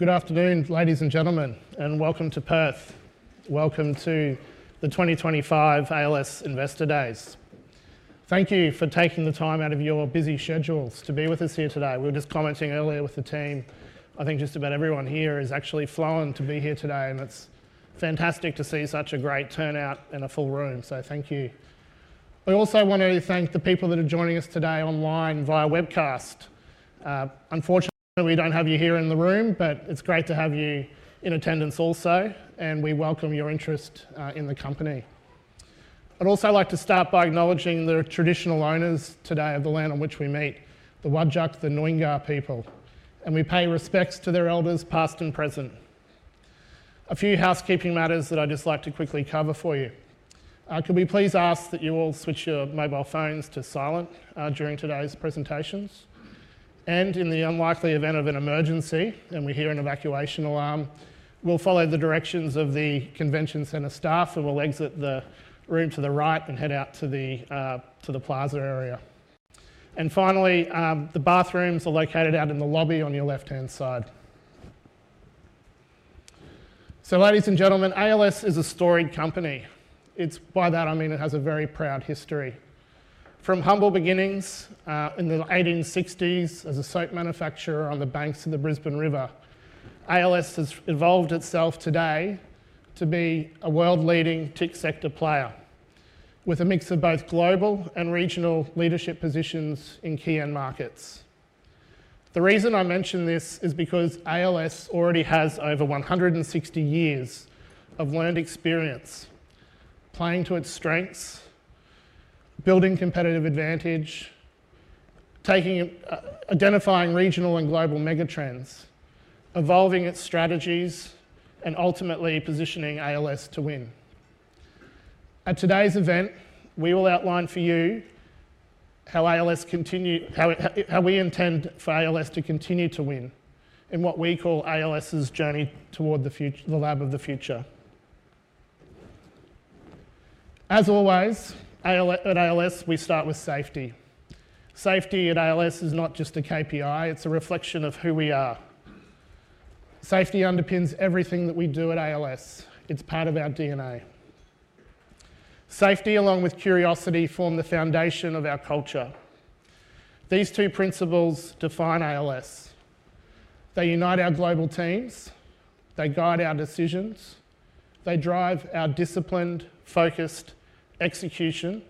Good afternoon, ladies and gentlemen, and welcome to Perth. Welcome to the 2025 ALS Investor Days. Thank you for taking the time out of your busy schedules to be with us here today. We were just commenting earlier with the team. I think just about everyone here has actually flown to be here today, and it's fantastic to see such a great turnout and a full room. Thank you. I also want to thank the people that are joining us today online via webcast. Unfortunately, we don't have you here in the room, but it's great to have you in attendance also, and we welcome your interest in the company. I'd also like to start by acknowledging the traditional owners today of the land on which we meet, the Wadjuk, the Nuyengar people, and we pay respects to their elders past and present. A few housekeeping matters that I'd just like to quickly cover for you. Could we please ask that you all switch your mobile phones to silent during today's presentations? In the unlikely event of an emergency, and we hear an evacuation alarm, we'll follow the directions of the convention center staff, and we'll exit the room to the right and head out to the plaza area. Finally, the bathrooms are located out in the lobby on your left-hand side. Ladies and gentlemen, ALS is a storied company. By that I mean it has a very proud history. From humble beginnings in the 1860s as a soap manufacturer on the banks of the Brisbane River, ALS has evolved itself today to be a world-leading tech sector player with a mix of both global and regional leadership positions in key markets. The reason I mention this is because ALS already has over 160 years of learned experience playing to its strengths, building competitive advantage, identifying regional and global megatrends, evolving its strategies, and ultimately positioning ALS to win. At today's event, we will outline for you how we intend for ALS to continue to win in what we call ALS's journey toward the lab of the future. As always, at ALS, we start with safety. Safety at ALS is not just a KPI; it's a reflection of who we are. Safety underpins everything that we do at ALS. It's part of our DNA. Safety, along with curiosity, form the foundation of our culture. These two principles define ALS. They unite our global teams. They guide our decisions. They drive our disciplined, focused execution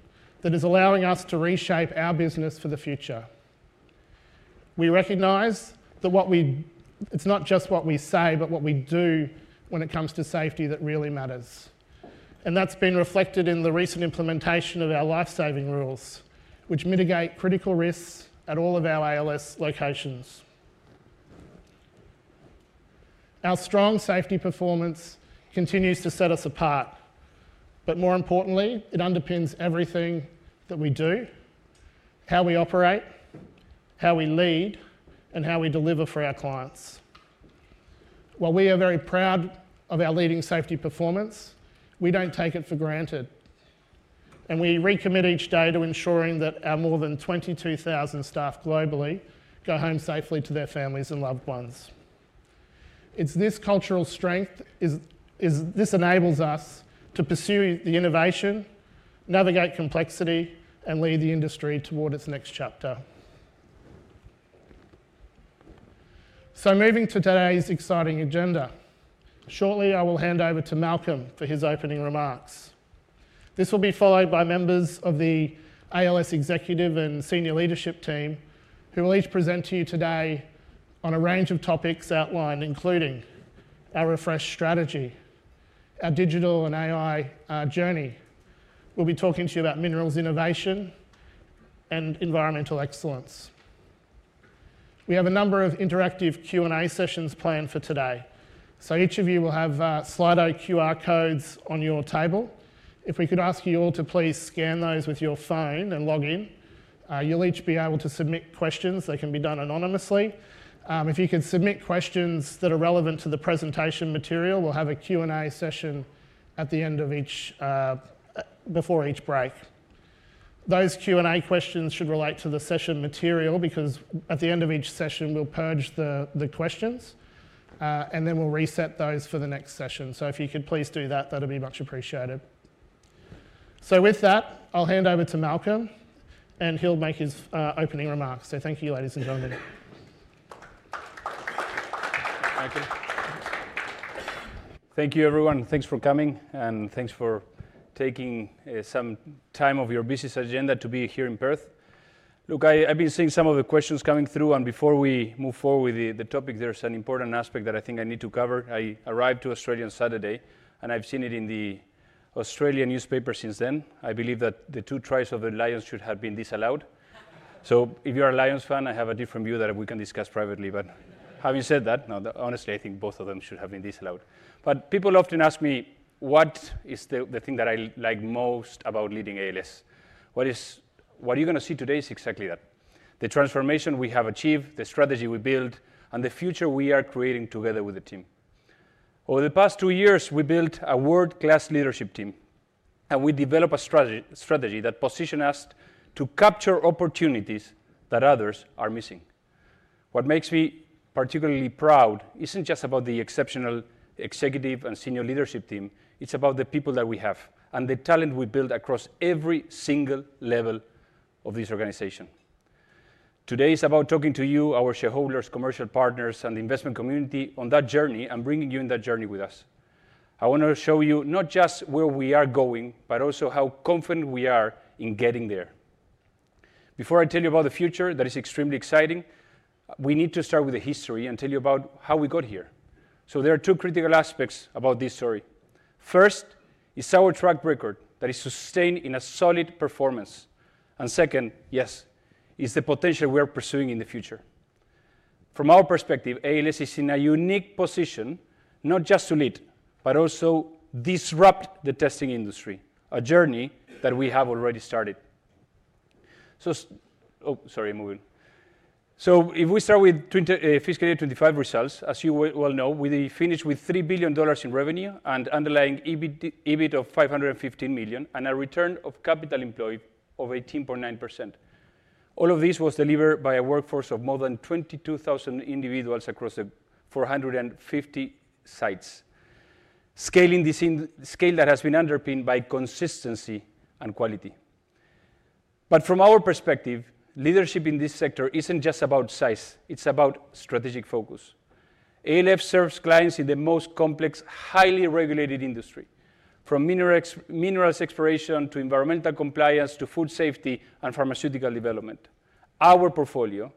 that is allowing us to reshape our business for the future. We recognize that it's not just what we say, but what we do when it comes to safety that really matters. That's been reflected in the recent implementation of our life-saving rules, which mitigate critical risks at all of our ALS locations. Our strong safety performance continues to set us apart, but more importantly, it underpins everything that we do, how we operate, how we lead, and how we deliver for our clients. While we are very proud of our leading safety performance, we don't take it for granted, and we recommit each day to ensuring that our more than 22,000 staff globally go home safely to their families and loved ones. It's this cultural strength that enables us to pursue the innovation, navigate complexity, and lead the industry toward its next chapter. Moving to today's exciting agenda, shortly I will hand over to Malcolm for his opening remarks. This will be followed by members of the ALS executive and senior leadership team, who will each present to you today on a range of topics outlined, including our refreshed strategy, our digital and AI journey. We'll be talking to you about minerals innovation and environmental excellence. We have a number of interactive Q&A sessions planned for today. Each of you will have Slido QR codes on your table. If we could ask you all to please scan those with your phone and log in, you'll each be able to submit questions. They can be done anonymously. If you could submit questions that are relevant to the presentation material, we'll have a Q&A session at the end of each before each break. Those Q&A questions should relate to the session material because at the end of each session, we'll purge the questions, and then we'll reset those for the next session. If you could please do that, that'd be much appreciated. With that, I'll hand over to Malcolm, and he'll make his opening remarks. Thank you, ladies and gentlemen. Thank you. Thank you, everyone. Thanks for coming, and thanks for taking some time out of your busy agenda to be here in Perth. I've been seeing some of the questions coming through, and before we move forward with the topic, there's an important aspect that I think I need to cover. I arrived to Australia on Saturday, and I've seen it in the Australian newspaper since then. I believe that the two tries of the Lions should have been disallowed. If you're a Lions fan, I have a different view that we can discuss privately. Having said that, honestly, I think both of them should have been disallowed. People often ask me, what is the thing that I like most about leading ALS Limited? What you're going to see today is exactly that. The transformation we have achieved, the strategy we build, and the future we are creating together with the team. Over the past two years, we built a world-class leadership team, and we developed a strategy that positions us to capture opportunities that others are missing. What makes me particularly proud isn't just about the exceptional executive and senior leadership team. It's about the people that we have and the talent we build across every single level of this organization. Today is about talking to you, our shareholders, commercial partners, and the investment community on that journey and bringing you on that journey with us. I want to show you not just where we are going, but also how confident we are in getting there. Before I tell you about the future that is extremely exciting, we need to start with the history and tell you about how we got here. There are two critical aspects about this story. First, it's our track record that is sustained in a solid performance. Second, yes, it's the potential we are pursuing in the future. From our perspective, ALS Limited is in a unique position not just to lead, but also disrupt the testing industry, a journey that we have already started. If we start with fiscal year 2025 results, as you well know, we finished with 3 billion dollars in revenue and underlying EBIT of 515 million and a return on capital employed of 18.9%. All of this was delivered by a workforce of more than 22,000 individuals across 450 sites, scaling the scale that has been underpinned by consistency and quality. From our perspective, leadership in this sector isn't just about size. It's about strategic focus. ALS serves clients in the most complex, highly regulated industry, from minerals exploration to environmental compliance to food safety and pharmaceutical development. Our portfolio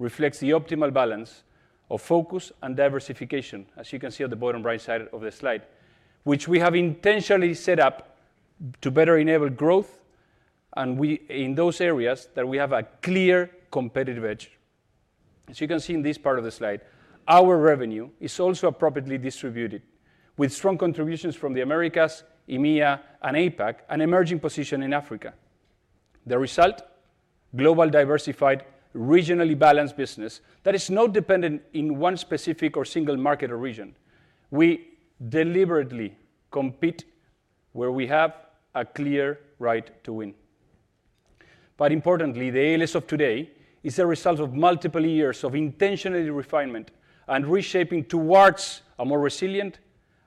reflects the optimal balance of focus and diversification, as you can see at the bottom right side of the slide, which we have intentionally set up to better enable growth in those areas that we have a clear competitive edge. As you can see in this part of the slide, our revenue is also appropriately distributed, with strong contributions from the Americas, EMEA, and APAC, and an emerging position in Africa. The result? Global diversified, regionally balanced business that is not dependent on one specific or single market or region. We deliberately compete where we have a clear right to win. Importantly, the ALS of today is a result of multiple years of intentional refinement and reshaping towards a more resilient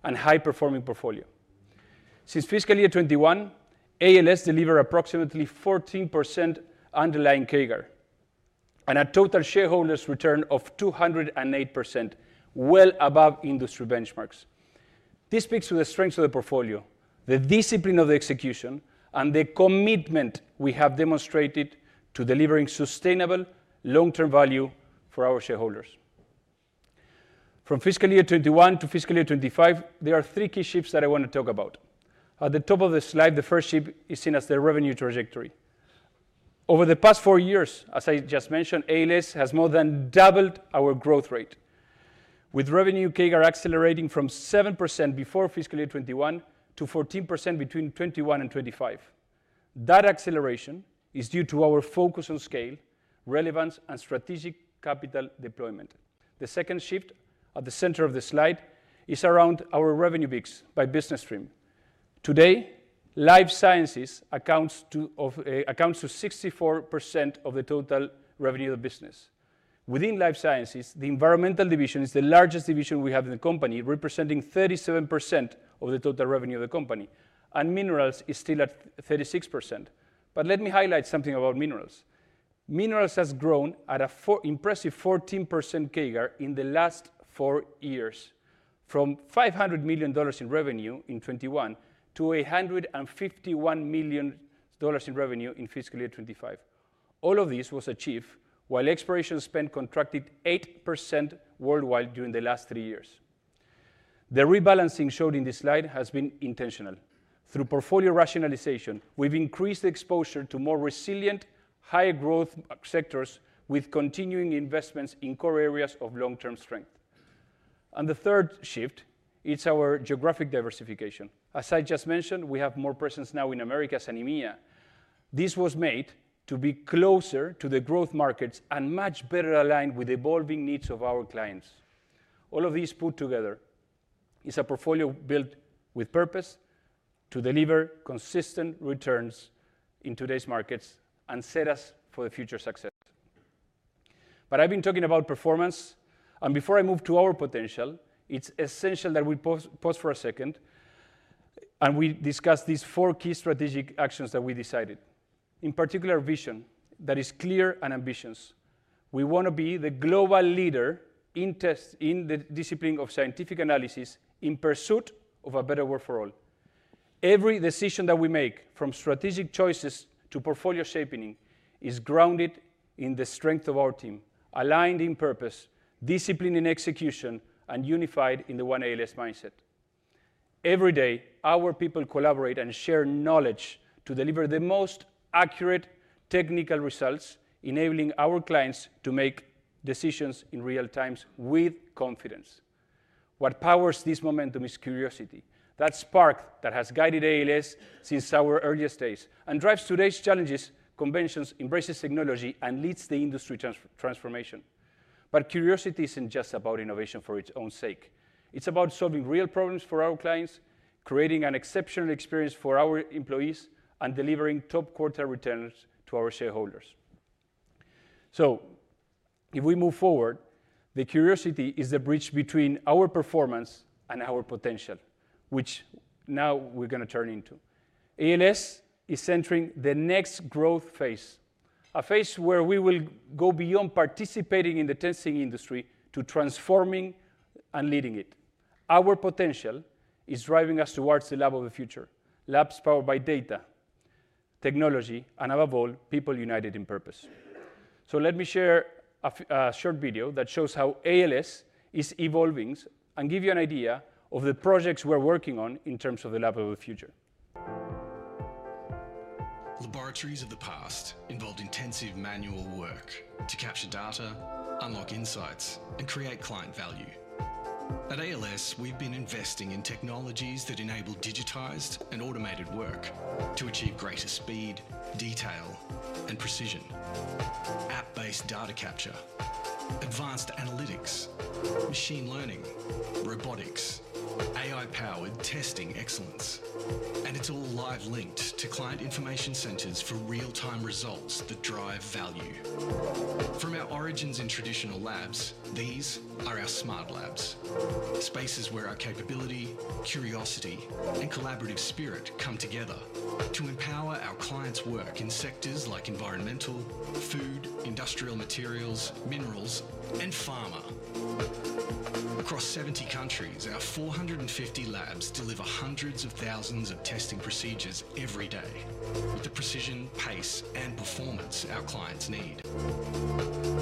and high-performing portfolio. Since fiscal year 2021, ALS delivered approximately 14% underlying CAGR and a total shareholders' return of 208%, well above industry benchmarks. This speaks to the strengths of the portfolio, the discipline of the execution, and the commitment we have demonstrated to delivering sustainable long-term value for our shareholders. From fiscal year 2021 to fiscal year 2025, there are three key shifts that I want to talk about. At the top of the slide, the first shift is seen as the revenue trajectory. Over the past four years, as I just mentioned, ALS has more than doubled our growth rate, with revenue CAGR accelerating from 7% before fiscal year 2021 to 14% between 2021 and 2025. That acceleration is due to our focus on scale, relevance, and strategic capital deployment. The second shift at the center of the slide is around our revenue mix by business stream. Today, Life Sciences accounts for 64% of the total revenue of the business. Within Life Sciences, the Environmental division is the largest division we have in the company, representing 37% of the total revenue of the company, and Minerals is still at 36%. Let me highlight something about Minerals. Minerals has grown at an impressive 14% CAGR in the last four years, from 500 million dollars in revenue in 2021 to 151 million dollars in revenue in fiscal year 2025. All of this was achieved while exploration spend contracted 8% worldwide during the last three years. The rebalancing shown in this slide has been intentional. Through portfolio rationalization, we've increased exposure to more resilient, higher growth sectors with continuing investments in core areas of long-term strength. The third shift is our geographic diversification. As I just mentioned, we have more presence now in the Americas and EMEA. This was made to be closer to the growth markets and much better aligned with the evolving needs of our clients. All of this put together is a portfolio built with purpose to deliver consistent returns in today's markets and set us for future success. I've been talking about performance, and before I move to our potential, it's essential that we pause for a second and discuss these four key strategic actions that we decided. In particular, vision that is clear and ambitious. We want to be the global leader in the discipline of scientific analysis in pursuit of a better world for all. Every decision that we make, from strategic choices to portfolio shaping, is grounded in the strength of our team, aligned in purpose, disciplined in execution, and unified in the one ALS mindset. Every day, our people collaborate and share knowledge to deliver the most accurate technical results, enabling our clients to make decisions in real time with confidence. What powers this momentum is curiosity, that spark that has guided ALS since our earliest days and drives today's challenges, conventions, embraces technology, and leads the industry transformation. Curiosity isn't just about innovation for its own sake. It's about solving real problems for our clients, creating an exceptional experience for our employees, and delivering top quarter returns to our shareholders. If we move forward, curiosity is the bridge between our performance and our potential, which now we're going to turn into. ALS is entering the next growth phase, a phase where we will go beyond participating in the testing industry to transforming and leading it. Our potential is driving us towards the lab of the future, labs powered by data, technology, and above all, people united in purpose. Let me share a short video that shows how ALS is evolving and gives you an idea of the projects we're working on in terms of the lab of the future. Laboratories of the past involved intensive manual work to capture data, unlock insights, and create client value. At ALS, we've been investing in technologies that enable digitized and automated work to achieve greater speed, detail, and precision. App-based data capture, advanced analytics, machine learning, robotics, AI-powered testing excellence, and it's all live linked to client information centers for real-time results that drive value. From our origins in traditional labs, these are our smart labs, spaces where our capability, curiosity, and collaborative spirit come together to empower our clients' work in sectors like environmental, food, industrial materials, minerals, and pharma. Across 70 countries, our 450 labs deliver hundreds of thousands of testing procedures every day with the precision, pace, and performance our clients need.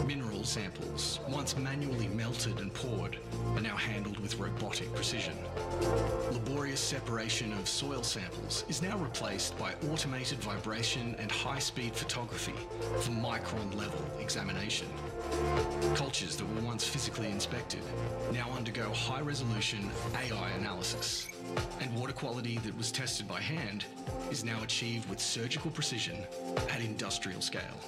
Mineral samples, once manually melted and poured, are now handled with robotic precision. Laborious separation of soil samples is now replaced by automated vibration and high-speed photography for micron-level examination. Cultures that were once physically inspected now undergo high-resolution AI analysis, and water quality that was tested by hand is now achieved with surgical precision at industrial scale.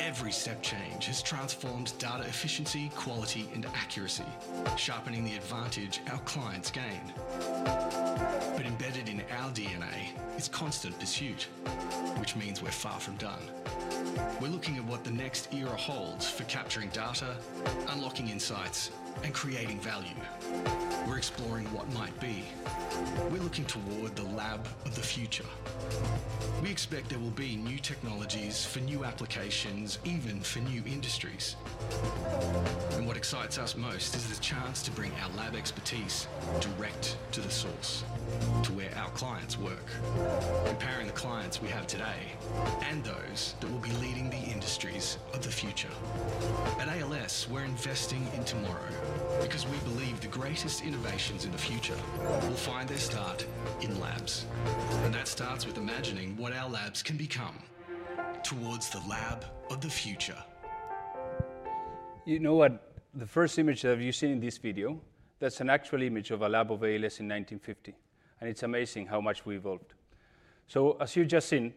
Every step change has transformed data efficiency, quality, and accuracy, sharpening the advantage our clients gain. Embedded in our DNA is constant pursuit, which means we're far from done. We're looking at what the next era holds for capturing data, unlocking insights, and creating value. We're exploring what might be. We're looking toward the lab of the future. We expect there will be new technologies for new applications, even for new industries. What excites us most is the chance to bring our lab expertise direct to the source, to where our clients work, comparing the clients we have today and those that will be leading the industries of the future. At ALS, we're investing in tomorrow because we believe the greatest innovations in the future will find their start in labs. That starts with imagining what our labs can become towards the lab of the future. You know what? The first image that you've seen in this video, that's an actual image of a lab of ALS Limited in 1950. It's amazing how much we evolved. As you've just seen,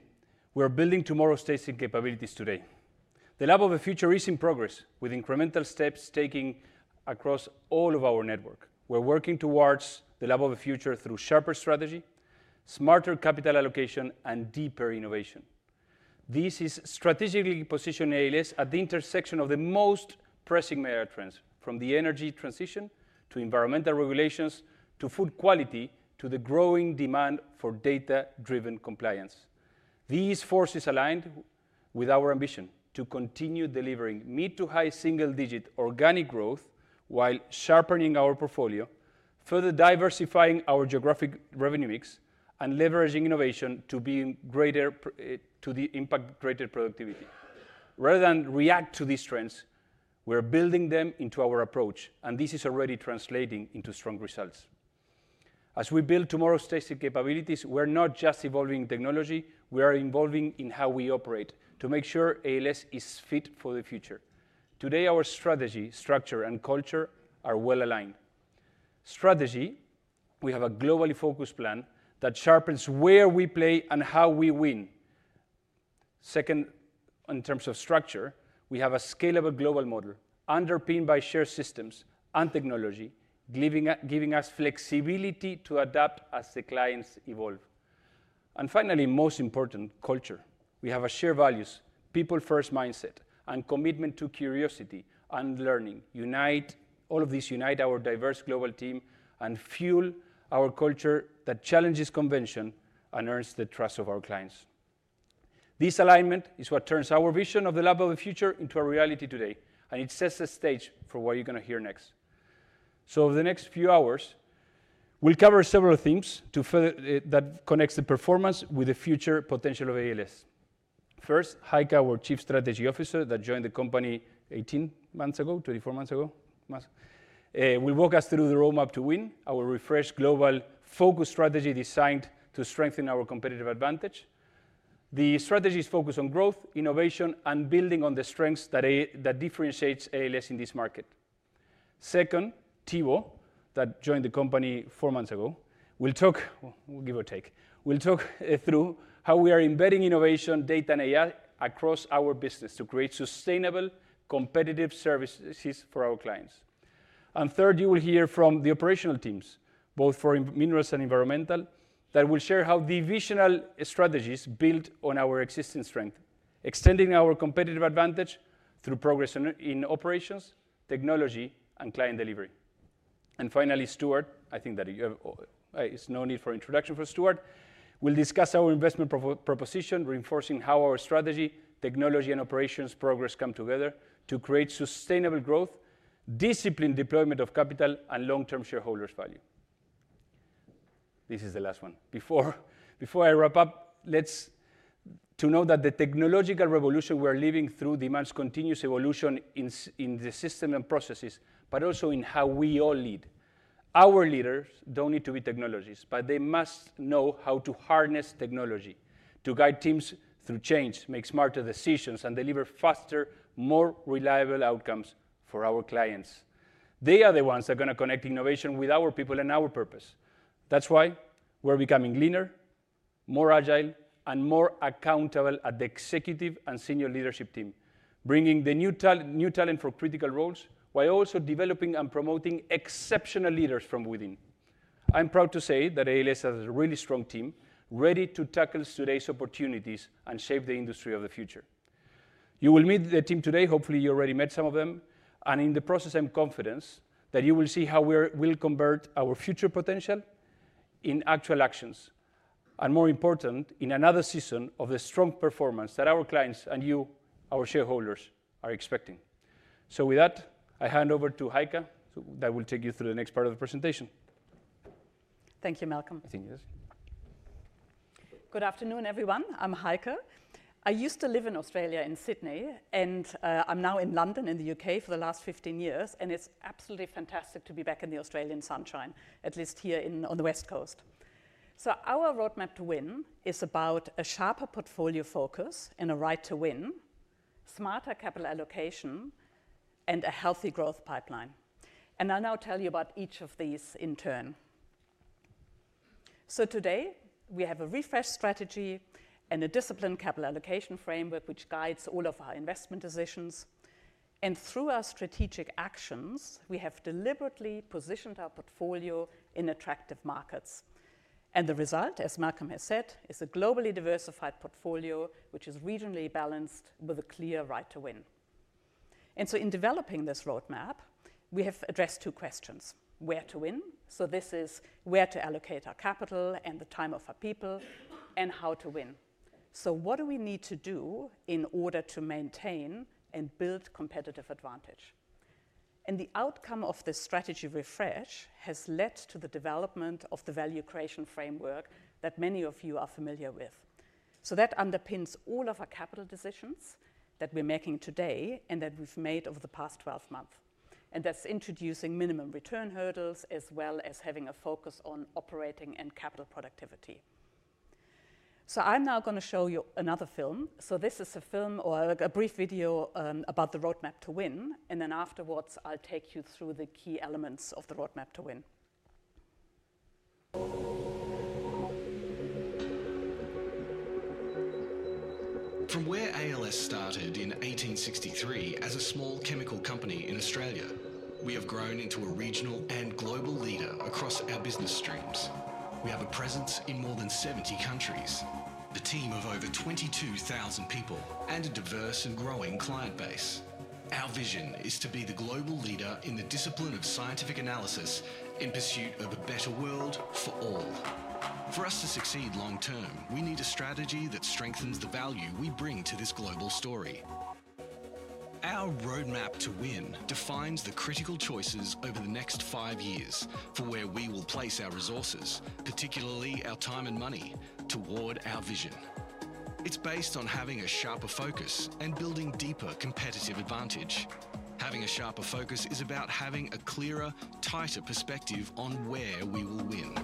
we're building tomorrow's testing capabilities today. The lab of the future is in progress with incremental steps taking across all of our network. We're working towards the lab of the future through sharper strategy, smarter capital allocation, and deeper innovation. This is strategically positioning ALS Limited at the intersection of the most pressing major trends, from the energy transition to environmental regulations to food quality to the growing demand for data-driven compliance. These forces align with our ambition to continue delivering mid to high single-digit organic growth while sharpening our portfolio, further diversifying our geographic revenue mix, and leveraging innovation to impact greater productivity. Rather than react to these trends, we're building them into our approach, and this is already translating into strong results. As we build tomorrow's testing capabilities, we're not just evolving in technology. We are evolving in how we operate to make sure ALS Limited is fit for the future. Today, our strategy, structure, and culture are well aligned. Strategy, we have a globally focused plan that sharpens where we play and how we win. Second, in terms of structure, we have a scalable global model underpinned by shared systems and technology, giving us flexibility to adapt as the clients evolve. Finally, most important, culture. We have a shared values, people-first mindset, and commitment to curiosity and learning. All of these unite our diverse global team and fuel our culture that challenges convention and earns the trust of our clients. This alignment is what turns our vision of the lab of the future into a reality today, and it sets the stage for what you're going to hear next. Over the next few hours, we'll cover several themes that connect the performance with the future potential of ALS Limited. First, Heike, our Chief Strategy Officer that joined the company 18 months ago, 24 months ago. He will walk us through the roadmap to win our refreshed global focus strategy designed to strengthen our competitive advantage. The strategy is focused on growth, innovation, and building on the strengths that differentiate ALS Limited in this market. Second, Thibault, that joined the company four months ago, will give or take, will talk through how we are embedding innovation, data, and AI across our business to create sustainable, competitive services for our clients. Third, you will hear from the operational teams, both for minerals and environmental, that will share how divisional strategies build on our existing strength, extending our competitive advantage through progress in operations, technology, and client delivery. Finally, Stuart, I think that you have no need for introduction for Stuart, will discuss our investment proposition, reinforcing how our strategy, technology, and operations progress come together to create sustainable growth, disciplined deployment of capital, and long-term shareholders' value. This is the last one. Before I wrap up, let's note that the technological revolution we're living through demands continuous evolution in the system and processes, but also in how we all lead. Our leaders don't need to be technologists, but they must know how to harness technology to guide teams through change, make smarter decisions, and deliver faster, more reliable outcomes for our clients. They are the ones that are going to connect innovation with our people and our purpose. That's why we're becoming leaner, more agile, and more accountable at the Executive and Senior Leadership Team, bringing the new talent for critical roles while also developing and promoting exceptional leaders from within. I'm proud to say that ALS has a really strong team ready to tackle today's opportunities and shape the industry of the future. You will meet the team today. Hopefully, you already met some of them. In the process, I'm confident that you will see how we will convert our future potential in actual actions, and more important, in another season of the strong performance that our clients and you, our shareholders, are expecting. With that, I hand over to Heike that will take you through the next part of the presentation. Thank you, Malcolm. 15 years. Good afternoon, everyone. I'm Heike. I used to live in Australia in Sydney, and I'm now in London in the U.K. for the last 15 years, and it's absolutely fantastic to be back in the Australian sunshine, at least here on the West Coast. Our roadmap to win is about a sharper portfolio focus and a right to win, smarter capital allocation, and a healthy growth pipeline. I'll now tell you about each of these in turn. Today, we have a refreshed strategy and a disciplined capital allocation framework which guides all of our investment decisions. Through our strategic actions, we have deliberately positioned our portfolio in attractive markets. The result, as Malcolm has said, is a globally diversified portfolio which is regionally balanced with a clear right to win. In developing this roadmap, we have addressed two questions: where to win. This is where to allocate our capital and the time of our people, and how to win. What do we need to do in order to maintain and build competitive advantage? The outcome of this strategy refresh has led to the development of the value creation framework that many of you are familiar with. That underpins all of our capital decisions that we're making today and that we've made over the past 12 months. That's introducing minimum return hurdles as well as having a focus on operating and capital productivity. I'm now going to show you another film. This is a film or a brief video about the roadmap to win. Afterwards, I'll take you through the key elements of the roadmap to win. From where ALS started in 1863 as a small chemical company in Australia, we have grown into a regional and global leader across our business streams. We have a presence in more than 70 countries, a team of over 22,000 people, and a diverse and growing client base. Our vision is to be the global leader in the discipline of scientific analysis in pursuit of a better world for all. For us to succeed long-term, we need a strategy that strengthens the value we bring to this global story. Our roadmap to win defines the critical choices over the next five years for where we will place our resources, particularly our time and money, toward our vision. It's based on having a sharper focus and building deeper competitive advantage. Having a sharper focus is about having a clearer, tighter perspective on where we will win.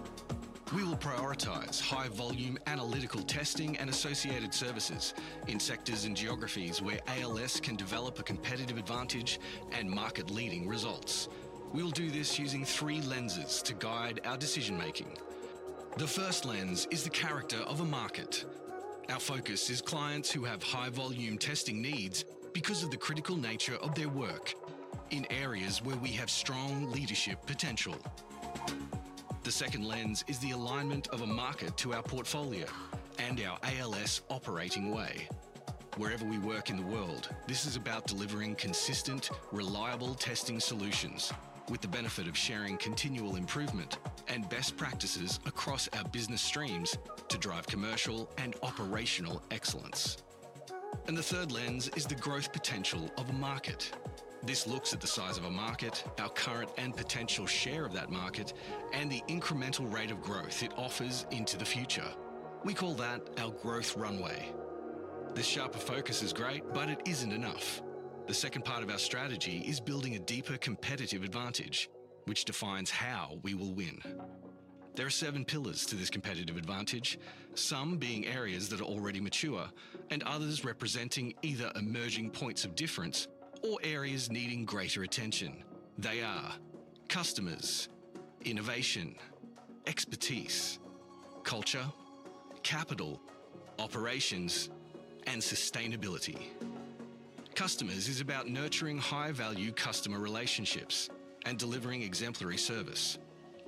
We will prioritize high-volume analytical testing and associated services in sectors and geographies where ALS can develop a competitive advantage and market-leading results. We will do this using three lenses to guide our decision-making. The first lens is the character of a market. Our focus is clients who have high-volume testing needs because of the critical nature of their work in areas where we have strong leadership potential. The second lens is the alignment of a market to our portfolio and our ALS operating way. Wherever we work in the world, this is about delivering consistent, reliable testing solutions with the benefit of sharing continual improvement and best practices across our business streams to drive commercial and operational excellence. The third lens is the growth potential of a market. This looks at the size of a market, our current and potential share of that market, and the incremental rate of growth it offers into the future. We call that our growth runway. This sharper focus is great, but it isn't enough. The second part of our strategy is building a deeper competitive advantage, which defines how we will win. There are seven pillars to this competitive advantage, some being areas that are already mature and others representing either emerging points of difference or areas needing greater attention. They are customers, innovation, expertise, culture, capital, operations, and sustainability. Customers is about nurturing high-value customer relationships and delivering exemplary service.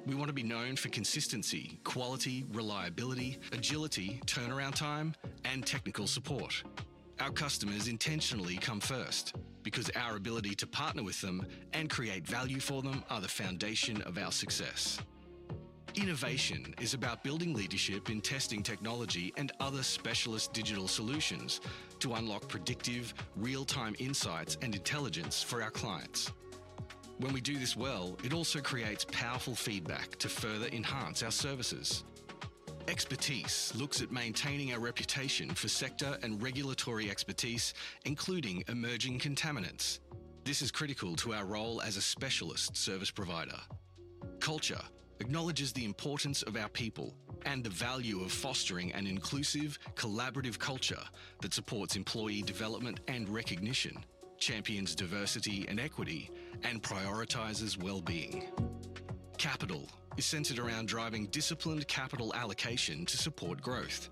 We want to be known for consistency, quality, reliability, agility, turnaround time, and technical support. Our customers intentionally come first because our ability to partner with them and create value for them are the foundation of our success. Innovation is about building leadership in testing technology and other specialist digital solutions to unlock predictive, real-time insights and intelligence for our clients. When we do this well, it also creates powerful feedback to further enhance our services. Expertise looks at maintaining a reputation for sector and regulatory expertise, including emerging contaminants. This is critical to our role as a specialist service provider. Culture acknowledges the importance of our people and the value of fostering an inclusive, collaborative culture that supports employee development and recognition, champions diversity and equity, and prioritizes well-being. Capital is centered around driving disciplined capital allocation to support growth.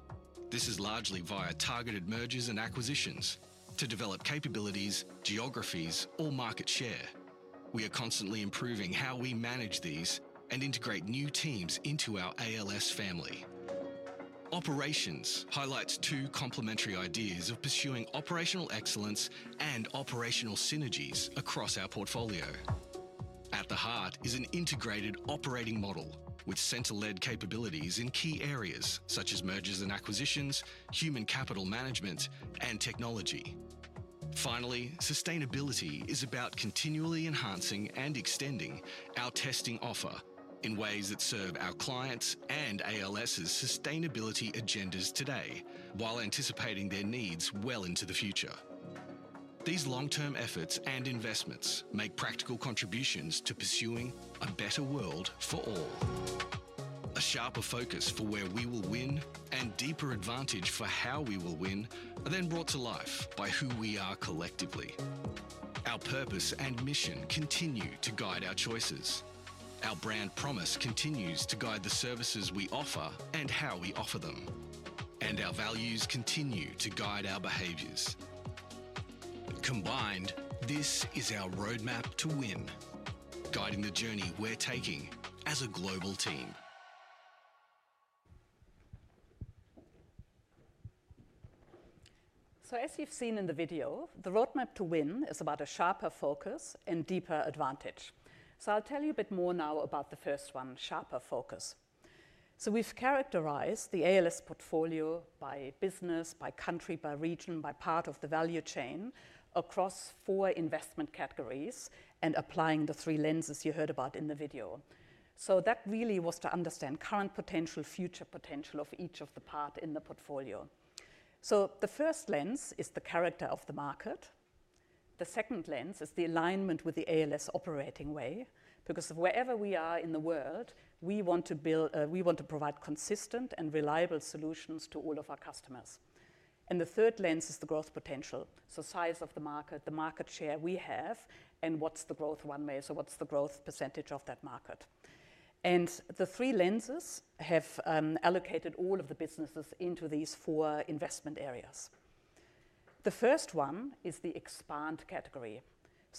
This is largely via targeted M&A to develop capabilities, geographies, or market share. We are constantly improving how we manage these and integrate new teams into our ALS family. Operations highlights two complementary ideas of pursuing operational excellence and operational synergies across our portfolio. At the heart is an integrated operating model with center-led capabilities in key areas such as M&A, human capital management, and technology. Finally, sustainability is about continually enhancing and extending our testing offer in ways that serve our clients and ALS's sustainability agendas today while anticipating their needs well into the future. These long-term efforts and investments make practical contributions to pursuing a better world for all. A sharper focus for where we will win and deeper advantage for how we will win are then brought to life by who we are collectively. Our purpose and mission continue to guide our choices. Our brand promise continues to guide the services we offer and how we offer them. Our values continue to guide our behaviors. Combined, this is our roadmap to win, guiding the journey we're taking as a global team. As you've seen in the video, the roadmap to win is about a sharper focus and deeper advantage. I'll tell you a bit more now about the first one, sharper focus. We've characterized the ALS portfolio by business, by country, by region, by part of the value chain across four investment categories and applying the three lenses you heard about in the video. That really was to understand current potential, future potential of each of the parts in the portfolio. The first lens is the character of the market. The second lens is the alignment with the ALS operating way because wherever we are in the world, we want to provide consistent and reliable solutions to all of our customers. The third lens is the growth potential. Size of the market, the market share we have, and what's the growth one way, what's the growth % of that market. The three lenses have allocated all of the businesses into these four investment areas. The first one is the expand category.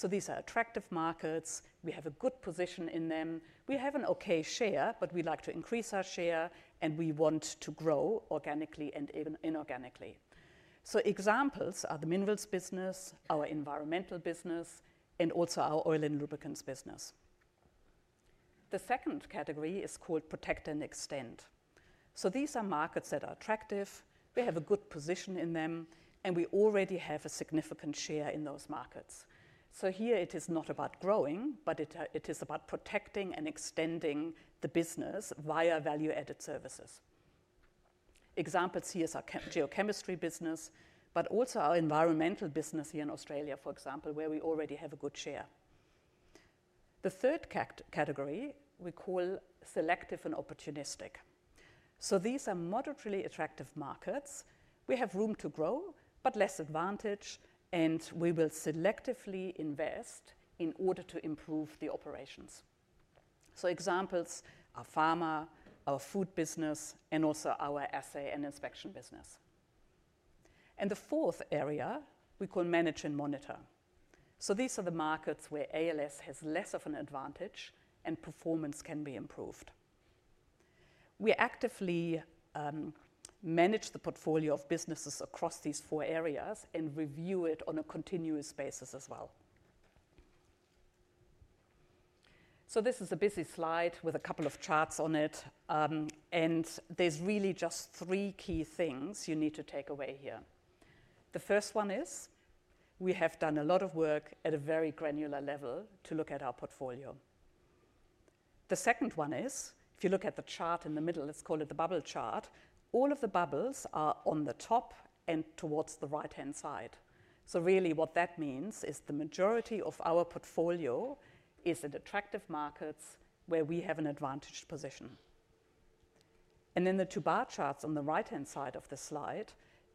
These are attractive markets. We have a good position in them. We have an okay share, but we like to increase our share, and we want to grow organically and even inorganically. Examples are the minerals business, our environmental business, and also our oil and lubricants business. The second category is called protect and extend. These are markets that are attractive. We have a good position in them, and we already have a significant share in those markets. Here it is not about growing, but it is about protecting and extending the business via value-added services. Examples here are our geochemistry business, but also our environmental business here in Australia, for example, where we already have a good share. The third category we call selective and opportunistic. These are moderately attractive markets. We have room to grow, but less advantage, and we will selectively invest in order to improve the operations. Examples are pharma, our food business, and also our assay and inspection business. The fourth area we call manage and monitor. These are the markets where ALS has less of an advantage, and performance can be improved. We actively manage the portfolio of businesses across these four areas and review it on a continuous basis as well. This is a busy slide with a couple of charts on it, and there's really just three key things you need to take away here. The first one is we have done a lot of work at a very granular level to look at our portfolio. The second one is, if you look at the chart in the middle, let's call it the bubble chart, all of the bubbles are on the top and towards the right-hand side. Really what that means is the majority of our portfolio is in attractive markets where we have an advantaged position. The two bar charts on the right-hand side of the slide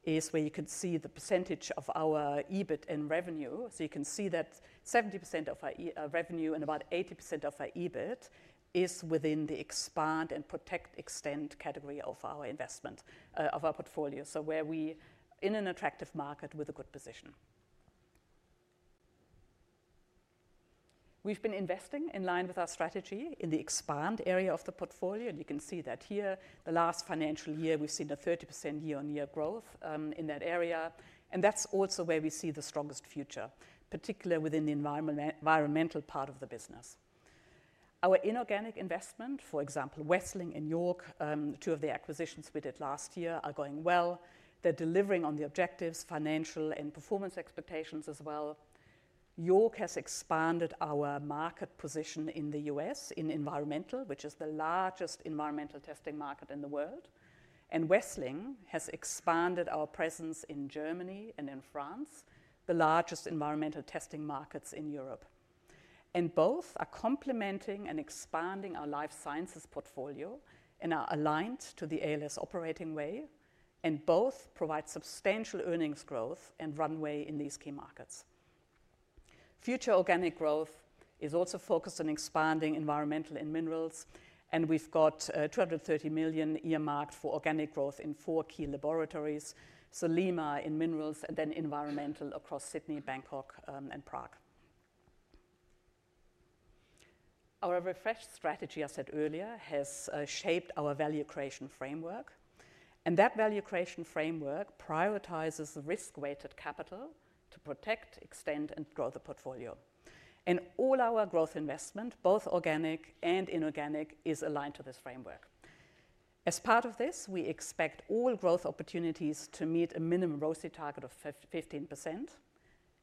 are where you can see the percentage of our EBIT and revenue. You can see that 70% of our revenue and about 80% of our EBIT is within the expand and protect extend category of our investment of our portfolio, where we are in an attractive market with a good position. We've been investing in line with our strategy in the expand area of the portfolio, and you can see that here the last financial year we've seen a 30% year-on-year growth in that area. That's also where we see the strongest future, particularly within the environmental part of the business. Our inorganic investment, for example, Westling and York, two of the acquisitions we did last year, are going well. They're delivering on the objectives, financial and performance expectations as well. York has expanded our market position in the U.S. in environmental, which is the largest environmental testing market in the world. Westling has expanded our presence in Germany and in France, the largest environmental testing markets in Europe. Both are complementing and expanding our Life Sciences portfolio and are aligned to the ALS operating way. Both provide substantial earnings growth and runway in these key markets. Future organic growth is also focused on expanding environmental and minerals. We've got 230 million earmarked for organic growth in four key laboratories: Lima in minerals and then environmental across Sydney, Bangkok, and Prague. Our refreshed strategy, as I said earlier, has shaped our value creation framework. That value creation framework prioritizes risk-weighted capital to protect, extend, and grow the portfolio. All our growth investment, both organic and inorganic, is aligned to this framework. As part of this, we expect all growth opportunities to meet a minimum ROCE target of 15%.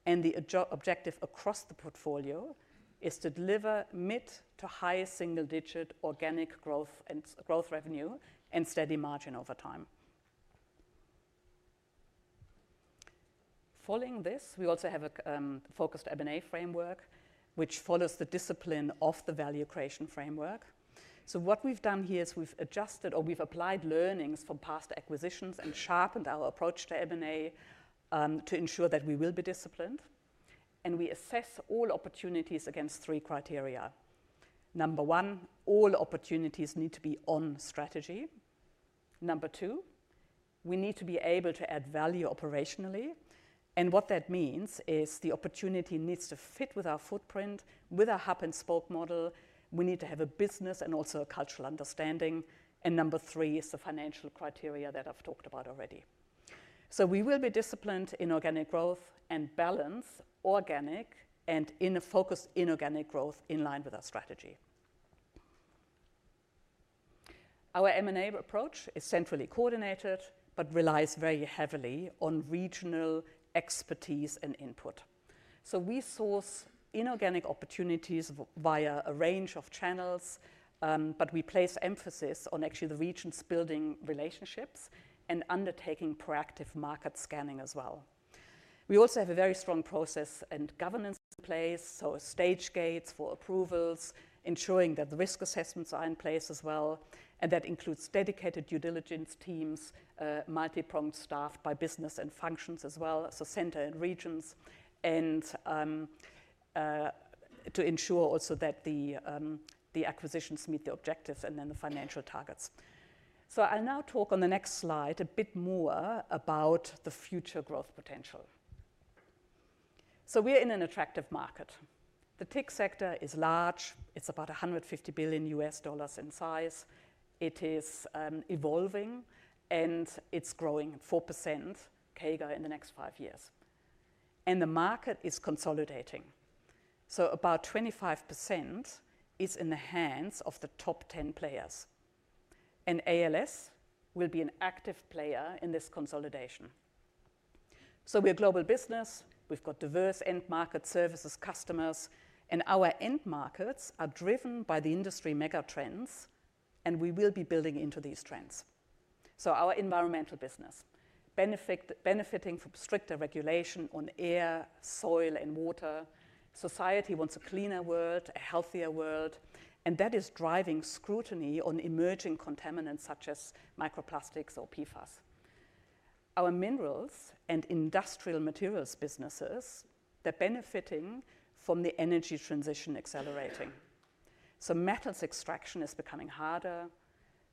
The objective across the portfolio is to deliver mid to high single-digit organic growth revenue and steady margin over time. Following this, we also have a focused M&A framework which follows the discipline of the value creation framework. What we've done here is we've adjusted or we've applied learnings from past acquisitions and sharpened our approach to M&A to ensure that we will be disciplined. We assess all opportunities against three criteria. Number one, all opportunities need to be on strategy. Number two, we need to be able to add value operationally. What that means is the opportunity needs to fit with our footprint, with our hub and spoke model. We need to have a business and also a cultural understanding. Number three is the financial criteria that I've talked about already. We will be disciplined in organic growth and balance organic and focused inorganic growth in line with our strategy. Our M&A approach is centrally coordinated but relies very heavily on regional expertise and input. We source inorganic opportunities via a range of channels, but we place emphasis on actually the regions building relationships and undertaking proactive market scanning as well. We also have a very strong process and governance in place, with stage gates for approvals, ensuring that the risk assessments are in place as well. That includes dedicated due diligence teams, multi-pronged staff by business and functions as well, so center and regions, to ensure also that the acquisitions meet the objectives and then the financial targets. I'll now talk on the next slide a bit more about the future growth potential. We're in an attractive market. The tech sector is large. It's about $150 billion in size. It is evolving, and it's growing at 4% CAGR in the next five years. The market is consolidating. About 25% is in the hands of the top 10 players. ALS will be an active player in this consolidation. We're a global business. We've got diverse end-market services customers, and our end markets are driven by the industry megatrends, and we will be building into these trends. Our environmental business is benefiting from stricter regulation on air, soil, and water. Society wants a cleaner world, a healthier world, and that is driving scrutiny on emerging contaminants such as microplastics or PFAS. Our minerals and industrial materials businesses are benefiting from the energy transition accelerating. Metals extraction is becoming harder.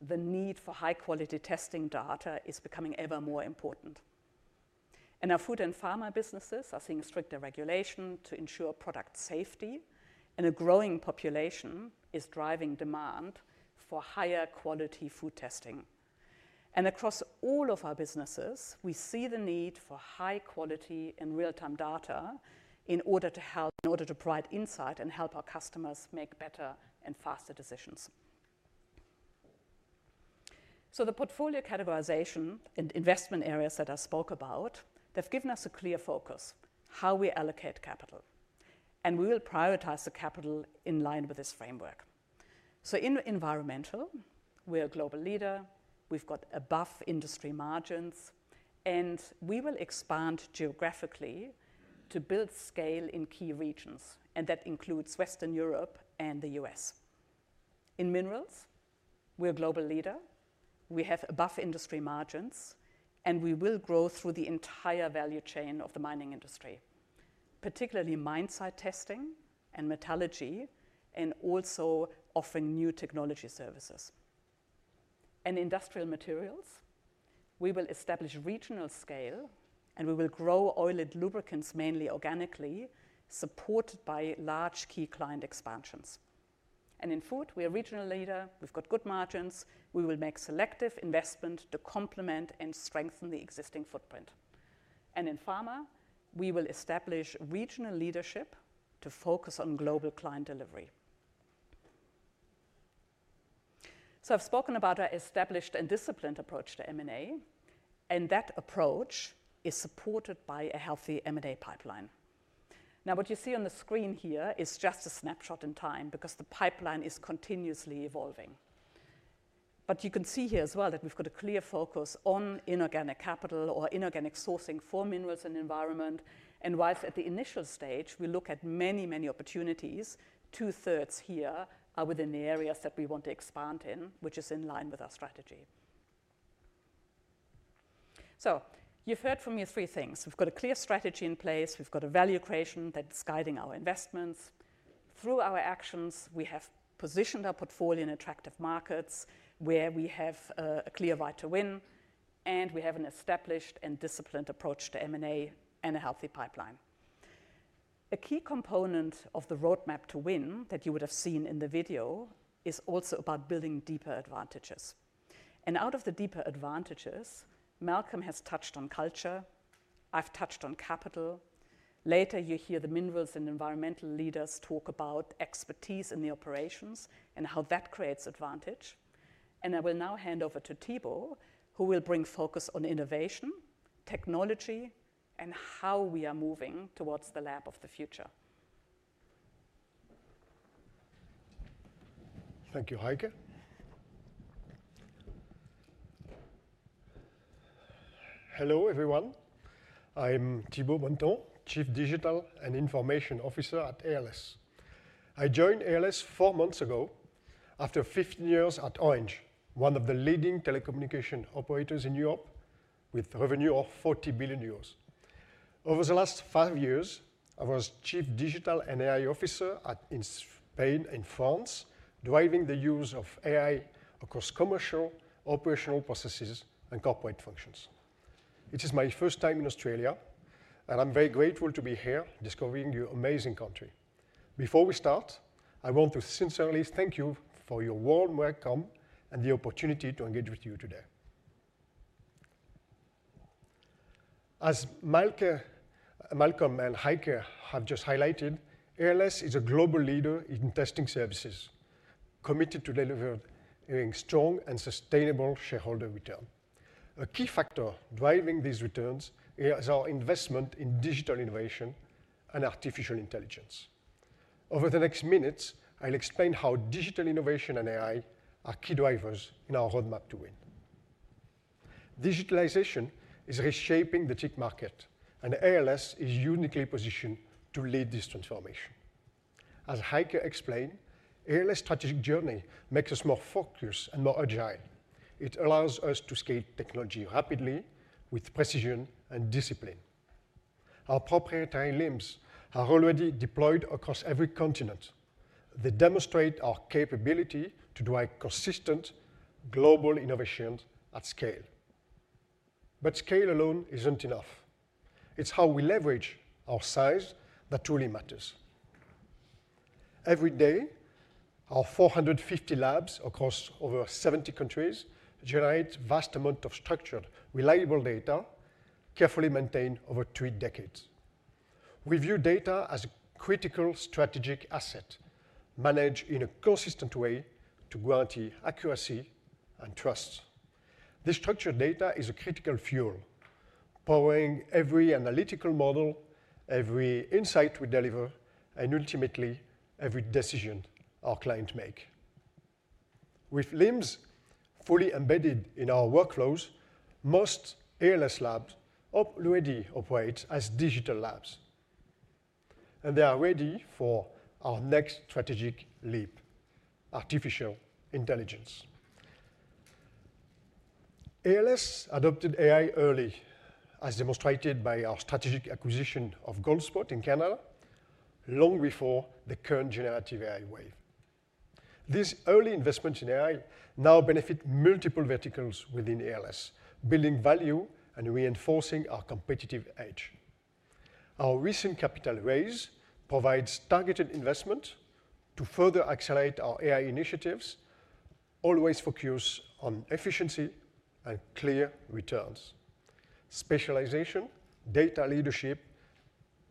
The need for high-quality testing data is becoming ever more important. Our food and pharma businesses are seeing stricter regulation to ensure product safety, and a growing population is driving demand for higher quality food testing. Across all of our businesses, we see the need for high quality and real-time data in order to provide insight and help our customers make better and faster decisions. The portfolio categorization and investment areas that I spoke about have given us a clear focus: how we allocate capital. We will prioritize the capital in line with this framework. In environmental, we're a global leader. We've got above industry margins, and we will expand geographically to build scale in key regions, including Western Europe and the U.S. In minerals, we're a global leader. We have above industry margins, and we will grow through the entire value chain of the mining industry, particularly mine site testing and metallurgy, and also offering new technology services. In industrial materials, we will establish regional scale, and we will grow oil and lubricants, mainly organically, supported by large key client expansions. In food, we're a regional leader. We've got good margins. We will make selective investment to complement and strengthen the existing footprint. In pharma, we will establish regional leadership to focus on global client delivery. I've spoken about our established and disciplined approach to M&A, and that approach is supported by a healthy M&A pipeline. What you see on the screen here is just a snapshot in time because the pipeline is continuously evolving. You can see here as well that we've got a clear focus on inorganic capital or inorganic sourcing for minerals and the environment. Whilst at the initial stage, we look at many, many opportunities, two-thirds here are within the areas that we want to expand in, which is in line with our strategy. You've heard from me three things. We've got a clear strategy in place. We've got a value creation that's guiding our investments. Through our actions, we have positioned our portfolio in attractive markets where we have a clear right to win, and we have an established and disciplined approach to M&A and a healthy pipeline. A key component of the roadmap to win that you would have seen in the video is also about building deeper advantages. Out of the deeper advantages, Malcolm has touched on culture. I've touched on capital. Later, you hear the Minerals and Environmental leaders talk about expertise in the operations and how that creates advantage. I will now hand over to Thibault, who will bring focus on innovation, technology, and how we are moving towards the lab of the future. Thank you, Heike. Hello, everyone. I'm Thibault Bonneton, Chief Digital and Information Officer at ALS. I joined ALS four months ago after 15 years at Orange, one of the leading telecommunication operators in Europe with revenue of 40 billion euros. Over the last five years, I was Chief Digital and AI Officer in Spain and France, driving the use of AI across commercial, operational processes, and corporate functions. It is my first time in Australia, and I'm very grateful to be here discovering your amazing country. Before we start, I want to sincerely thank you for your warm welcome and the opportunity to engage with you today. As Malcolm and Heike have just highlighted, ALS is a global leader in testing services, committed to delivering strong and sustainable shareholder return. A key factor driving these returns is our investment in digital innovation and artificial intelligence. Over the next minutes, I'll explain how digital innovation and AI are key drivers in our roadmap to win. Digitalization is reshaping the tech market, and ALS is uniquely positioned to lead this transformation. As Heike explained, ALS's strategic journey makes us more focused and more agile. It allows us to scale technology rapidly with precision and discipline. Our proprietary LIMS are already deployed across every continent. They demonstrate our capability to drive consistent global innovation at scale. Scale alone isn't enough. It's how we leverage our size that truly matters. Every day, our 450 labs across over 70 countries generate vast amounts of structured, reliable data carefully maintained over three decades. We view data as a critical strategic asset managed in a consistent way to guarantee accuracy and trust. This structured data is a critical fuel, powering every analytical model, every insight we deliver, and ultimately every decision our clients make. With LIMS fully embedded in our workflows, most ALS labs already operate as digital labs, and they are ready for our next strategic leap: artificial intelligence. ALS adopted AI early, as demonstrated by our strategic acquisition of GoldSpot in Canada, long before the current generative AI wave. This early investment in AI now benefits multiple verticals within ALS, building value and reinforcing our competitive edge. Our recent capital raise provides targeted investment to further accelerate our AI initiatives, always focused on efficiency and clear returns. Specialization, data leadership,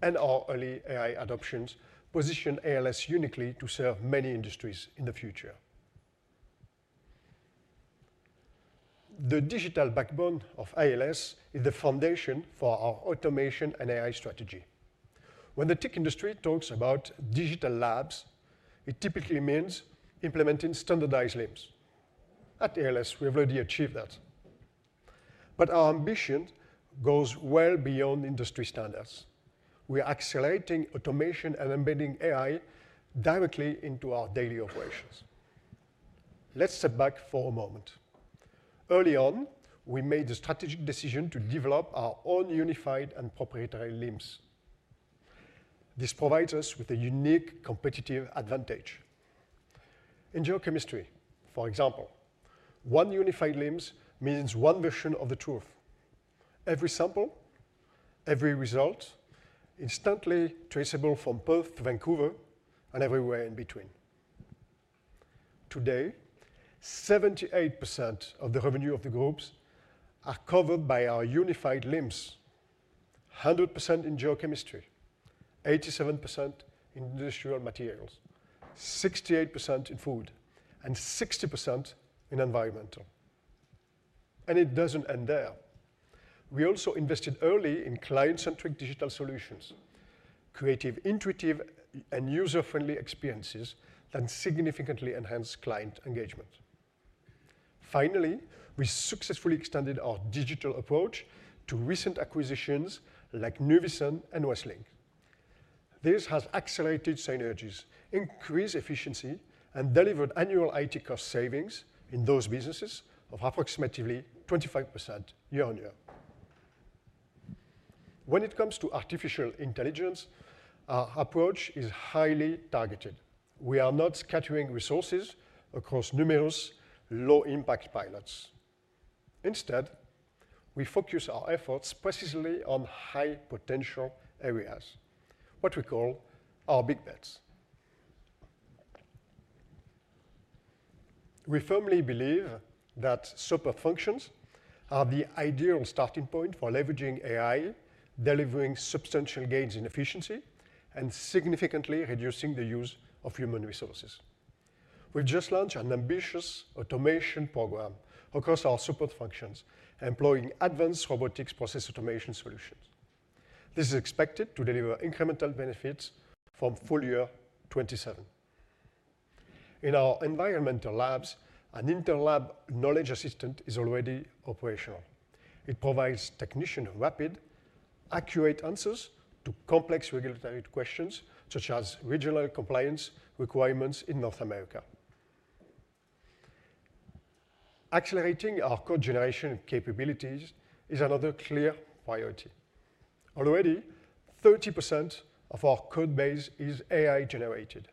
and our early AI adoptions position ALS uniquely to serve many industries in the future. The digital backbone of ALS is the foundation for our automation and AI strategy. When the tech industry talks about digital labs, it typically means implementing standardized LIMS. At ALS, we have already achieved that. Our ambition goes well beyond industry standards. We are accelerating automation and embedding AI directly into our daily operations. Let's step back for a moment. Early on, we made the strategic decision to develop our own unified and proprietary LIMS. This provides us with a unique competitive advantage. In geochemistry, for example, one unified LIMS means one version of the truth. Every sample, every result, is instantly traceable from Perth to Vancouver and everywhere in between. Today, 78% of the revenue of the groups are covered by our unified LIMS: 100% in geochemistry, 87% in industrial materials, 68% in food, and 60% in environmental. It doesn't end there. We also invested early in client-centric digital solutions, creative, intuitive, and user-friendly experiences that significantly enhance client engagement. Finally, we successfully extended our digital approach to recent acquisitions like Nuvisun and Westling. This has accelerated synergies, increased efficiency, and delivered annual IT cost savings in those businesses of approximately 25% year on year. When it comes to AI, our approach is highly targeted. We are not scattering resources across numerous low-impact pilots. Instead, we focus our efforts precisely on high-potential areas, what we call our big bets. We firmly believe that SOAP functions are the ideal starting point for leveraging AI, delivering substantial gains in efficiency, and significantly reducing the use of human resources. We've just launched an ambitious automation program across our SOAP functions, employing advanced robotics process automation solutions. This is expected to deliver incremental benefits from full year 2027. In our environmental labs, an inter-lab knowledge assistant is already operational. It provides technicians with rapid, accurate answers to complex regulatory questions such as regional compliance requirements in North America. Accelerating our code generation capabilities is another clear priority. Already, 30% of our code base is AI-generated,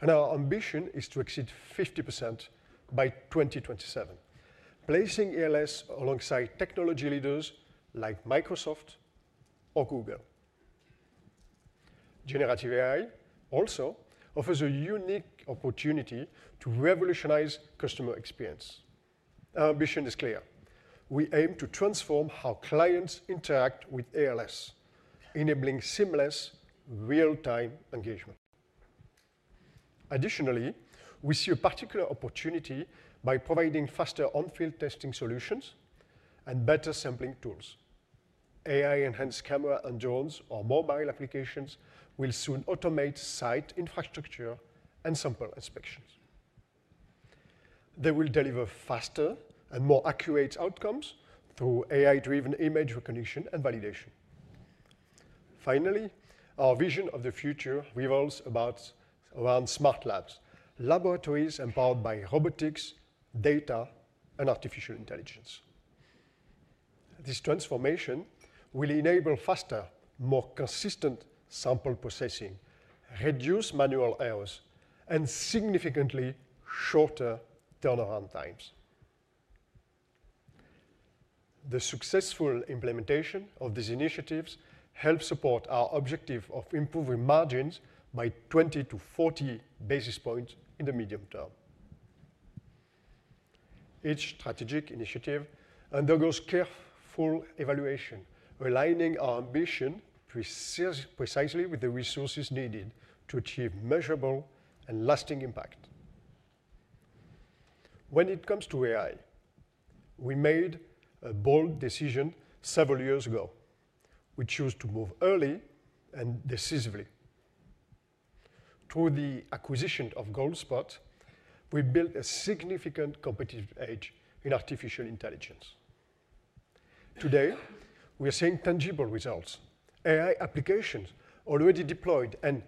and our ambition is to exceed 50% by 2027, placing ALS alongside technology leaders like Microsoft or Google. Generative AI also offers a unique opportunity to revolutionize customer experience. Our ambition is clear. We aim to transform how clients interact with ALS, enabling seamless real-time engagement. Additionally, we see a particular opportunity by providing faster on-field testing solutions and better sampling tools. AI-enhanced camera and drones or mobile applications will soon automate site infrastructure and sample inspections. They will deliver faster and more accurate outcomes through AI-driven image recognition and validation. Finally, our vision of the future revolves around smart labs, laboratories empowered by robotics, data, and artificial intelligence. This transformation will enable faster, more consistent sample processing, reduce manual errors, and significantly shorter turnaround times. The successful implementation of these initiatives helps support our objective of improving margins by 20-40 basis points in the medium term. Each strategic initiative undergoes careful evaluation, aligning our ambition precisely with the resources needed to achieve measurable and lasting impact. When it comes to AI, we made a bold decision several years ago. We chose to move early and decisively. Through the acquisition of GoldSpot, we built a significant competitive edge in artificial intelligence. Today, we're seeing tangible results, AI applications already deployed, and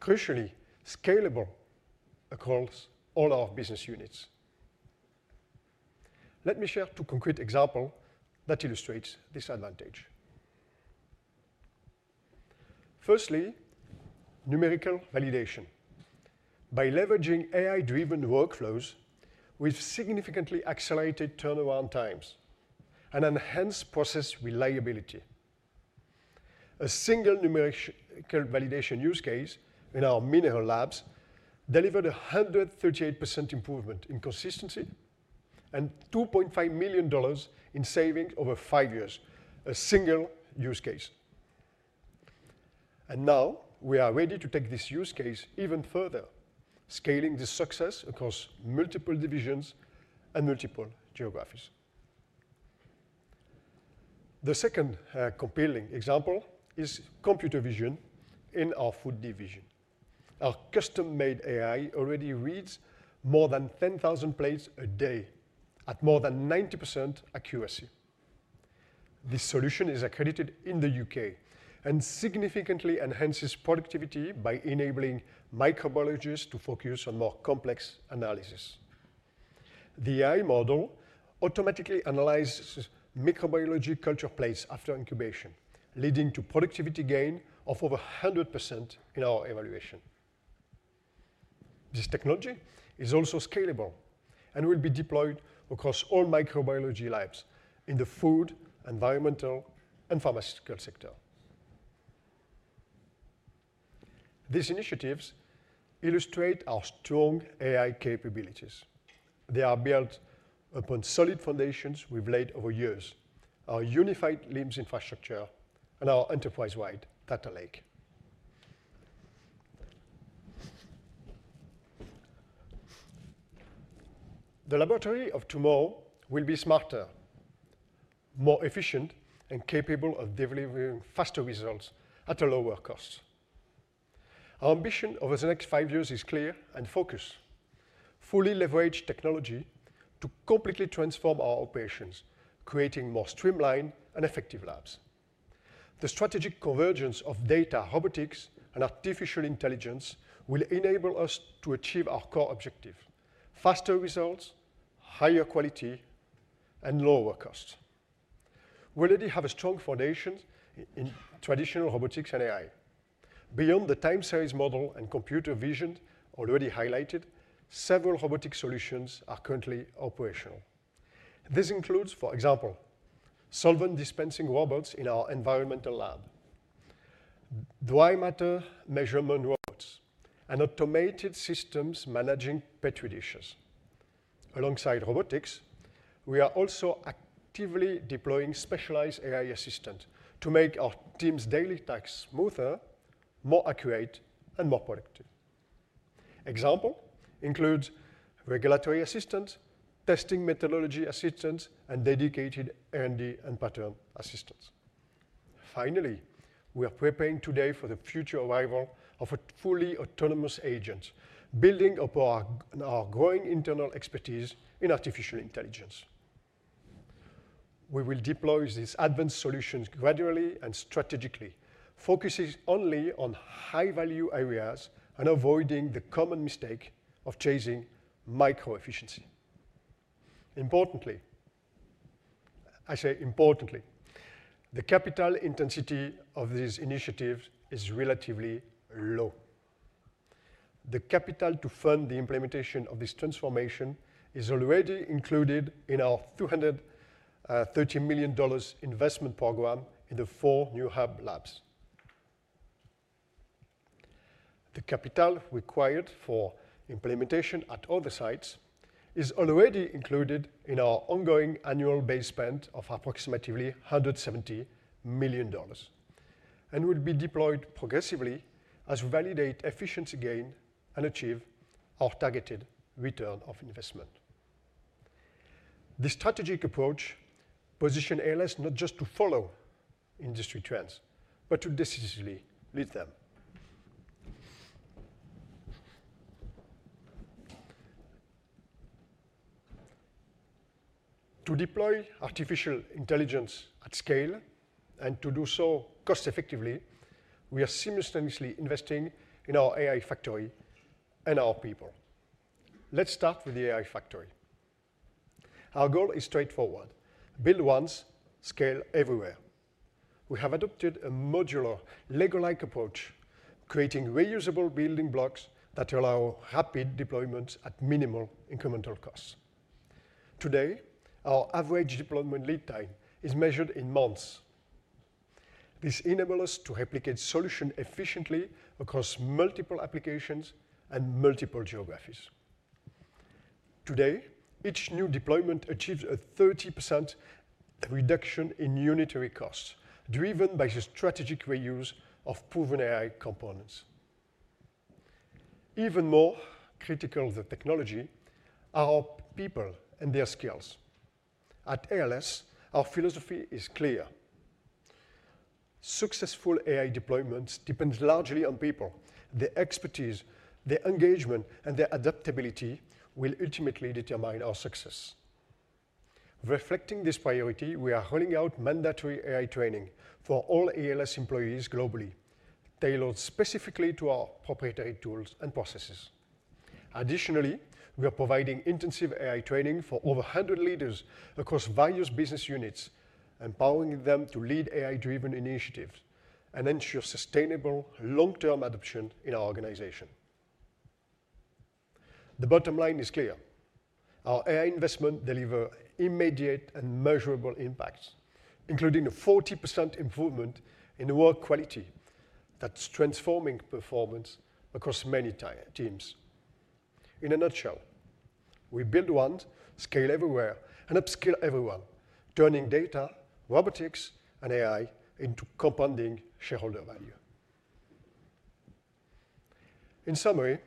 crucially, scalable across all our business units. Let me share two concrete examples that illustrate this advantage. Firstly, numerical validation. By leveraging AI-driven workflows, we've significantly accelerated turnaround times and enhanced process reliability. A single numerical validation use case in our mineral labs delivered a 138% improvement in consistency and 2.5 million dollars in savings over five years, a single use case. Now we are ready to take this use case even further, scaling this success across multiple divisions and multiple geographies. The second compelling example is computer vision in our food division. Our custom-made AI already reads more than 10,000 plates a day at more than 90% accuracy. This solution is accredited in the U.K. and significantly enhances productivity by enabling microbiologists to focus on more complex analysis. The AI model automatically analyzes microbiology culture plates after incubation, leading to productivity gain of over 100% in our evaluation. This technology is also scalable and will be deployed across all microbiology labs in the food, environmental, and pharmaceutical sector. These initiatives illustrate our strong AI capabilities. They are built upon solid foundations we've laid over years: our unified LIMS infrastructure and our enterprise-wide data lake. The laboratory of tomorrow will be smarter, more efficient, and capable of delivering faster results at a lower cost. Our ambition over the next five years is clear and focused: fully leverage technology to completely transform our operations, creating more streamlined and effective labs. The strategic convergence of data, robotics, and artificial intelligence will enable us to achieve our core objective: faster results, higher quality, and lower costs. We already have a strong foundation in traditional robotics and AI. Beyond the time series model and computer vision already highlighted, several robotic solutions are currently operational. This includes, for example, solvent dispensing robots in our environmental lab, dry matter measurement robots, and automated systems managing petri dishes. Alongside robotics, we are also actively deploying specialized AI assistants to make our team's daily tasks smoother, more accurate, and more productive. Examples include regulatory assistants, testing methodology assistants, and dedicated R&D and pattern assistants. Finally, we are preparing today for the future arrival of a fully autonomous agent, building upon our growing internal expertise in artificial intelligence. We will deploy these advanced solutions gradually and strategically, focusing only on high-value areas and avoiding the common mistake of chasing micro-efficiency. Importantly, the capital intensity of these initiatives is relatively low. The capital to fund the implementation of this transformation is already included in our 230 million dollars investment program in the four new hub labs. The capital required for implementation at all the sites is already included in our ongoing annual base spend of approximately 170 million dollars and will be deployed progressively as we validate efficiency gain and achieve our targeted return of investment. This strategic approach positions ALS Limited not just to follow industry trends, but to decisively lead them. To deploy artificial intelligence at scale and to do so cost-effectively, we are seamlessly investing in our AI factory and our people. Let's start with the AI factory. Our goal is straightforward: build once, scale everywhere. We have adopted a modular Lego-like approach, creating reusable building blocks that allow rapid deployment at minimal incremental costs. Today, our average deployment lead time is measured in months. This enables us to replicate solutions efficiently across multiple applications and multiple geographies. Today, each new deployment achieves a 30% reduction in unitary costs, driven by the strategic reuse of proven AI components. Even more critical than technology are our people and their skills. At ALS, our philosophy is clear. Successful AI deployments depend largely on people. Their expertise, their engagement, and their adaptability will ultimately determine our success. Reflecting this priority, we are rolling out mandatory AI training for all ALS employees globally, tailored specifically to our proprietary tools and processes. Additionally, we are providing intensive AI training for over 100 leaders across various business units, empowering them to lead AI-driven initiatives and ensure sustainable long-term adoption in our organization. The bottom line is clear. Our AI investment delivers immediate and measurable impacts, including a 40% improvement in work quality that's transforming performance across many teams. In a nutshell, we build once, scale everywhere, and upskill everyone, turning data, robotics, and AI into compounding shareholder value. In summary,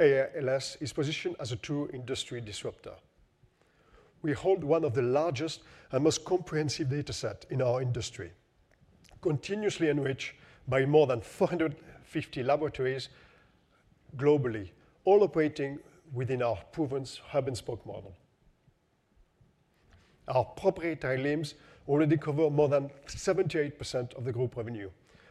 ALS is positioned as a true industry disruptor. We hold one of the largest and most comprehensive data sets in our industry, continuously enriched by more than 450 laboratories globally, all operating within our proven hub and spoke model. Our proprietary LIMS already covers more than 78% of the group revenue,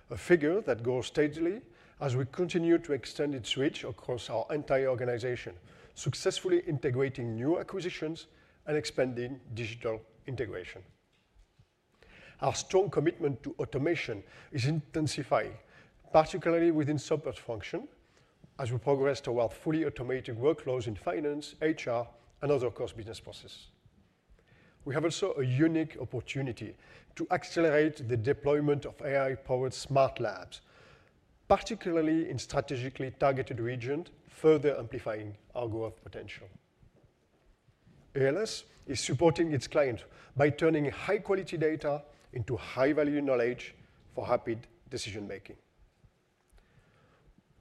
a figure that grows steadily as we continue to extend its reach across our entire organization, successfully integrating new acquisitions and expanding digital integration. Our strong commitment to automation is intensifying, particularly within support functions, as we progress toward fully automating workflows in finance, HR, and other cross-business processes. We have also a unique opportunity to accelerate the deployment of AI-powered smart labs, particularly in strategically targeted regions, further amplifying our growth potential. ALS is supporting its clients by turning high-quality data into high-value knowledge for rapid decision-making.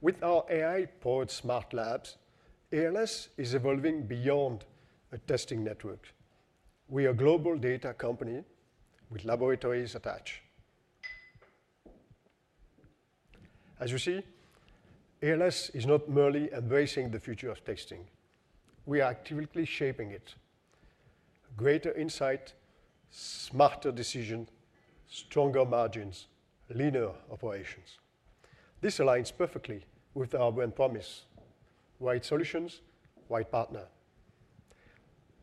With our AI-powered smart labs, ALS is evolving beyond a testing network. We are a global data company with laboratories attached. As you see, ALS is not merely embracing the future of testing. We are actively shaping it: greater insight, smarter decisions, stronger margins, leaner operations. This aligns perfectly with our brand promise: right solutions, right partner.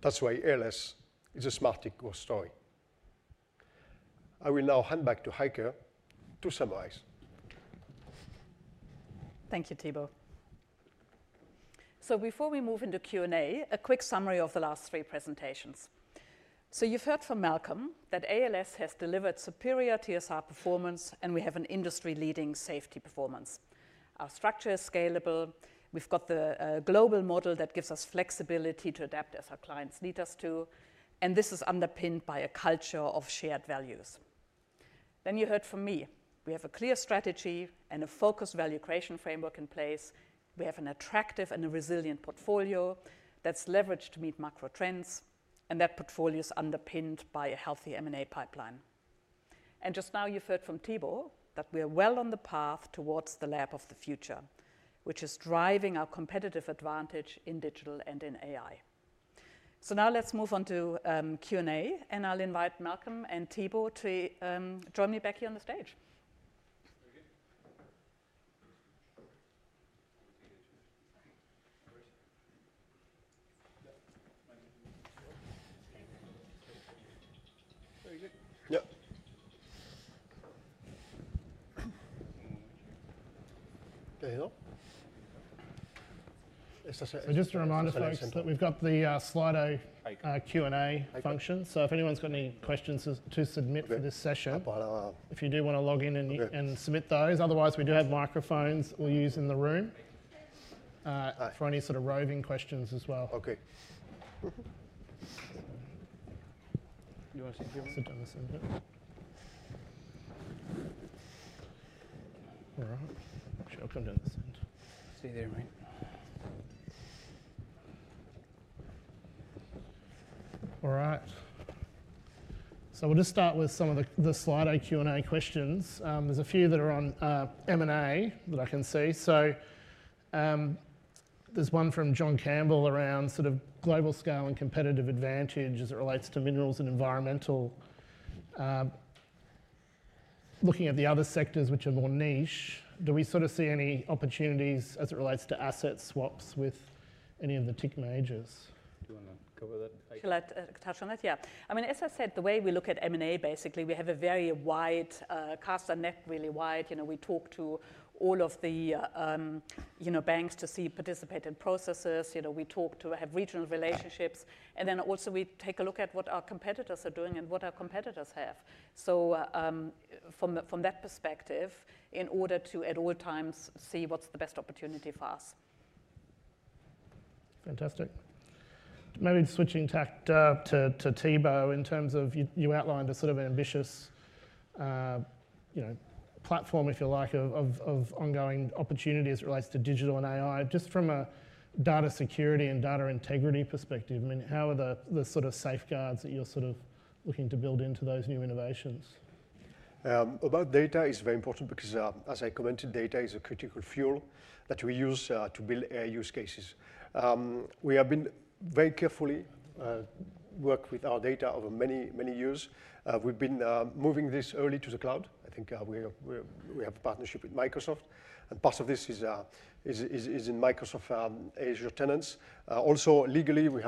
That's why ALS is a smart tech growth story. I will now hand back to Heike to summarize. Thank you, Thibault. Before we move into Q&A, a quick summary of the last three presentations. You've heard from Malcolm that ALS has delivered superior TSR performance, and we have an industry-leading safety performance. Our structure is scalable. We've got the global model that gives us flexibility to adapt as our clients need us to. This is underpinned by a culture of shared values. You heard from me. We have a clear strategy and a focused value creation framework in place. We have an attractive and a resilient portfolio that's leveraged to meet macro trends, and that portfolio is underpinned by a healthy M&A pipeline. Just now you've heard from Thibault that we are well on the path towards the lab of the future, which is driving our competitive advantage in digital and in AI. Now let's move on to Q&A, and I'll invite Malcolm and Thibault to join me back here on the stage. Just a reminder, folks, we've got the Slido Q&A function. If anyone's got any questions to submit for this session, you can log in and submit those. Otherwise, we do have microphones we'll use in the room for any sort of roving questions as well. Okay. You want to sit down this end? All right. Sure, come down this end. See you there, mate. All right. We'll just start with some of the Slido Q&A questions. There's a few that are on M&A that I can see. There's one from John Campbell around sort of global scale and competitive advantage as it relates to minerals and environmental. Looking at the other sectors which are more niche, do we sort of see any opportunities as it relates to asset swaps with any of the tech majors? Do you want to cover that? Should I touch on it? Yeah. I mean, as I said, the way we look at M&A, basically, we have a very wide cast. Our net is really wide. We talk to all of the banks to see participated processes. We talk to have regional relationships. We also take a look at what our competitors are doing and what our competitors have. From that perspective, in order to at all times see what's the best opportunity for us. Fantastic. Maybe switching tact to Thibault in terms of you outlined a sort of ambitious platform, if you like, of ongoing opportunities as it relates to digital and AI. Just from a data security and data integrity perspective, how are the sort of safeguards that you're looking to build into those new innovations? About data, it's very important because, as I commented, data is a critical fuel that we use to build AI use cases. We have been very carefully working with our data over many, many years. We've been moving this early to the cloud. I think we have a partnership with Microsoft, and part of this is in Microsoft Azure tenants. Also, legally, we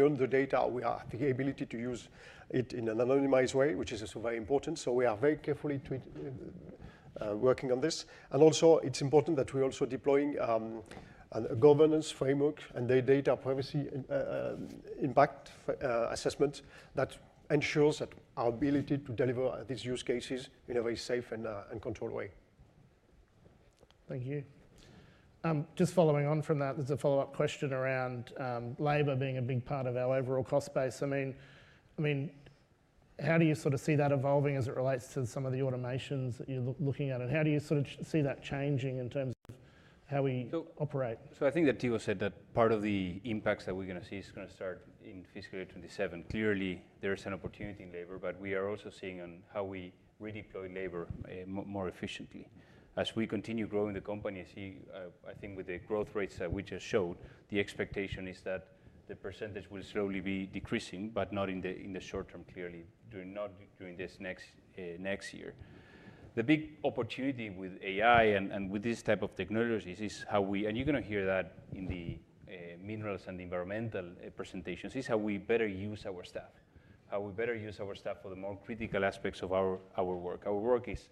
own the data. We have the ability to use it in an anonymized way, which is also very important. We are very carefully working on this. It's important that we're also deploying a governance framework and data privacy impact assessment that ensures our ability to deliver these use cases in a very safe and controlled way. Thank you. Just following on from that, there's a follow-up question around labor being a big part of our overall cost base. How do you sort of see that evolving as it relates to some of the automations that you're looking at? How do you sort of see that changing in terms of how we operate? I think that Thibault said that part of the impacts that we're going to see is going to start in fiscal year 2027. Clearly, there is an opportunity in labor, but we are also seeing how we redeploy labor more efficiently. As we continue growing the company, I think with the growth rates that we just showed, the expectation is that the % will slowly be decreasing, but not in the short term, clearly not during this next year. The big opportunity with AI and with this type of technology is how we, and you're going to hear that in the minerals and environmental presentations, is how we better use our staff, how we better use our staff for the more critical aspects of our work. Our work is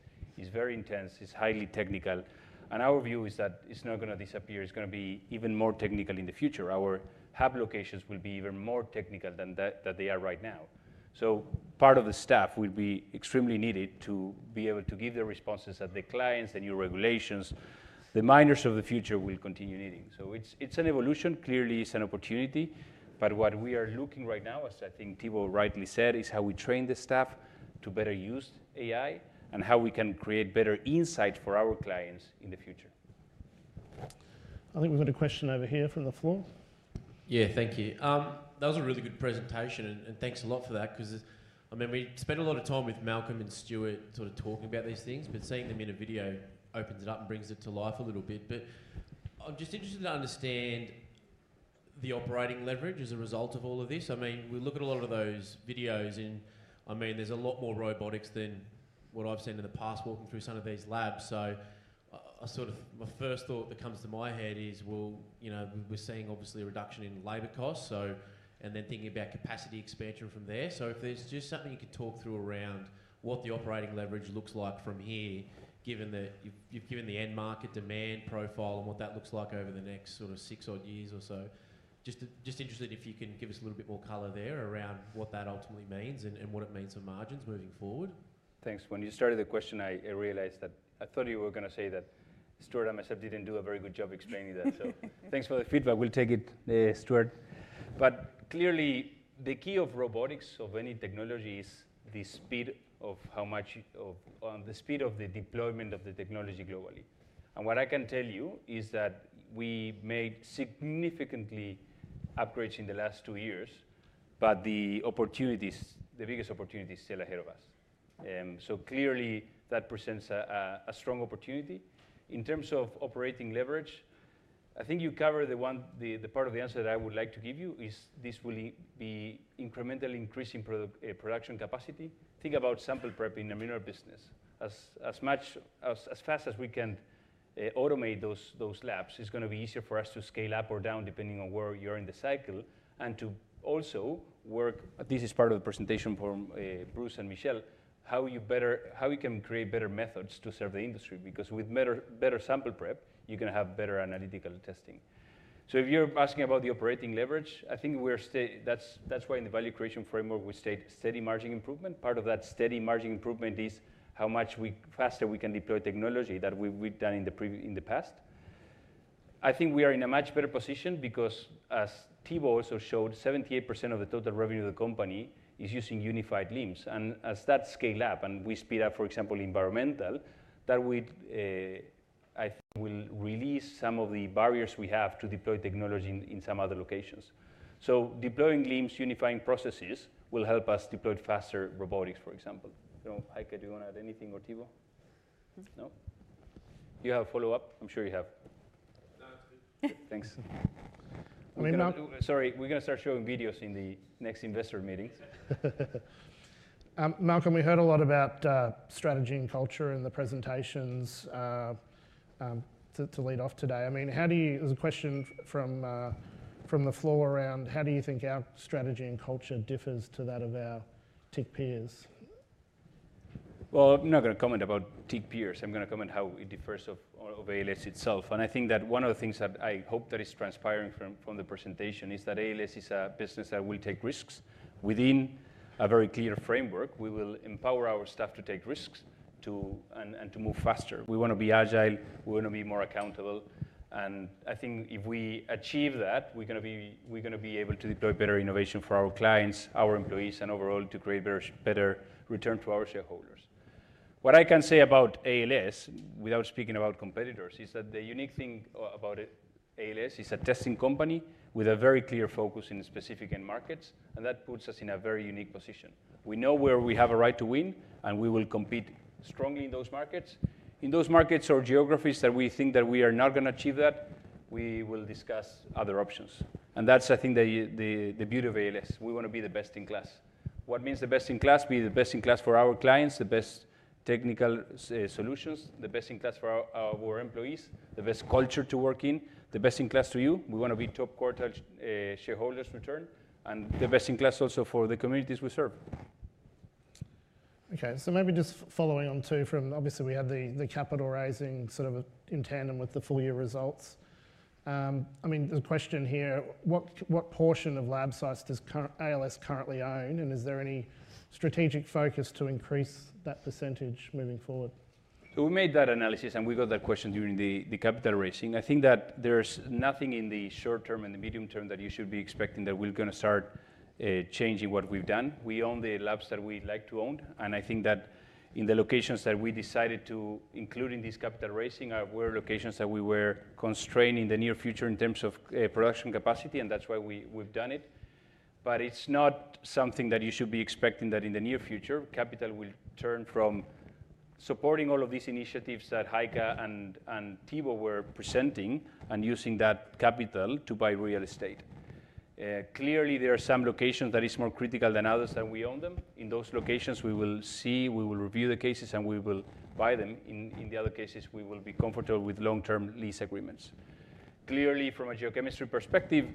very intense. It's highly technical. Our view is that it's not going to disappear. It's going to be even more technical in the future. Our hub locations will be even more technical than they are right now. Part of the staff will be extremely needed to be able to give the responses that the clients, the new regulations, the miners of the future will continue needing. It's an evolution. Clearly, it's an opportunity. What we are looking at right now, as I think Thibault rightly said, is how we train the staff to better use AI and how we can create better insights for our clients in the future. I think we've got a question over here from the floor. Thank you. That was a really good presentation, and thanks a lot for that because, I mean, we spent a lot of time with Malcolm and Stuart sort of talking about these things, but seeing them in a video opens it up and brings it to life a little bit. I'm just interested to understand the operating leverage as a result of all of this. I mean, we look at a lot of those videos, and there's a lot more robotics than what I've seen in the past walking through some of these labs. My first thought that comes to my head is, we're seeing obviously a reduction in labor costs, and then thinking about capacity expansion from there. If there's just something you could talk through around what the operating leverage looks like from here, given that you've given the end market demand profile and what that looks like over the next sort of six odd years or so, just interested if you can give us a little bit more color there around what that ultimately means and what it means for margins moving forward. Thanks. When you started the question, I realized that I thought you were going to say that Stuart and myself didn't do a very good job explaining that. Thanks for the feedback. We'll take it, Stuart. Clearly, the key of robotics or any technology is the speed of how much of the speed of the deployment of the technology globally. What I can tell you is that we made significant upgrades in the last two years, but the opportunities, the biggest opportunities are still ahead of us. Clearly, that presents a strong opportunity. In terms of operating leverage, I think you covered the part of the answer that I would like to give you is this will. Incremental increase in production capacity, think about sample prep in the Minerals testing business. As much as fast as we can automate those labs, it's going to be easier for us to scale up or down depending on where you are in the cycle and to also work. This is part of the presentation for Bruce and Michelle, how you can create better methods to serve the industry because with better sample prep, you can have better analytical testing. If you're asking about the operating leverage, I think that's why in the value creation framework we state steady margin improvement. Part of that steady margin improvement is how much faster we can deploy technology that we've done in the past. I think we are in a much better position because, as Thibault also showed, 78% of the total revenue of the company is using unified LIMS. As that scales up and we speed up, for example, Environmental testing, that I think will release some of the barriers we have to deploy technology in some other locations. Deploying LIMS, unifying processes will help us deploy faster robotics, for example. Heike, do you want to add anything or Thibault? No. No? You have a follow-up? I'm sure you have. No, I'm good. Thanks. I mean. We're going to start showing videos in the next investor meeting. Malcolm, we heard a lot about strategy and culture in the presentations to lead off today. There's a question from the floor around how do you think our strategy and culture differs to that of our tech peers? I'm not going to comment about tech peers. I'm going to comment how it differs of ALS itself. I think that one of the things that I hope is transpiring from the presentation is that ALS is a business that will take risks within a very clear framework. We will empower our staff to take risks and to move faster. We want to be agile. We want to be more accountable. I think if we achieve that, we're going to be able to deploy better innovation for our clients, our employees, and overall to create a better return to our shareholders. What I can say about ALS without speaking about competitors is that the unique thing about ALS is a testing company with a very clear focus in specific end markets. That puts us in a very unique position. We know where we have a right to win, and we will compete strongly in those markets. In those markets or geographies that we think that we are not going to achieve that, we will discuss other options. I think that's the beauty of ALS. We want to be the best in class. What means the best in class? Be the best in class for our clients, the best technical solutions, the best in class for our employees, the best culture to work in, the best in class to you. We want to be top quartile shareholders return. The best in class also for the communities we serve. OK. Maybe just following on, too, from obviously, we had the capital raising sort of in tandem with the full-year results. There's a question here. What portion of lab sites does ALS currently own, and is there any strategic focus to increase that percentage moving forward? We made that analysis, and we got that question during the capital raising. I think that there's nothing in the short term and the medium term that you should be expecting that we're going to start changing what we've done. We own the labs that we'd like to own. I think that in the locations that we decided to include in this capital raising were locations that we were constrained in the near future in terms of production capacity, and that's why we've done it. It's not something that you should be expecting that in the near future capital will turn from supporting all of these initiatives that Heike and Thibault were presenting and using that capital to buy real estate. Clearly, there are some locations that are more critical than others, and we own them. In those locations, we will see, we will review the cases, and we will buy them. In the other cases, we will be comfortable with long-term lease agreements. Clearly, from a geochemistry perspective,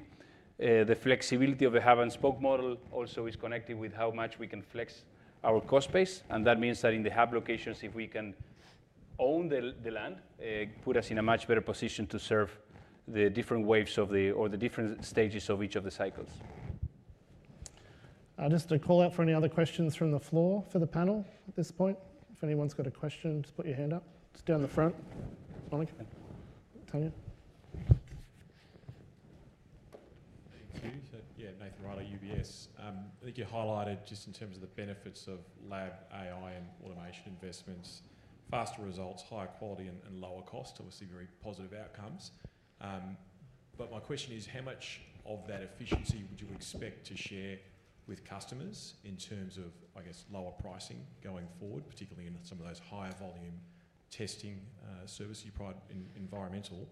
the flexibility of the hub and spoke model also is connected with how much we can flex our cost base. That means that in the hub locations, if we can own the land, it puts us in a much better position to serve the different waves or the different stages of each of the cycles. I'll just call out for any other questions from the floor for the panel at this point. If anyone's got a question, just put your hand up. It's down the front. Monica? Thank you. Yeah, Nathan Ryder, UBS. I think you highlighted just in terms of the benefits of lab AI and automation investments, faster results, higher quality, and lower cost. Obviously, very positive outcomes. My question is, how much of that efficiency would you expect to share with customers in terms of, I guess, lower pricing going forward, particularly in some of those higher volume testing services you provide in environmental?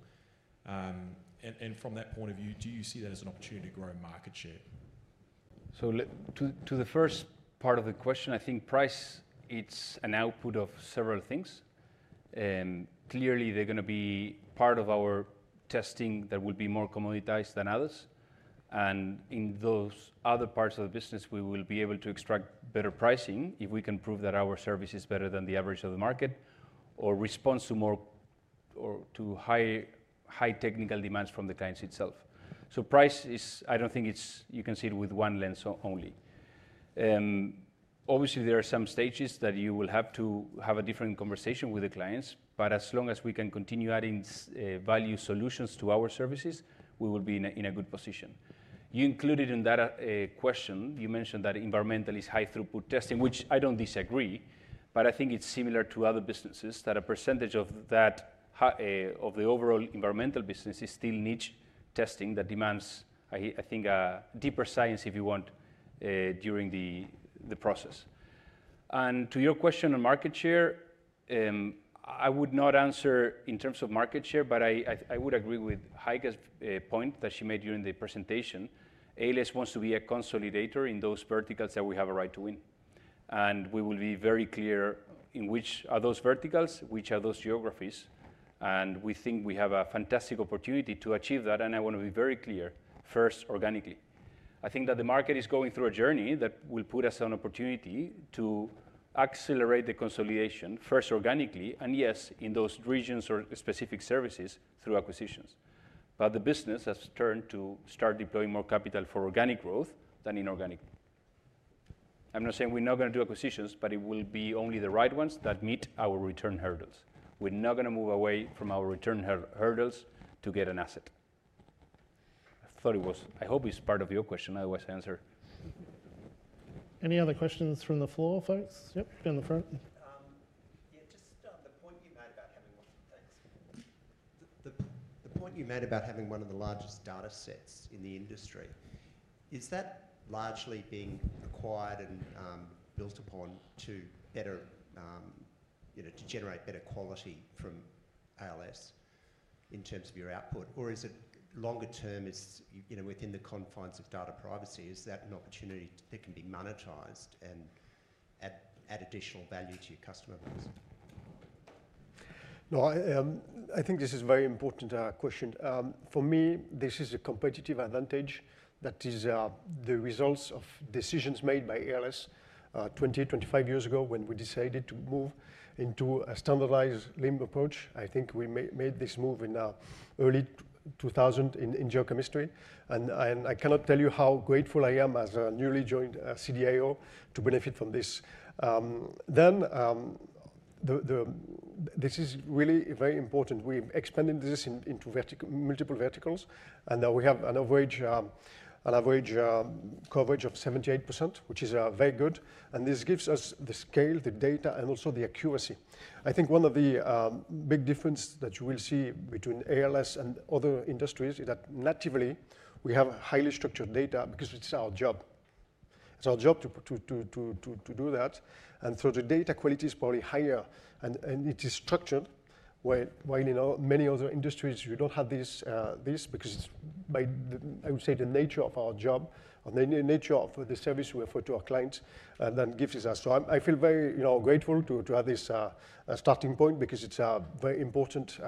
From that point of view, do you see that as an opportunity to grow market share? To the first part of the question, I think price, it's an output of several things. Clearly, they're going to be part of our testing that will be more commoditized than others. In those other parts of the business, we will be able to extract better pricing if we can prove that our service is better than the average of the market or respond to high technical demands from the clients itself. Price is, I don't think you can see it with one lens only. Obviously, there are some stages that you will have to have a different conversation with the clients. As long as we can continue adding value solutions to our services, we will be in a good position. You included in that question, you mentioned that environmental is high throughput testing, which I don't disagree. I think it's similar to other businesses that a percentage of the overall environmental business is still niche testing that demands, I think, a deeper science if you want during the process. To your question on market share, I would not answer in terms of market share, but I would agree with Heike's point that she made during the presentation. ALS Limited wants to be a consolidator in those verticals that we have a right to win. We will be very clear in which of those verticals, which are those geographies. We think we have a fantastic opportunity to achieve that. I want to be very clear, first organically. I think that the market is going through a journey that will put us an opportunity to accelerate the consolidation, first organically, and yes, in those regions or specific services through acquisitions. The business has turned to start deploying more capital for organic growth than inorganic. I'm not saying we're not going to do acquisitions, but it will be only the right ones that meet our return hurdles. We're not going to move away from our return hurdles to get an asset. I thought it was, I hope it's part of your question. Otherwise, I answered. Any other questions from the floor, folks? Yep, down the front. Yeah, just on the point you made about having one of the largest data sets in the industry, is that largely being acquired and built upon to generate better quality from ALS Limited in terms of your output? Or is it longer term within the confines of data privacy? Is that an opportunity that can be monetized and add additional value to your customer base? No, I think this is a very important question. For me, this is a competitive advantage that is the result of decisions made by ALS 20, 25 years ago when we decided to move into a standardized LIMS approach. I think we made this move in the early 2000s in geochemistry. I cannot tell you how grateful I am as a newly joined CDAO to benefit from this. This is really very important. We expanded this into multiple verticals, and now we have an average coverage of 78%, which is very good. This gives us the scale, the data, and also the accuracy. I think one of the big differences that you will see between ALS and other industries is that natively, we have highly structured data because it's our job. It's our job to do that, and the data quality is probably higher. It is structured, while in many other industries, you don't have this because it's by, I would say, the nature of our job and the nature of the service we offer to our clients that gives us. I feel very grateful to have this starting point because it's a very important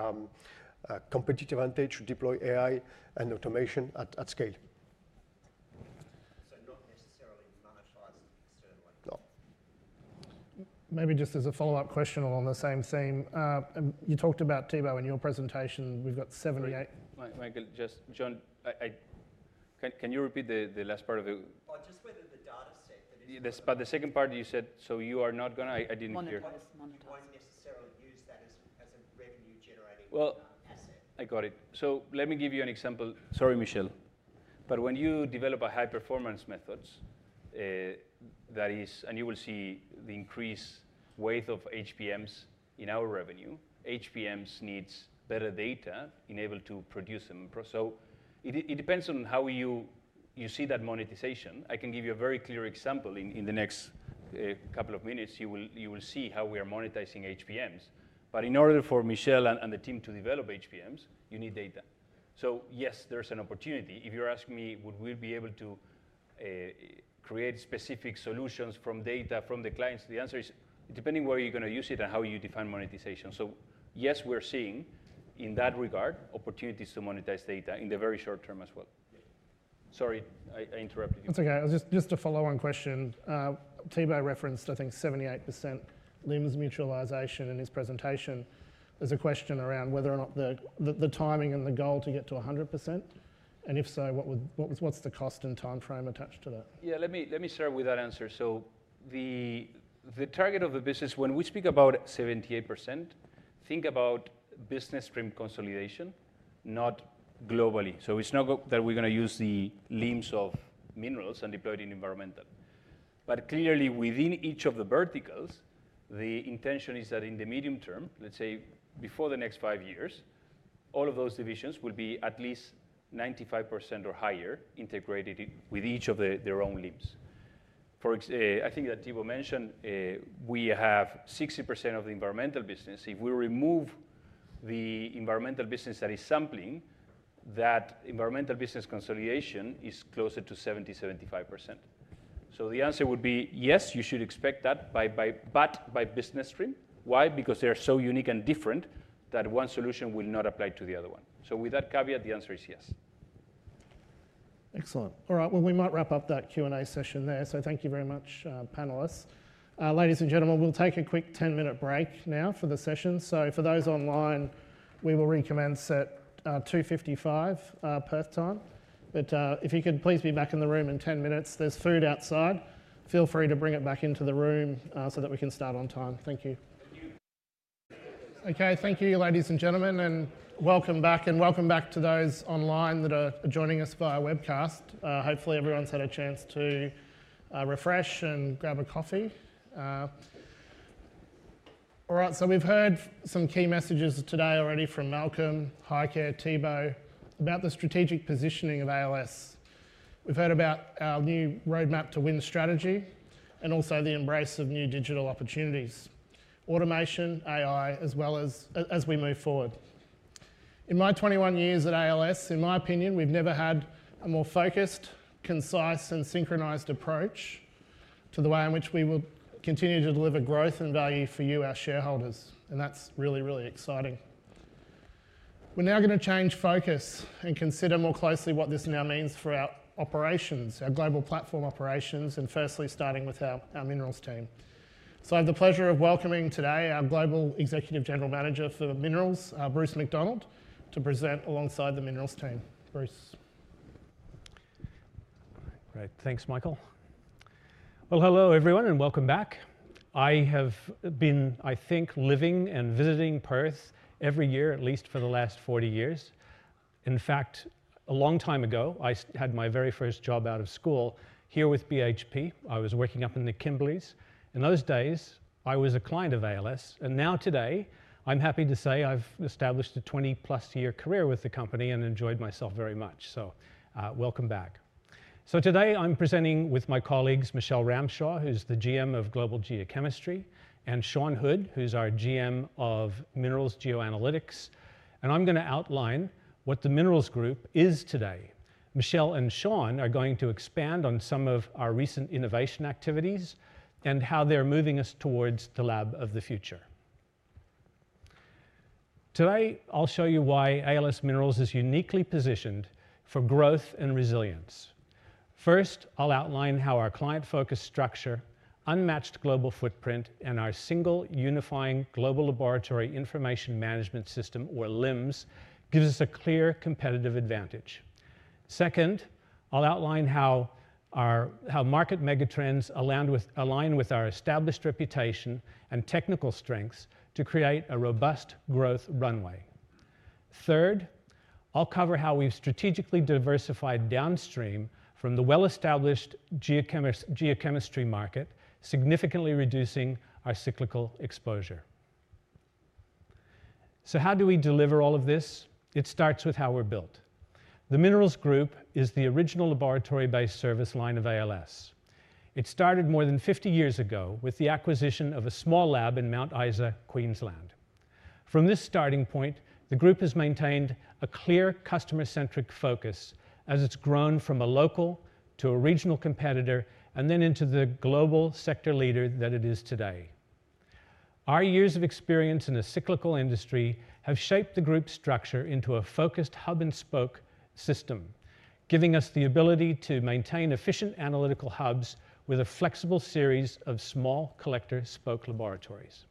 competitive advantage to deploy AI and automation at scale. Not necessarily monetized externally. No. Maybe just as a follow-up question on the same theme, you talked about Thibault in your presentation. We've got 78. Iker just joined. Can you repeat the last part of it? Just whether the data set is. The second part you said, you are not going to. Monetize. Monetize. Don't necessarily use that as a revenue-generating asset. Let me give you an example. Sorry, Michelle. When you develop high-performance methods, that is, and you will see the increased weight of HPMs in our revenue, HPMs need better data enabled to produce them. It depends on how you see that monetization. I can give you a very clear example in the next couple of minutes. You will see how we are monetizing HPMs. In order for Michelle and the team to develop HPMs, you need data. Yes, there's an opportunity. If you ask me, would we be able to create specific solutions from data from the clients, the answer is depending where you're going to use it and how you define monetization. Yes, we're seeing in that regard opportunities to monetize data in the very short term as well. Sorry, I interrupted you. That's OK. Just a follow-on question. Thibault referenced, I think, 78% LIMS mutualization in his presentation. There's a question around whether or not the timing and the goal to get to 100%. If so, what's the cost and time frame attached to that? Yeah, let me start with that answer. The target of the business, when we speak about 78%, is about business stream consolidation, not globally. It's not that we're going to use the LIMS of Minerals and deploy it in Environmental. Clearly, within each of the verticals, the intention is that in the medium term, let's say before the next five years, all of those divisions will be at least 95% or higher integrated with each of their own LIMS. I think that Thibault mentioned we have 60% of the Environmental business. If we remove the Environmental business that is sampling, that Environmental business consolidation is closer to 70%-75%. The answer would be yes, you should expect that, but by business stream. They are so unique and different that one solution will not apply to the other one. With that caveat, the answer is yes. Excellent. All right. We might wrap up that Q&A session there. Thank you very much, panelists. Ladies and gentlemen, we'll take a quick 10-minute break now for the session. For those online, we will recommend set 2:55 P.M. Perth time. If you could please be back in the room in 10 minutes, there's food outside. Feel free to bring it back into the room so that we can start on time. Thank you. Thank you. OK. Thank you, ladies and gentlemen. Welcome back. Welcome back to those online that are joining us via webcast. Hopefully, everyone's had a chance to refresh and grab a coffee. We've heard some key messages today already from Malcolm, Heike, Thibault about the strategic positioning of ALS Limited. We've heard about our new Roadmap to Win strategy and also the embrace of new digital opportunities, automation, AI, as well as we move forward. In my 21 years at ALS Limited, in my opinion, we've never had a more focused, concise, and synchronized approach to the way in which we will continue to deliver growth and value for you, our shareholders. That's really, really exciting. We're now going to change focus and consider more closely what this now means for our operations, our global platform operations, and firstly, starting with our Minerals team. I have the pleasure of welcoming today our Global Executive General Manager for Minerals, Bruce McDonald, to present alongside the Minerals team. Bruce. Great. Thanks, Michael. Hello, everyone, and welcome back. I have been, I think, living and visiting Perth every year, at least for the last 40 years. In fact, a long time ago, I had my very first job out of school here with BHP. I was working up in the Kimberleys. In those days, I was a client of ALS. Now, today, I'm happy to say I've established a 20+ year career with the company and enjoyed myself very much. Welcome back. Today, I'm presenting with my colleagues, Michelle Ramshaw, who's the GM of Global Geochemistry, and Shawn Hood, who's our GM of Minerals Geoanalytics. I'm going to outline what the minerals group is today. Michelle and Shawn are going to expand on some of our recent innovation activities and how they're moving us towards the lab of the future. Today, I'll show you why ALS Minerals is uniquely positioned for growth and resilience. First, I'll outline how our client-focused structure, unmatched global footprint, and our single unifying global Laboratory Information Management System, or LIMS, gives us a clear competitive advantage. Second, I'll outline how market megatrends align with our established reputation and technical strengths to create a robust growth runway. Third, I'll cover how we've strategically diversified downstream from the well-established geochemistry market, significantly reducing our cyclical exposure. How do we deliver all of this? It starts with how we're built. The minerals group is the original laboratory-based service line of ALS. It started more than 50 years ago with the acquisition of a small lab in Mount Isa, Queensland. From this starting point, the group has maintained a clear customer-centric focus as it's grown from a local to a regional competitor and then into the global sector leader that it is today. Our years of experience in a cyclical industry have shaped the group's structure into a focused hub and spoke system, giving us the ability to maintain efficient analytical hubs with a flexible series of small collector spoke laboratories.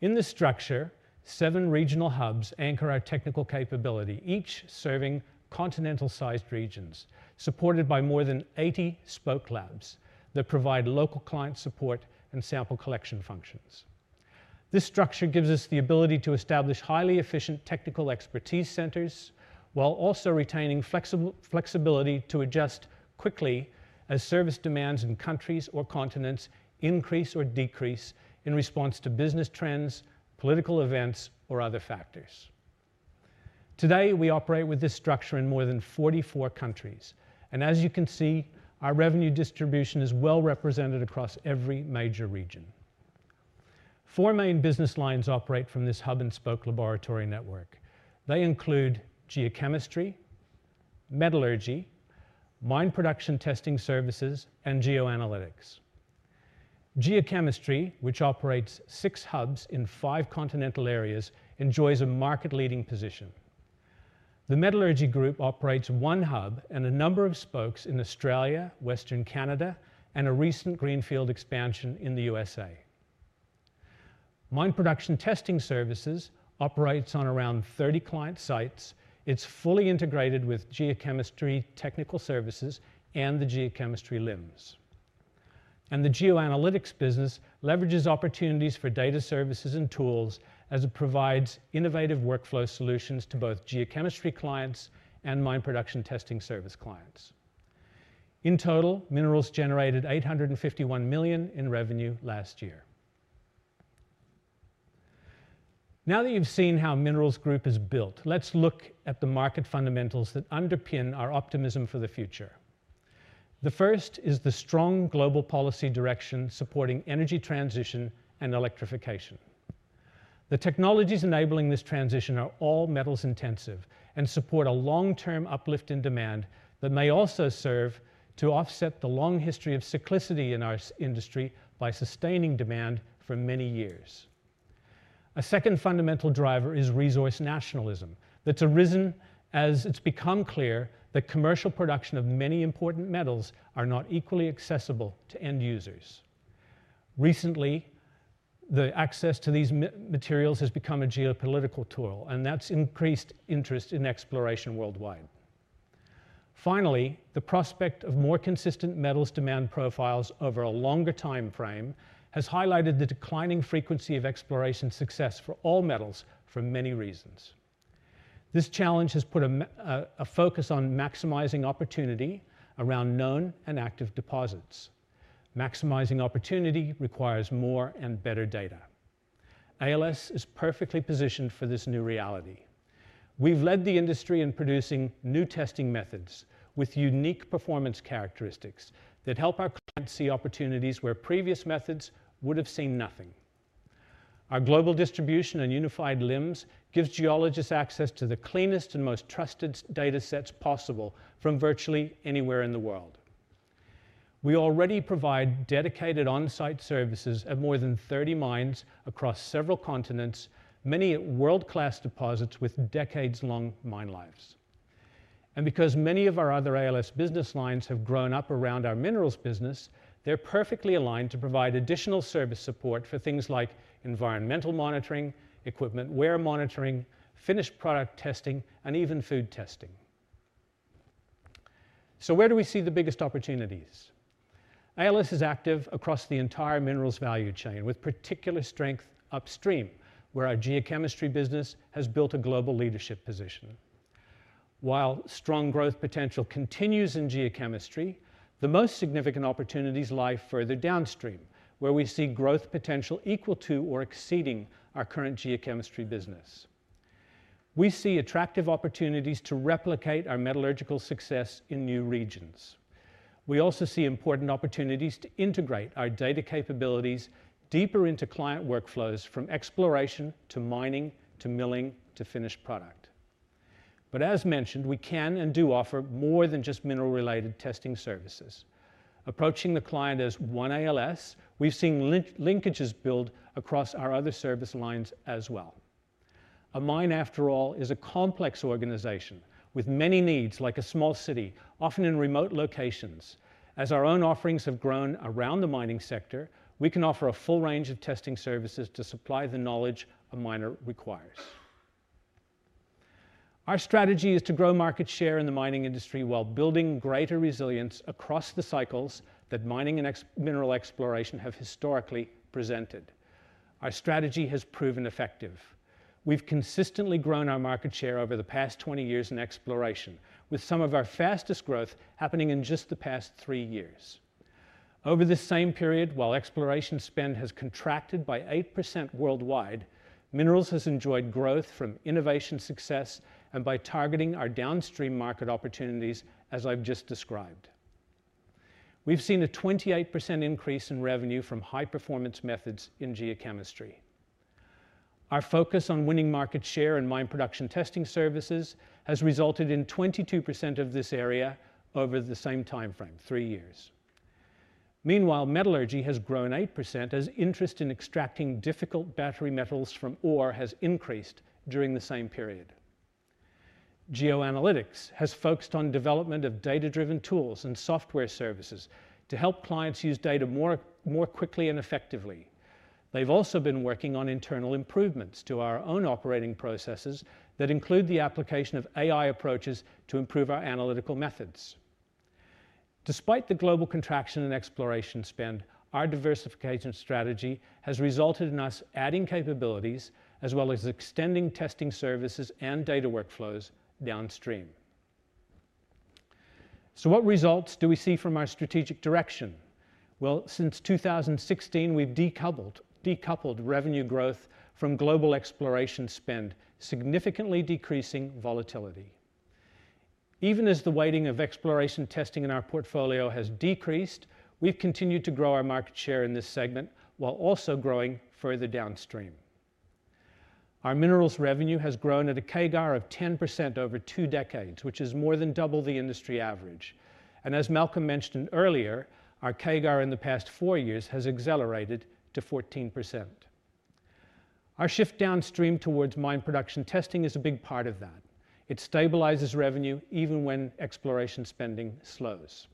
In the structure, seven regional hubs anchor our technical capability, each serving continental-sized regions supported by more than 80 spoke labs that provide local client support and sample collection functions. This structure gives us the ability to establish highly efficient technical expertise centers while also retaining flexibility to adjust quickly as service demands in countries or continents increase or decrease in response to business trends, political events, or other factors. Today, we operate with this structure in more than 44 countries. As you can see, our revenue distribution is well represented across every major region. Four main business lines operate from this hub and spoke laboratory network. They include geochemistry, metallurgy, mine production testing services, and geoanalytics. Geochemistry, which operates six hubs in five continental areas, enjoys a market-leading position. The metallurgy group operates one hub and a number of spokes in Australia, Western Canada, and a recent greenfield expansion in the U.S.A. Mine production testing services operate on around 30 client sites. It's fully integrated with geochemistry technical services and the geochemistry LIMS. The geoanalytics business leverages opportunities for data services and tools as it provides innovative workflow solutions to both geochemistry clients and mine production testing service clients. In total, minerals generated 851 million in revenue last year. Now that you've seen how minerals group is built, let's look at the market fundamentals that underpin our optimism for the future. The first is the strong global policy direction supporting energy transition and electrification. The technologies enabling this transition are all metals intensive and support a long-term uplift in demand that may also serve to offset the long history of cyclicity in our industry by sustaining demand for many years. A second fundamental driver is resource nationalism that's arisen as it's become clear that commercial production of many important metals is not equally accessible to end users. Recently, the access to these materials has become a geopolitical tool, and that's increased interest in exploration worldwide. Finally, the prospect of more consistent metals demand profiles over a longer time frame has highlighted the declining frequency of exploration success for all metals for many reasons. This challenge has put a focus on maximizing opportunity around known and active deposits. Maximizing opportunity requires more and better data. ALS is perfectly positioned for this new reality. We've led the industry in producing new testing methods with unique performance characteristics that help our clients see opportunities where previous methods would have seen nothing. Our global distribution and unified LIMS gives geologists access to the cleanest and most trusted data sets possible from virtually anywhere in the world. We already provide dedicated on-site services at more than 30 mines across several continents, many at world-class deposits with decades-long mine lives. Because many of our other ALS business lines have grown up around our minerals business, they're perfectly aligned to provide additional service support for things like environmental monitoring, equipment wear monitoring, finished product testing, and even food testing. Where do we see the biggest opportunities? ALS is active across the entire minerals value chain with particular strength upstream where our geochemistry business has built a global leadership position. While strong growth potential continues in geochemistry, the most significant opportunities lie further downstream where we see growth potential equal to or exceeding our current geochemistry business. We see attractive opportunities to replicate our metallurgical success in new regions. We also see important opportunities to integrate our data capabilities deeper into client workflows from exploration to mining to milling to finished product. As mentioned, we can and do offer more than just mineral-related testing services. Approaching the client as one ALS, we've seen linkages build across our other service lines as well. A mine, after all, is a complex organization with many needs, like a small city, often in remote locations. As our own offerings have grown around the mining sector, we can offer a full range of testing services to supply the knowledge a miner requires. Our strategy is to grow market share in the mining industry while building greater resilience across the cycles that mining and mineral exploration have historically presented. Our strategy has proven effective. We've consistently grown our market share over the past 20 years in exploration, with some of our fastest growth happening in just the past three years. Over this same period, while exploration spend has contracted by 8% worldwide, minerals has enjoyed growth from innovation success and by targeting our downstream market opportunities as I've just described. We've seen a 28% increase in revenue from high-performance methods in geochemistry. Our focus on winning market share in mine production testing services has resulted in 22% of this area over the same time frame, three years. Meanwhile, metallurgy has grown 8% as interest in extracting difficult battery metals from ore has increased during the same period. Geoanalytics has focused on the development of data-driven tools and software services to help clients use data more quickly and effectively. They've also been working on internal improvements to our own operating processes that include the application of AI approaches to improve our analytical methods. Despite the global contraction and exploration spend, our diversification strategy has resulted in us adding capabilities as well as extending testing services and data workflows downstream. What results do we see from our strategic direction? Since 2016, we've decoupled revenue growth from global exploration spend, significantly decreasing volatility. Even as the weighting of exploration testing in our portfolio has decreased, we've continued to grow our market share in this segment while also growing further downstream. Our minerals revenue has grown at a CAGR of 10% over two decades, which is more than double the industry average. As Malcolm mentioned earlier, our CAGR in the past four years has accelerated to 14%. Our shift downstream towards mine production testing is a big part of that. It stabilizes revenue even when exploration spending slows.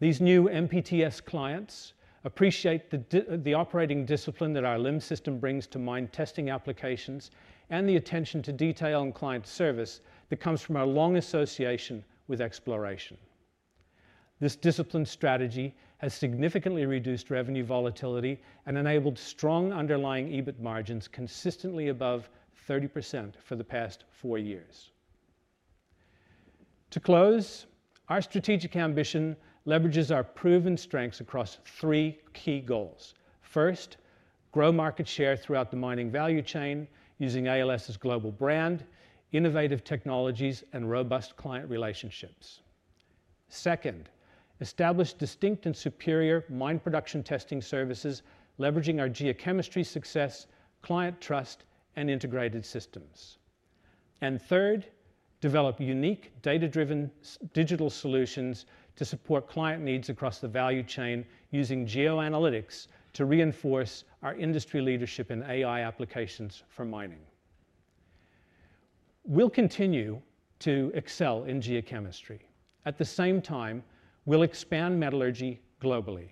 These new MPTS clients appreciate the operating discipline that our LIMS system brings to mine testing applications and the attention to detail and client service that comes from our long association with exploration. This discipline strategy has significantly reduced revenue volatility and enabled strong underlying EBIT margins consistently above 30% for the past four years. To close, our strategic ambition leverages our proven strengths across three key goals. First, grow market share throughout the mining value chain using ALS's global brand, innovative technologies, and robust client relationships. Second, establish distinct and superior mine production testing services leveraging our geochemistry success, client trust, and integrated systems. Third, develop unique data-driven digital solutions to support client needs across the value chain using geoanalytics to reinforce our industry leadership in AI applications for mining. We will continue to excel in geochemistry. At the same time, we will expand metallurgy globally.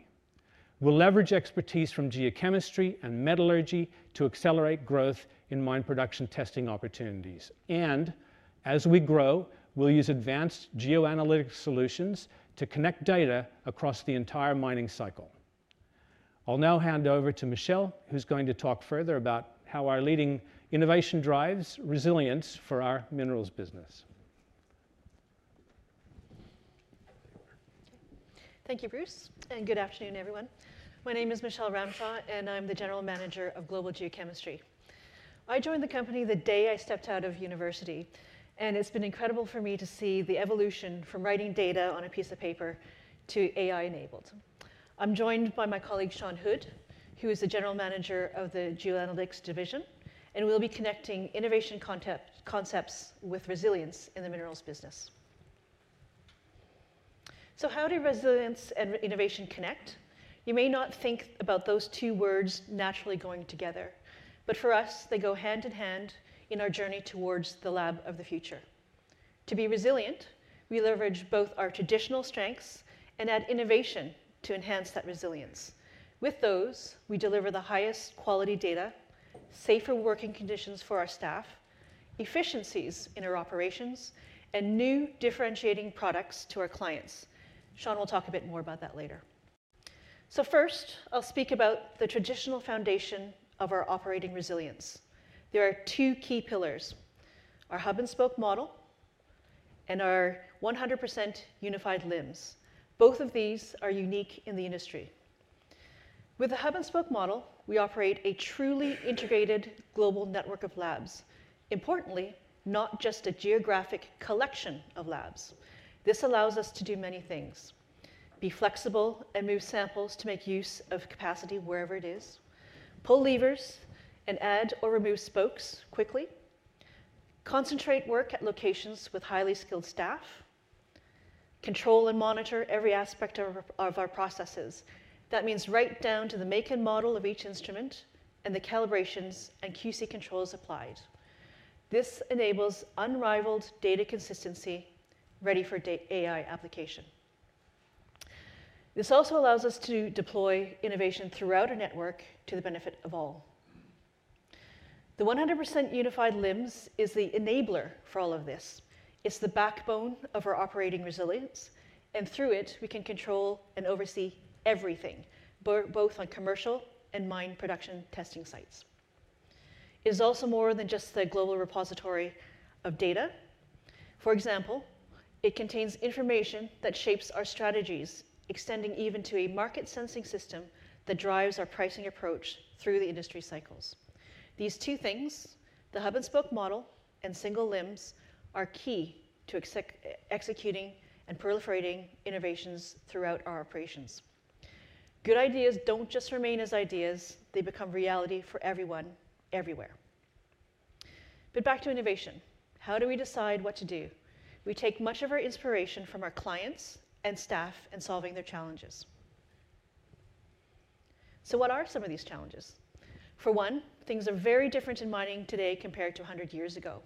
We will leverage expertise from geochemistry and metallurgy to accelerate growth in mine production testing opportunities. As we grow, we will use advanced geoanalytic solutions to connect data across the entire mining cycle. I will now hand over to Michelle, who is going to talk further about how our leading innovation drives resilience for our minerals business. Thank you, Bruce. Good afternoon, everyone. My name is Michelle Ramshaw, and I'm the General Manager of Global Geochemistry. I joined the company the day I stepped out of university, and it's been incredible for me to see the evolution from writing data on a piece of paper to AI-enabled. I'm joined by my colleague Shawn Hood, who is the General Manager of the geoanalytics division and will be connecting innovation concepts with resilience in the minerals business. How do resilience and innovation connect? You may not think about those two words naturally going together. For us, they go hand in hand in our journey towards the lab of the future. To be resilient, we leverage both our traditional strengths and add innovation to enhance that resilience. With those, we deliver the highest quality data, safer working conditions for our staff, efficiencies in our operations, and new differentiating products to our clients. Shawn will talk a bit more about that later. First, I'll speak about the traditional foundation of our operating resilience. There are two key pillars: our hub and spoke model and our 100% unified LIMS. Both of these are unique in the industry. With the hub and spoke model, we operate a truly integrated global network of labs, not just a geographic collection of labs. This allows us to do many things: be flexible and move samples to make use of capacity wherever it is, pull levers and add or remove spokes quickly, concentrate work at locations with highly skilled staff, control and monitor every aspect of our processes. That means right down to the make and model of each instrument and the calibrations and QC controls applied. This enables unrivaled data consistency ready for AI application. This also allows us to deploy innovation throughout a network to the benefit of all. The 100% unified LIMS is the enabler for all of this. It's the backbone of our operating resilience. Through it, we can control and oversee everything, both on commercial and mine production testing sites. It is also more than just the global repository of data. For example, it contains information that shapes our strategies, extending even to a market sensing system that drives our pricing approach through the industry cycles. These two things, the hub and spoke model and single LIMS, are key to executing and proliferating innovations throughout our operations. Good ideas don't just remain as ideas; they become reality for everyone everywhere. Back to innovation. How do we decide what to do? We take much of our inspiration from our clients and staff in solving their challenges. What are some of these challenges? For one, things are very different in mining today compared to 100 years ago.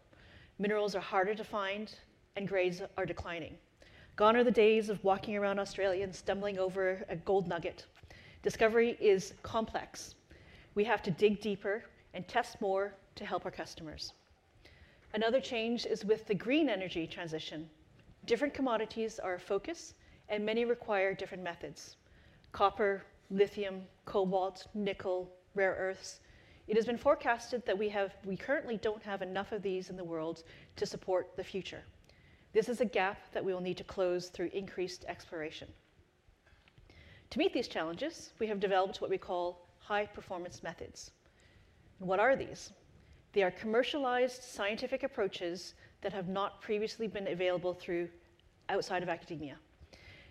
Minerals are harder to find, and grades are declining. Gone are the days of walking around Australia and stumbling over a gold nugget. Discovery is complex. We have to dig deeper and test more to help our customers. Another change is with the green energy transition. Different commodities are a focus, and many require different methods: copper, lithium, cobalt, nickel, rare earths. It has been forecasted that we currently don't have enough of these in the world to support the future. This is a gap that we will need to close through increased exploration. To meet these challenges, we have developed what we call high-performance methods. What are these? They are commercialized scientific approaches that have not previously been available outside of academia.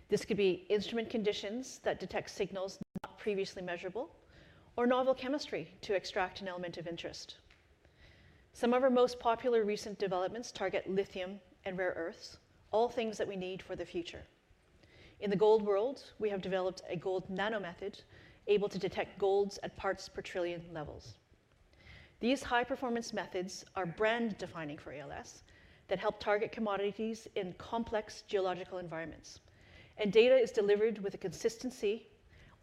This could be instrument conditions that detect signals not previously measurable or novel chemistry to extract an element of interest. Some of our most popular recent developments target lithium and rare earths, all things that we need for the future. In the gold world, we have developed a gold nanomethod able to detect golds at parts per trillion levels. These high-performance methods are brand defining for ALS Limited that help target commodities in complex geological environments. Data is delivered with a consistency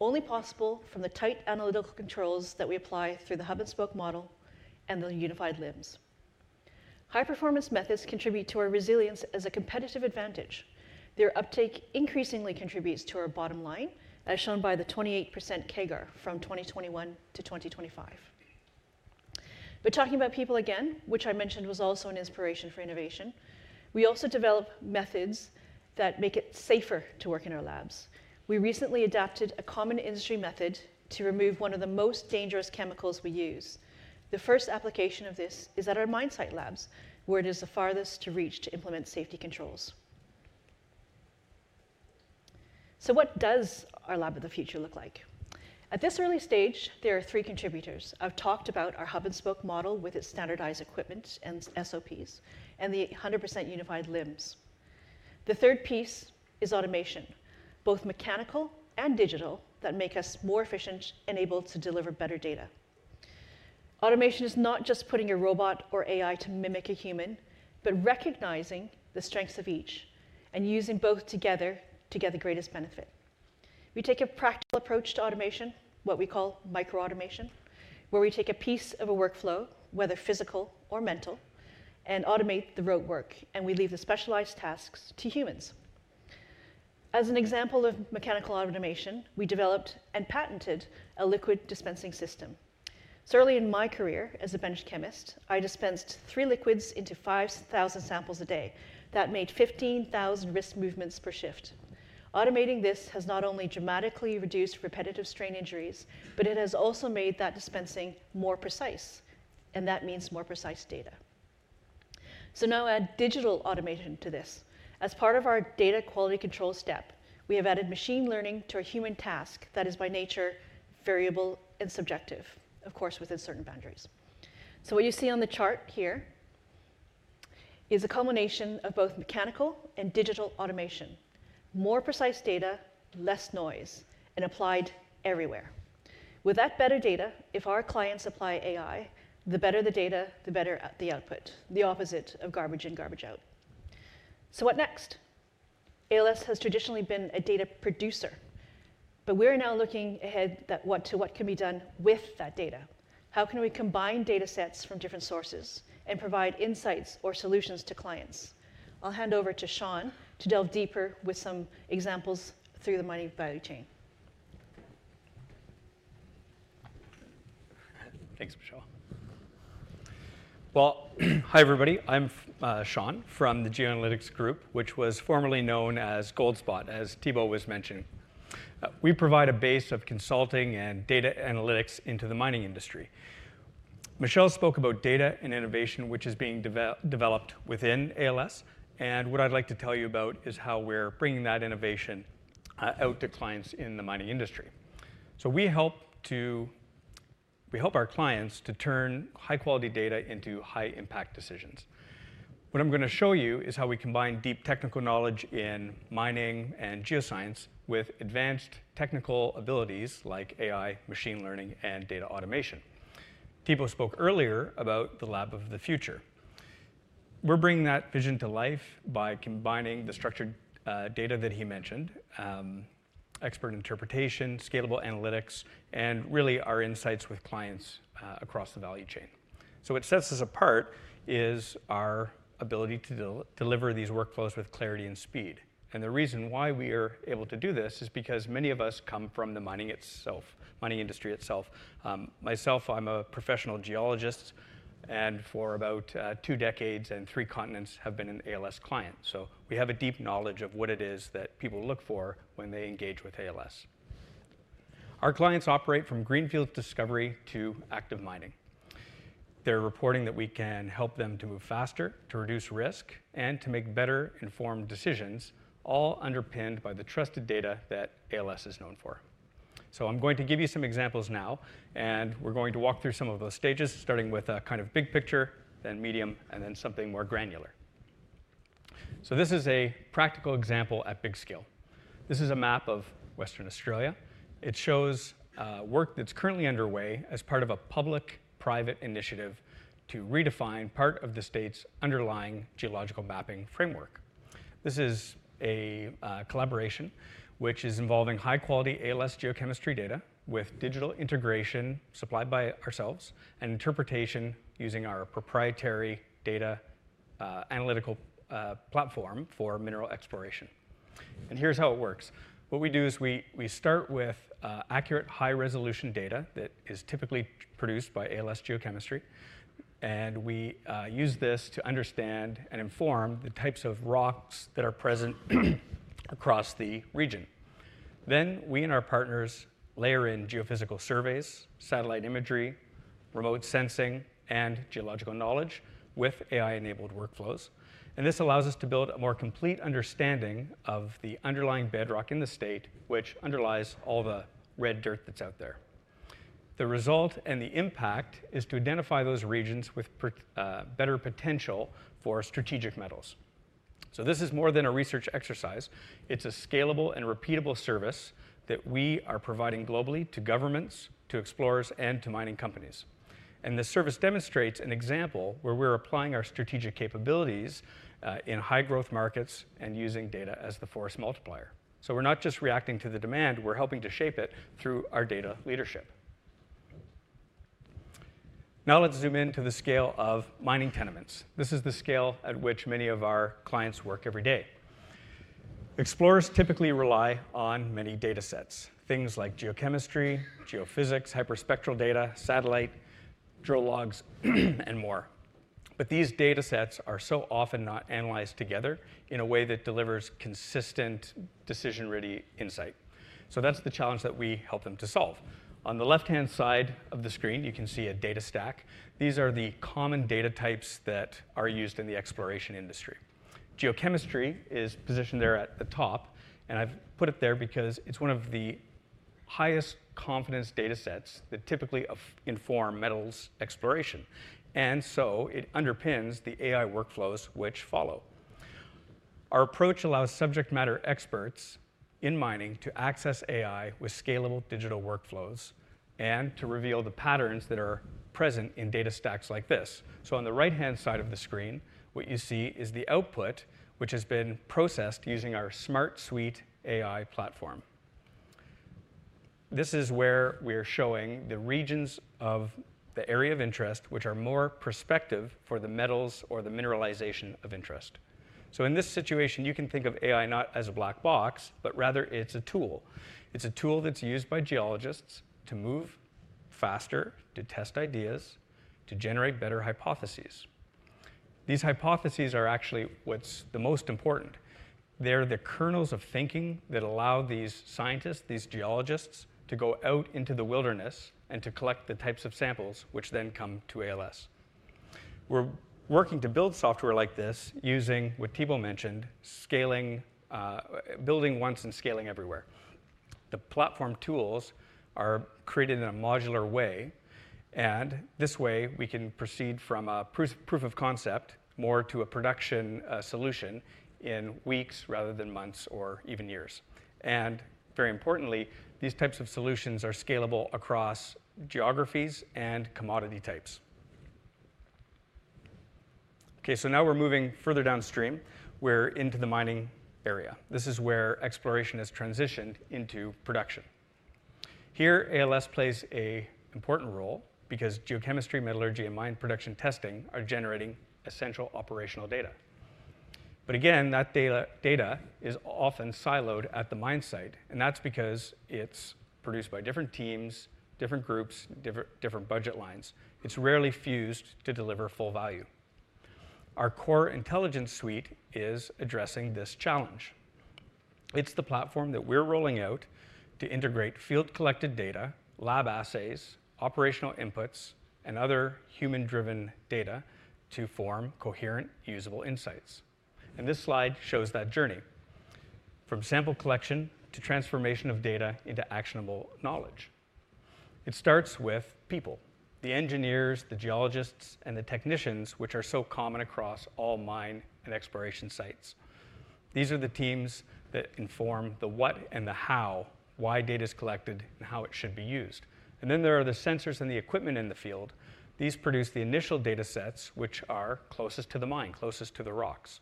only possible from the tight analytical controls that we apply through the hub and spoke model and the unified LIMS. High-performance methods contribute to our resilience as a competitive advantage. Their uptake increasingly contributes to our bottom line, as shown by the 28% CAGR from 2021 to 2025. Talking about people again, which I mentioned was also an inspiration for innovation, we also develop methods that make it safer to work in our labs. We recently adapted a common industry method to remove one of the most dangerous chemicals we use. The first application of this is at our mine site labs, where it is the farthest to reach to implement safety controls. What does our lab of the future look like? At this early stage, there are three contributors. I've talked about our hub and spoke model with its standardized equipment and SOPs and the 100% unified LIMS. The third piece is automation, both mechanical and digital, that make us more efficient and able to deliver better data. Automation is not just putting a robot or AI to mimic a human, but recognizing the strengths of each and using both together to get the greatest benefit. We take a practical approach to automation, what we call micro-automation, where we take a piece of a workflow, whether physical or mental, and automate the rote work. We leave the specialized tasks to humans. As an example of mechanical automation, we developed and patented a liquid dispensing system. Early in my career as a bench chemist, I dispensed three liquids into 5,000 samples a day that made 15,000 wrist movements per shift. Automating this has not only dramatically reduced repetitive strain injuries, but it has also made that dispensing more precise. That means more precise data. Now add digital automation to this. As part of our data quality control step, we have added machine learning to a human task that is by nature variable and subjective, of course, within certain boundaries. What you see on the chart here is a culmination of both mechanical and digital automation: more precise data, less noise, and applied everywhere. With that better data, if our clients apply AI, the better the data, the better the output, the opposite of garbage in, garbage out. What next? ALS Limited has traditionally been a data producer. We are now looking ahead to what can be done with that data. How can we combine data sets from different sources and provide insights or solutions to clients? I'll hand over to Shawn to delve deeper with some examples through the mining value chain. Thanks, Michelle. Hi, everybody. I'm Shawn from the geoanalytics group, which was formerly known as GoldSpot, as Thibault was mentioning. We provide a base of consulting and data analytics into the mining industry. Michelle spoke about data and innovation, which is being developed within ALS. What I'd like to tell you about is how we're bringing that innovation out to clients in the mining industry. We help our clients to turn high-quality data into high-impact decisions. What I'm going to show you is how we combine deep technical knowledge in mining and geoscience with advanced technical abilities like AI, machine learning, and data automation. Thibault spoke earlier about the lab of the future. We're bringing that vision to life by combining the structured data that he mentioned, expert interpretation, scalable analytics, and really our insights with clients across the value chain. What sets us apart is our ability to deliver these workflows with clarity and speed. The reason why we are able to do this is because many of us come from the mining industry itself. Myself, I'm a professional geologist. For about two decades and three continents, I have been an ALS client. We have a deep knowledge of what it is that people look for when they engage with ALS. Our clients operate from greenfield discovery to active mining. They're reporting that we can help them to move faster, to reduce risk, and to make better informed decisions, all underpinned by the trusted data that ALS is known for. I'm going to give you some examples now. We're going to walk through some of those stages, starting with a kind of big picture, then medium, and then something more granular. This is a practical example at big scale. This is a map of Western Australia. It shows work that's currently underway as part of a public-private initiative to redefine part of the state's underlying geological mapping framework. This is a collaboration which is involving high-quality ALS geochemistry data with digital integration supplied by ourselves and interpretation using our proprietary data analytical platform for mineral exploration. Here's how it works. What we do is we start with accurate high-resolution data that is typically produced by ALS Geochemistry. We use this to understand and inform the types of rocks that are present across the region. We and our partners layer in geophysical surveys, satellite imagery, remote sensing, and geological knowledge with AI-enabled workflows. This allows us to build a more complete understanding of the underlying bedrock in the state, which underlies all the red dirt that's out there. The result and the impact is to identify those regions with better potential for strategic metals. This is more than a research exercise. It's a scalable and repeatable service that we are providing globally to governments, to explorers, and to mining companies. This service demonstrates an example where we're applying our strategic capabilities in high-growth markets and using data as the force multiplier. We're not just reacting to the demand. We're helping to shape it through our data leadership. Now let's zoom in to the scale of mining tenements. This is the scale at which many of our clients work every day. Explorers typically rely on many data sets, things like geochemistry, geophysics, hyperspectral data, satellite drill logs, and more. These data sets are so often not analyzed together in a way that delivers consistent decision-ready insight. That's the challenge that we help them to solve. On the left-hand side of the screen, you can see a data stack. These are the common data types that are used in the exploration industry. Geochemistry is positioned there at the top. I've put it there because it's one of the highest confidence data sets that typically inform metals exploration, and so it underpins the AI workflows which follow. Our approach allows subject matter experts in mining to access AI with scalable digital workflows and to reveal the patterns that are present in data stacks like this. On the right-hand side of the screen, what you see is the output which has been processed using our smart suite AI platform. This is where we are showing the regions of the area of interest which are more prospective for the metals or the mineralization of interest. In this situation, you can think of AI not as a black box, but rather it's a tool. It's a tool that's used by geologists to move faster, to test ideas, to generate better hypotheses. These hypotheses are actually what's the most important. They're the kernels of thinking that allow these scientists, these geologists, to go out into the wilderness and to collect the types of samples which then come to ALS Limited. We're working to build software like this using what Thibault mentioned, building once and scaling everywhere. The platform tools are created in a modular way. This way, we can proceed from a proof of concept more to a production solution in weeks rather than months or even years. Very importantly, these types of solutions are scalable across geographies and commodity types. Now we're moving further downstream. We're into the mining area. This is where exploration has transitioned into production. Here, ALS Limited plays an important role because geochemistry, metallurgy, and mine production testing are generating essential operational data. That data is often siloed at the mine site. That's because it's produced by different teams, different groups, different budget lines. It's rarely fused to deliver full value. Our core intelligence suite is addressing this challenge. It's the platform that we're rolling out to integrate field-collected data, lab assays, operational inputs, and other human-driven data to form coherent, usable insights. This slide shows that journey from sample collection to transformation of data into actionable knowledge. It starts with people, the engineers, the geologists, and the technicians, which are so common across all mine and exploration sites. These are the teams that inform the what and the how, why data is collected and how it should be used. Then there are the sensors and the equipment in the field. These produce the initial data sets which are closest to the mine, closest to the rocks.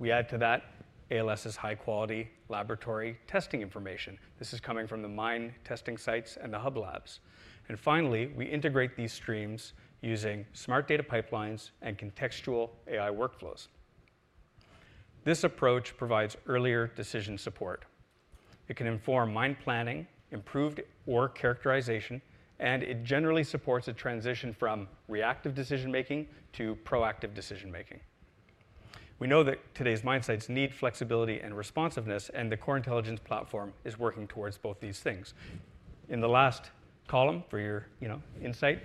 We add to that ALS Limited's high-quality laboratory testing information. This is coming from the mine testing sites and the hub labs. Finally, we integrate these streams using smart data pipelines and contextual AI workflows. This approach provides earlier decision support. It can inform mine planning, improved ore characterization. It generally supports a transition from reactive decision-making to proactive decision-making. We know that today's mine sites need flexibility and responsiveness. The core intelligence platform is working towards both these things. In the last column for your insight,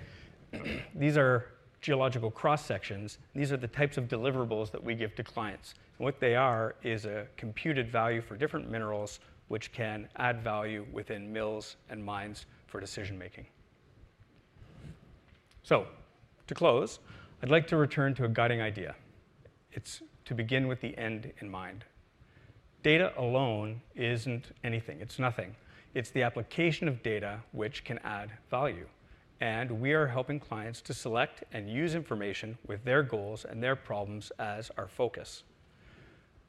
these are geological cross-sections. These are the types of deliverables that we give to clients. What they are is a computed value for different minerals which can add value within mills and mines for decision-making. To close, I'd like to return to a guiding idea. It's to begin with the end in mind. Data alone isn't anything. It's nothing. It's the application of data which can add value. We are helping clients to select and use information with their goals and their problems as our focus.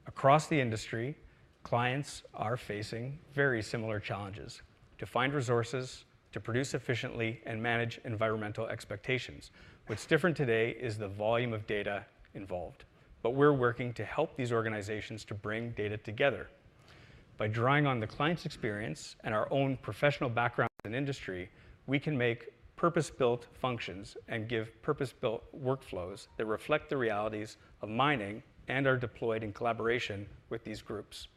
Across the industry, clients are facing very similar challenges to find resources, to produce efficiently, and manage environmental expectations. What's different today is the volume of data involved. We're working to help these organizations to bring data together. By drawing on the client's experience and our own professional backgrounds in industry, we can make purpose-built functions and give purpose-built workflows that reflect the realities of mining and are deployed in collaboration with these groups.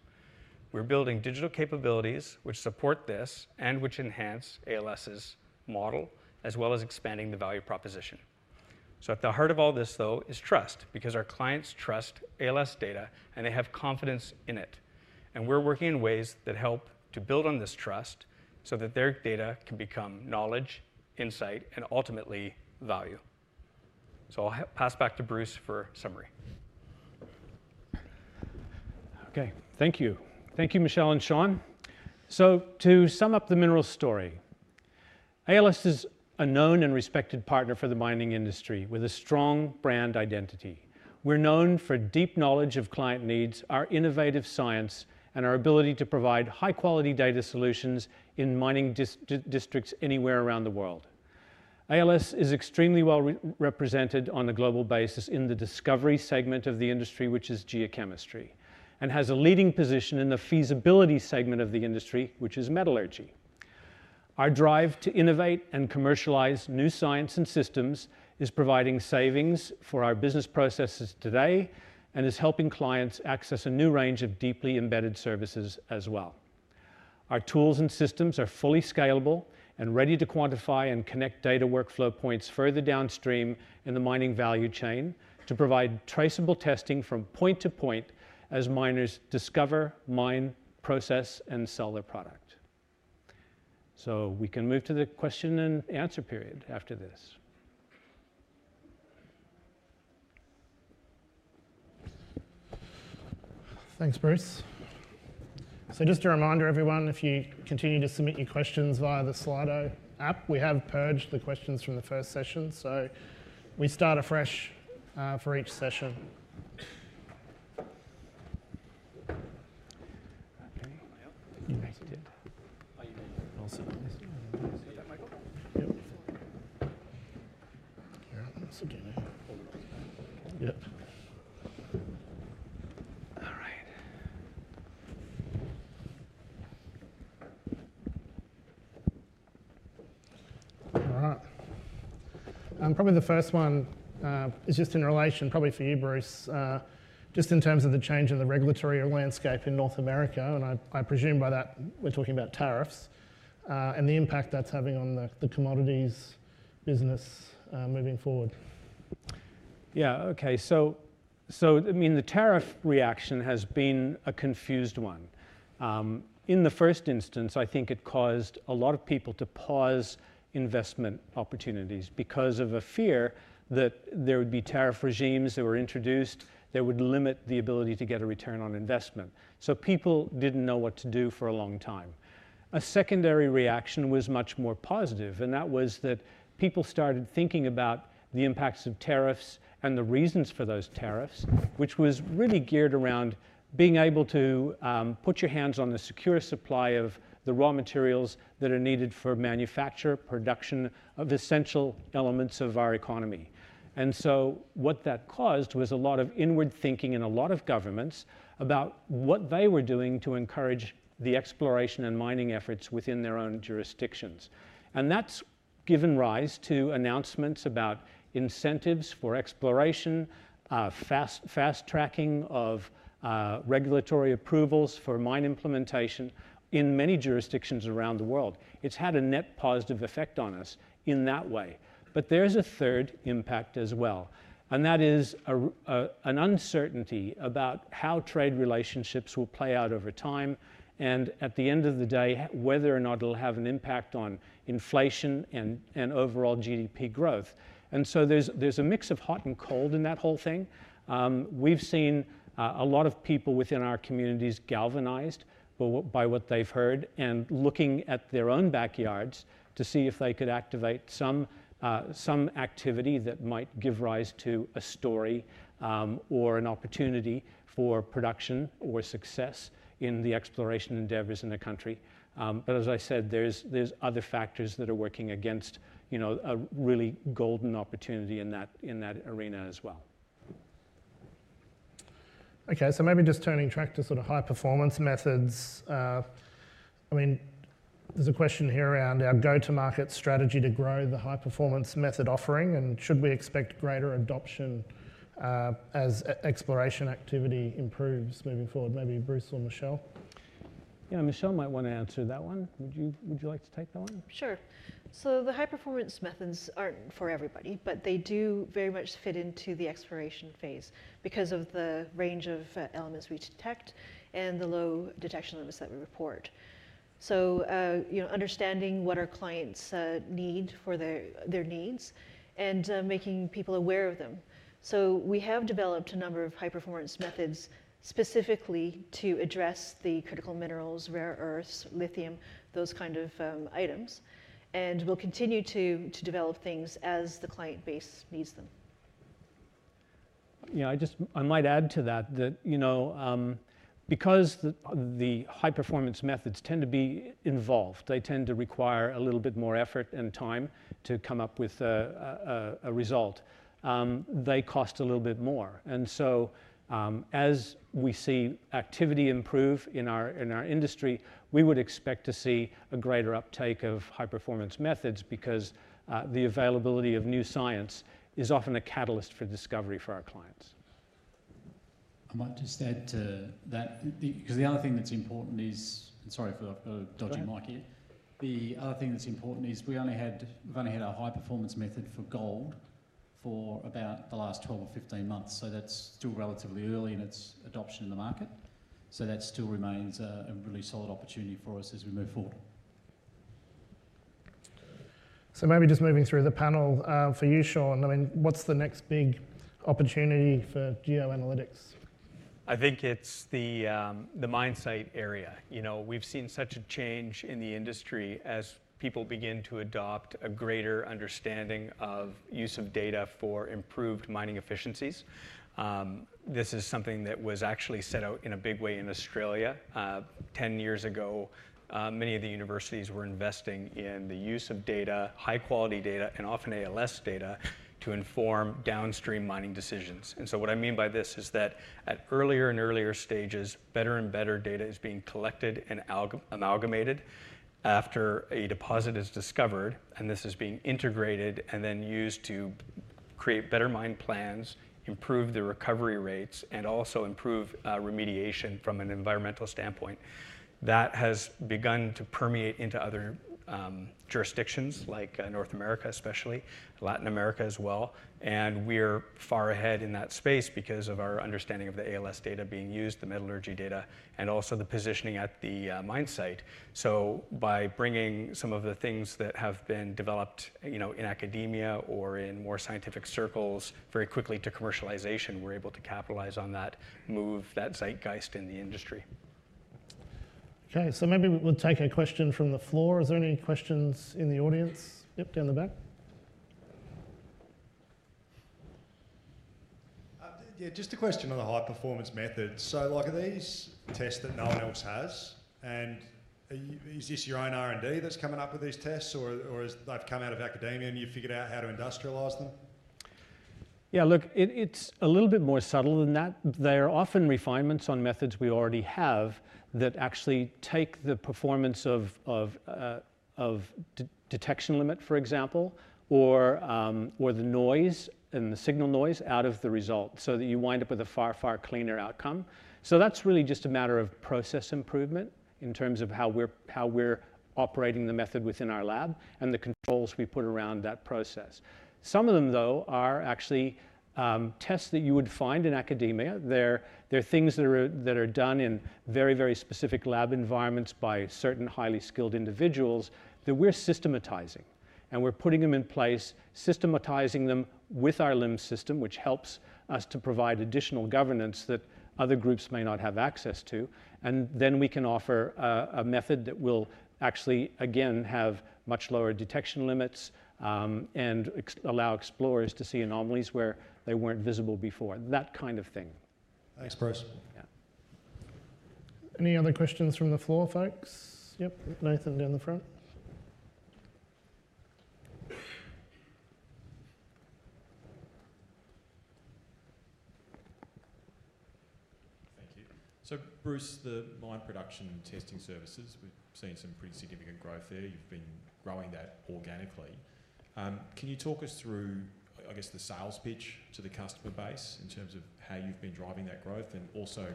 We're building digital capabilities which support this and which enhance ALS's model, as well as expanding the value proposition. At the heart of all this, though, is trust because our clients trust ALS data, and they have confidence in it. We're working in ways that help to build on this trust so that their data can become knowledge, insight, and ultimately value. I'll pass back to Bruce for summary. OK, thank you. Thank you, Michelle and Shawn. To sum up the minerals story, ALS is a known and respected partner for the mining industry with a strong brand identity. We're known for deep knowledge of client needs, our innovative science, and our ability to provide high-quality data solutions in mining districts anywhere around the world. ALS is extremely well represented on a global basis in the discovery segment of the industry, which is geochemistry, and has a leading position in the feasibility segment of the industry, which is metallurgy. Our drive to innovate and commercialize new science and systems is providing savings for our business processes today and is helping clients access a new range of deeply embedded services as well. Our tools and systems are fully scalable and ready to quantify and connect data workflow points further downstream in the mining value chain to provide traceable testing from point to point as miners discover, mine, process, and sell their product. We can move to the question and answer period after this. Thanks, Bruce. Just a reminder, everyone, if you continue to submit your questions via the Slido app, we have purged the questions from the first session. We start afresh for each session. OK. You're all set. OK. Michael? Yep. Here I am once again. Yep. All right. All right. The first one is just in relation, probably for you, Bruce, just in terms of the change in the regulatory landscape in North America. I presume by that we're talking about tariffs and the impact that's having on the commodities business moving forward. Yeah, OK. The tariff reaction has been a confused one. In the first instance, I think it caused a lot of people to pause investment opportunities because of a fear that there would be tariff regimes that were introduced that would limit the ability to get a return on investment. People didn't know what to do for a long time. A secondary reaction was much more positive. That was that people started thinking about the impacts of tariffs and the reasons for those tariffs, which was really geared around being able to put your hands on the secure supply of the raw materials that are needed for manufacture, production of essential elements of our economy. What that caused was a lot of inward thinking in a lot of governments about what they were doing to encourage the exploration and mining efforts within their own jurisdictions. That's given rise to announcements about incentives for exploration, fast tracking of regulatory approvals for mine implementation in many jurisdictions around the world. It's had a net positive effect on us in that way. There's a third impact as well. That is an uncertainty about how trade relationships will play out over time and at the end of the day, whether or not it'll have an impact on inflation and overall GDP growth. There's a mix of hot and cold in that whole thing. We've seen a lot of people within our communities galvanized by what they've heard and looking at their own backyards to see if they could activate some activity that might give rise to a story or an opportunity for production or success in the exploration endeavors in the country. As I said, there's other factors that are working against a really golden opportunity in that arena as well. OK, maybe just turning track to sort of high-performance methods. There's a question here around our go-to-market strategy to grow the high-performance method offering. Should we expect greater adoption as exploration activity improves moving forward? Maybe Bruce or Michelle? Michelle might want to answer that one. Would you like to take that one? The high-performance methods aren't for everybody. They do very much fit into the exploration phase because of the range of elements we detect and the low detection limits that we report. Understanding what our clients need for their needs and making people aware of them is important. We have developed a number of high-performance methods specifically to address the critical minerals, rare earths, lithium, those kinds of items. We'll continue to develop things as the client base needs them. I might add to that that because the high-performance methods tend to be involved, they tend to require a little bit more effort and time to come up with a result. They cost a little bit more. As we see activity improve in our industry, we would expect to see a greater uptake of high-performance methods because the availability of new science is often a catalyst for discovery for our clients. I might just add to that because the other thing that's important is, and sorry for dodging Mike here, the other thing that's important is we've only had our high-performance method for gold for about the last 12 or 15 months. That's still relatively early in its adoption in the market. That still remains a really solid opportunity for us as we move forward. Maybe just moving through the panel for you, Shawn. I mean, what's the next big opportunity for geoanalytics? I think it's the mine site area. We've seen such a change in the industry as people begin to adopt a greater understanding of use of data for improved mining efficiencies. This is something that was actually set out in a big way in Australia 10 years ago. Many of the universities were investing in the use of data, high-quality data, and often ALS data to inform downstream mining decisions. What I mean by this is that at earlier and earlier stages, better and better data is being collected and amalgamated after a deposit is discovered. This is being integrated and then used to create better mine plans, improve the recovery rates, and also improve remediation from an environmental standpoint. That has begun to permeate into other jurisdictions like North America, especially Latin America as well. We are far ahead in that space because of our understanding of the ALS data being used, the metallurgy data, and also the positioning at the mine site. By bringing some of the things that have been developed in academia or in more scientific circles very quickly to commercialization, we're able to capitalize on that, move that zeitgeist in the industry. OK, maybe we'll take a question from the floor. Are there any questions in the audience? Yep, down the back. Yeah, just a question on the high-performance methods. Are these tests that no one else has? Is this your own R&D that's coming up with these tests, or have they come out of academia and you've figured out how to industrialize them? Yeah, look, it's a little bit more subtle than that. They are often refinements on methods we already have that actually take the performance of detection limit, for example, or the noise and the signal noise out of the result, so that you wind up with a far, far cleaner outcome. That's really just a matter of process improvement in terms of how we're operating the method within our lab and the controls we put around that process. Some of them, though, are actually tests that you would find in academia. They're things that are done in very, very specific lab environments by certain highly skilled individuals that we're systematizing. We're putting them in place, systematizing them with our LIMS system, which helps us to provide additional governance that other groups may not have access to. We can offer a method that will actually, again, have much lower detection limits and allow explorers to see anomalies where they weren't visible before, that kind of thing. Thanks, Bruce. Yeah. Any other questions from the floor, folks? Yep, Nathan down the front. Thank you. Bruce, the mine production testing services, we've seen some pretty significant growth there. You've been growing that organically. Can you talk us through the sales pitch to the customer base in terms of how you've been driving that growth and also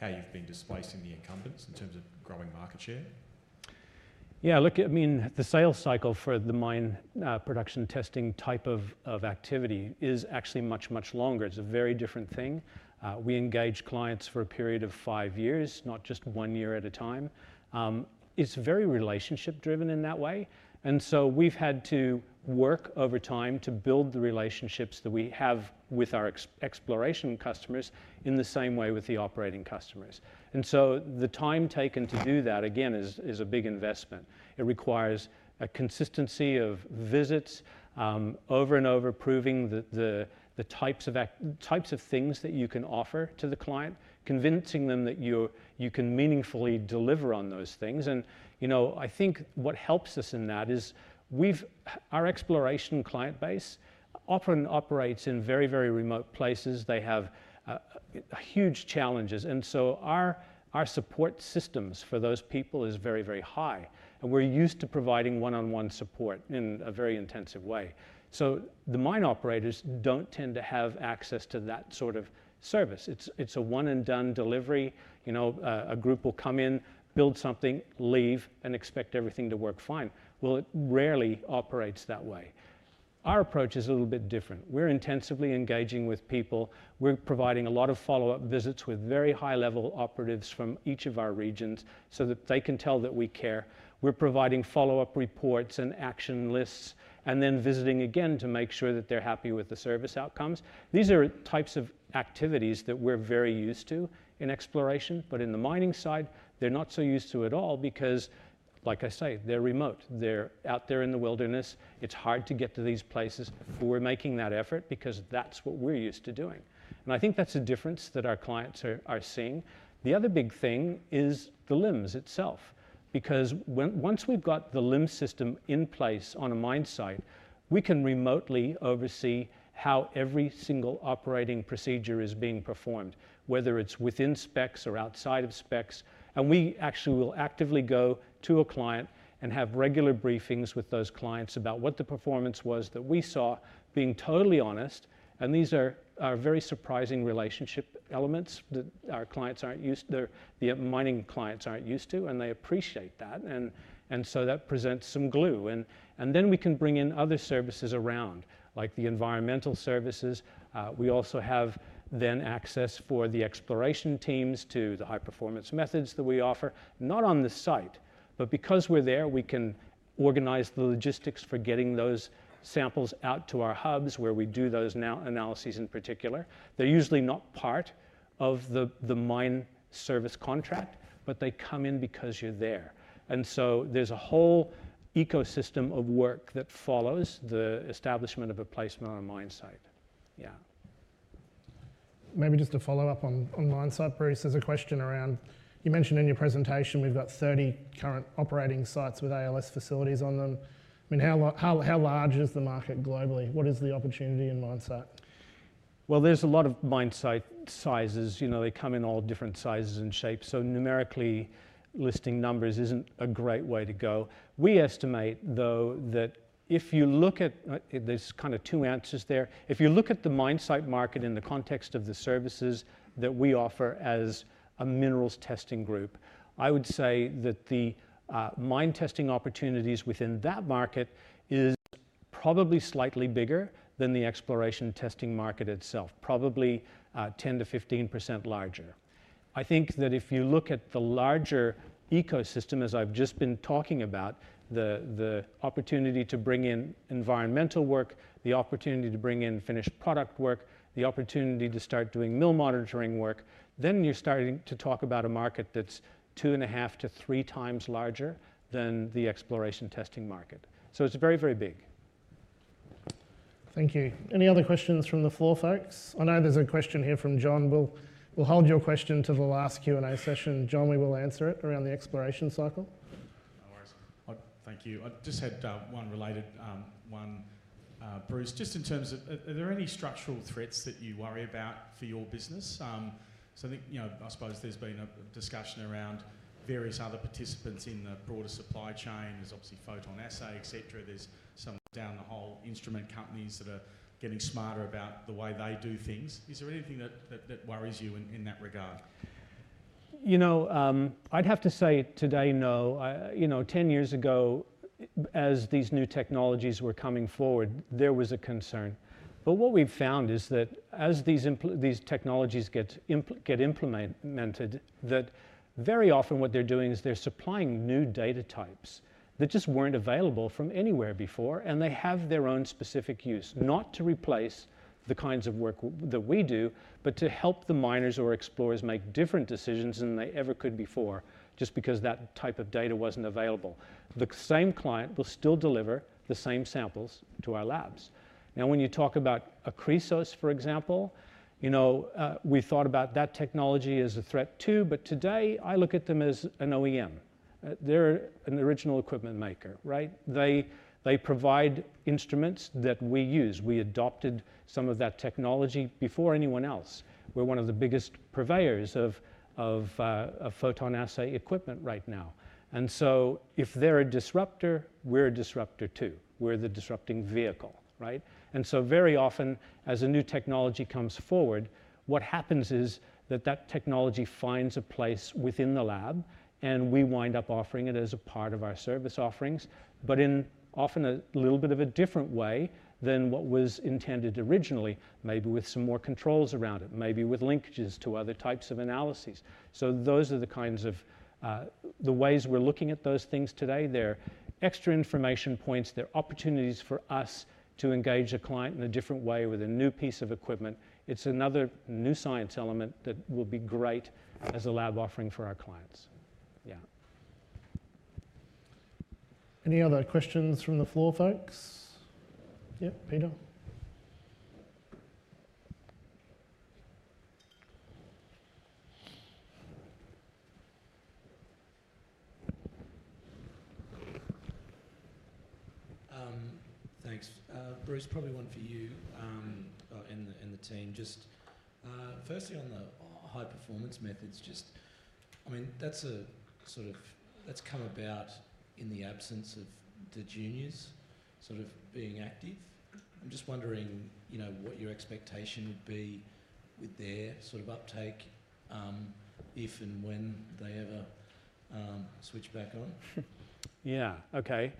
how you've been displacing the incumbents in terms of growing market share? Yeah, look, the sales cycle for the mine production testing type of activity is actually much, much longer. It's a very different thing. We engage clients for a period of five years, not just one year at a time. It's very relationship-driven in that way. We've had to work over time to build the relationships that we have with our exploration customers in the same way with the operating customers. The time taken to do that, again, is a big investment. It requires a consistency of visits, over and over proving the types of things that you can offer to the client, convincing them that you can meaningfully deliver on those things. I think what helps us in that is our exploration client base operates in very, very remote places. They have huge challenges. Our support systems for those people are very, very high. We're used to providing one-on-one support in a very intensive way. The mine operators don't tend to have access to that sort of service. It's a one-and-done delivery. A group will come in, build something, leave, and expect everything to work fine. It rarely operates that way. Our approach is a little bit different. We're intensively engaging with people. We're providing a lot of follow-up visits with very high-level operatives from each of our regions so that they can tell that we care. We're providing follow-up reports and action lists and then visiting again to make sure that they're happy with the service outcomes. These are types of activities that we're very used to in exploration. In the mining side, they're not so used to at all because, like I say, they're remote. They're out there in the wilderness. It's hard to get to these places. We're making that effort because that's what we're used to doing. I think that's a difference that our clients are seeing. The other big thing is the LIMS itself because once we've got the LIMS system in place on a mine site, we can remotely oversee how every single operating procedure is being performed, whether it's within specs or outside of specs. We actually will actively go to a client and have regular briefings with those clients about what the performance was that we saw, being totally honest. These are very surprising relationship elements that our clients aren't used to, the mining clients aren't used to. They appreciate that. That presents some glue. We can bring in other services around, like the environmental services. We also have then access for the exploration teams to the high-performance methods that we offer, not on the site. Because we're there, we can organize the logistics for getting those samples out to our hubs where we do those analyses in particular. They're usually not part of the mine service contract, but they come in because you're there. There's a whole ecosystem of work that follows the establishment of a placement on a mine site. Yeah. Maybe just to follow up on mine site, Bruce, there's a question around you mentioned in your presentation we've got 30 current operating sites with ALS facilities on them. I mean, how large is the market globally? What is the opportunity in mine site? There is a lot of mine site sizes. They come in all different sizes and shapes. Numerically listing numbers isn't a great way to go. We estimate, though, that if you look at there's kind of two answers there. If you look at the mine site market in the context of the services that we offer as a minerals testing group, I would say that the mine testing opportunities within that market are probably slightly bigger than the exploration testing market itself, probably 10%-15% larger. I think that if you look at the larger ecosystem, as I've just been talking about, the opportunity to bring in environmental work, the opportunity to bring in finished product work, the opportunity to start doing mill monitoring work, you're starting to talk about a market that's 2.5-3 times larger than the exploration testing market. It's very, very big. Thank you. Any other questions from the floor, folks? I know there's a question here from John. We'll hold your question to the last Q&A session. John, we will answer it around the exploration cycle. No worries. Thank you. I just had one related one, Bruce. Just in terms of are there any structural threats that you worry about for your business? I suppose there's been a discussion around various other participants in the broader supply chain. There's obviously photon assay, et cetera. There are some down-the-hole instrument companies that are getting smarter about the way they do things. Is there anything that worries you in that regard? I'd have to say today, no. 10 years ago, as these new technologies were coming forward, there was a concern. What we've found is that as these technologies get implemented, very often what they're doing is they're supplying new data types that just weren't available from anywhere before. They have their own specific use, not to replace the kinds of work that we do, but to help the miners or explorers make different decisions than they ever could before just because that type of data wasn't available. The same client will still deliver the same samples to our labs. Now, when you talk about Akrisos, for example, we thought about that technology as a threat too. Today, I look at them as an OEM. They're an original equipment maker. They provide instruments that we use. We adopted some of that technology before anyone else. We're one of the biggest purveyors of photon assay equipment right now. If they're a disruptor, we're a disruptor too. We're the disrupting vehicle. Very often, as a new technology comes forward, what happens is that technology finds a place within the lab. We wind up offering it as a part of our service offerings, but often a little bit of a different way than what was intended originally, maybe with some more controls around it, maybe with linkages to other types of analyses. Those are the kinds of the ways we're looking at those things today. They're extra information points. They're opportunities for us to engage a client in a different way with a new piece of equipment. It's another new science element that will be great as a lab offering for our clients. Yeah. Any other questions from the floor, folks? Yep, Peter. Thanks. Bruce, probably one for you and the team. Just firstly, on the high-performance methods, that's come about in the absence of the juniors being active. I'm just wondering what your expectation would be with their uptake if and when they ever switch back on. OK.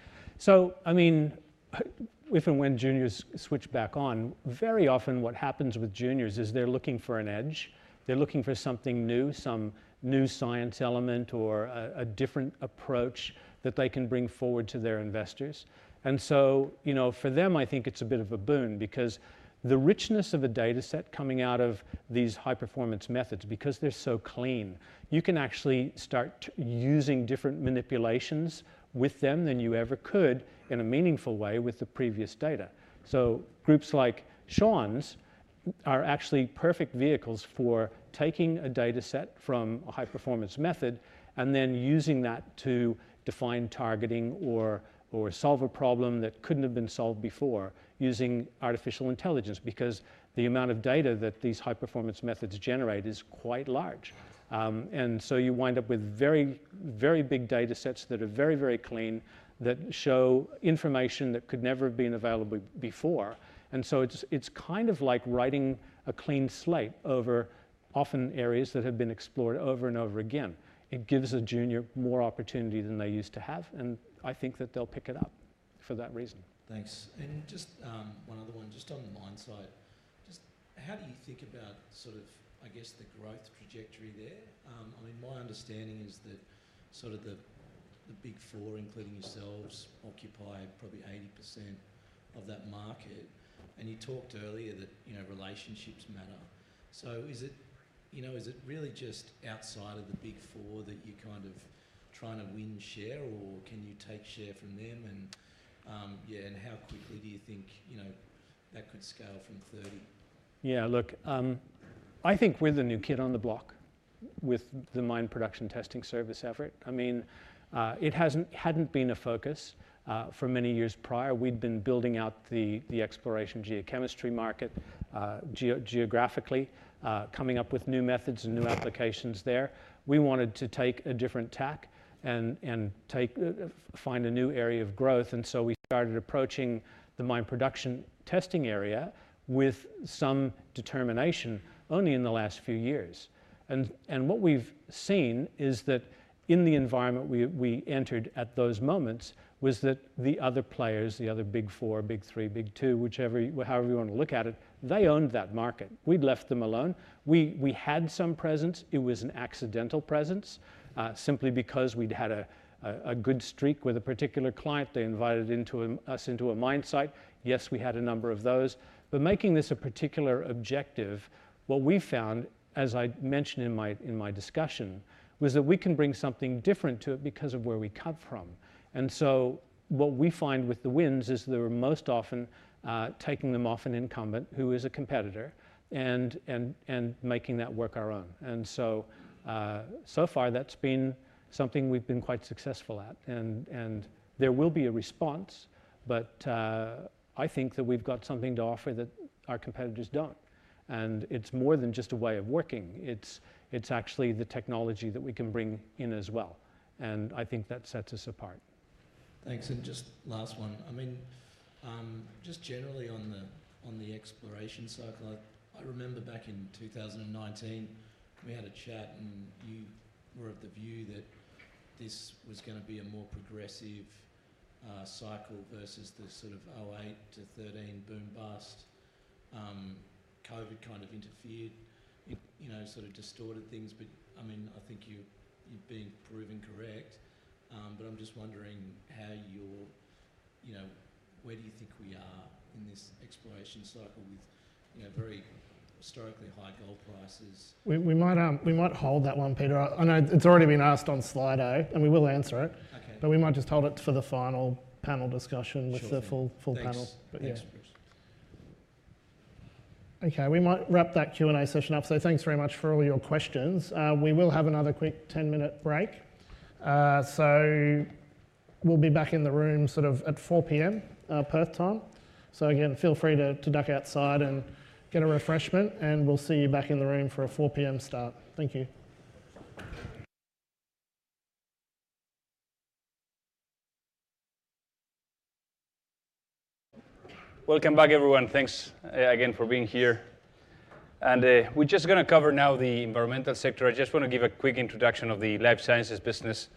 If and when juniors switch back on, very often what happens with juniors is they're looking for an edge. They're looking for something new, some new science element or a different approach that they can bring forward to their investors. For them, I think it's a bit of a boon because the richness of a data set coming out of these high-performance methods, because they're so clean, you can actually start using different manipulations with them than you ever could in a meaningful way with the previous data. Groups like Shawn's are actually perfect vehicles for taking a data set from a high-performance method and then using that to define targeting or solve a problem that couldn't have been solved before using artificial intelligence because the amount of data that these high-performance methods generate is quite large. You wind up with very, very big data sets that are very, very clean that show information that could never have been available before. It's kind of like writing a clean slate over often areas that have been explored over and over again. It gives a junior more opportunity than they used to have. I think that they'll pick it up for that reason. Thanks. Just one other one, just on the mine site. How do you think about sort of, I guess, the growth trajectory there? My understanding is that the Big Four, including yourselves, occupy probably 80% of that market. You talked earlier that relationships matter. Is it really just outside of the Big Four that you're kind of trying to win share, or can you take share from them? How quickly do you think that could scale from 30? Yeah, look, I think we're the new kid on the block with the mine production testing service effort. I mean, it hadn't been a focus for many years prior. We'd been building out the exploration geochemistry market geographically, coming up with new methods and new applications there. We wanted to take a different tack and find a new area of growth. We started approaching the mine production testing area with some determination only in the last few years. What we've seen is that in the environment we entered at those moments, the other players, the other Big Four, Big Three, Big Two, however you want to look at it, they owned that market. We'd left them alone. We had some presence. It was an accidental presence simply because we'd had a good streak with a particular client, they invited us into a mine site. Yes, we had a number of those. Making this a particular objective, what we found, as I mentioned in my discussion, was that we can bring something different to it because of where we come from. What we find with the wins is that we're most often taking them off an incumbent who is a competitor and making that work our own. So far, that's been something we've been quite successful at. There will be a response. I think that we've got something to offer that our competitors don't. It's more than just a way of working. It's actually the technology that we can bring in as well. I think that sets us apart. Thanks. Just last one. I mean, just generally on the exploration cycle, I remember back in 2019, we had a chat. You were of the view that this was going to be a more progressive cycle versus the sort of 2008 to 2013 boom bust. COVID kind of interfered and distorted things. I think you've been proven correct. I'm just wondering where do you think we are in this exploration cycle with very historically high gold prices? We might hold that one, Peter. I know it's already been asked on Slido, and we will answer it, but we might just hold it for the final panel discussion with the full panel. Thanks, Bruce. OK, we might wrap that Q&A session up. Thanks very much for all your questions. We will have another quick 10-minute break. We'll be back in the room at 4:00 P.M. Perth time. Feel free to duck outside and get a refreshment. We'll see you back in the room for a 4:00 P.M. start. Thank you. Welcome back, everyone. Thanks again for being here. We're just going to cover now the environmental sector. I just want to give a quick introduction of the life sciences business.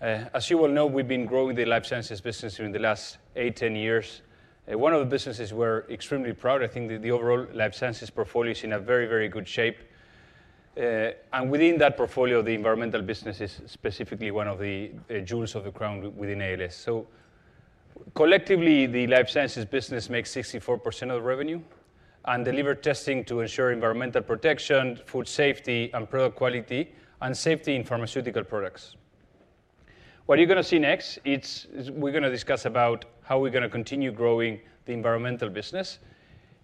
As you well know, we've been growing the life sciences business during the last eight, 10 years. One of the businesses we're extremely proud of, I think the overall life sciences portfolio is in a very, very good shape. Within that portfolio, the environmental business is specifically one of the jewels of the crown within ALS. Collectively, the life sciences business makes 64% of the revenue and delivers testing to ensure environmental protection, food safety, and product quality and safety in pharmaceutical products. What you're going to see next is we're going to discuss about how we're going to continue growing the environmental business.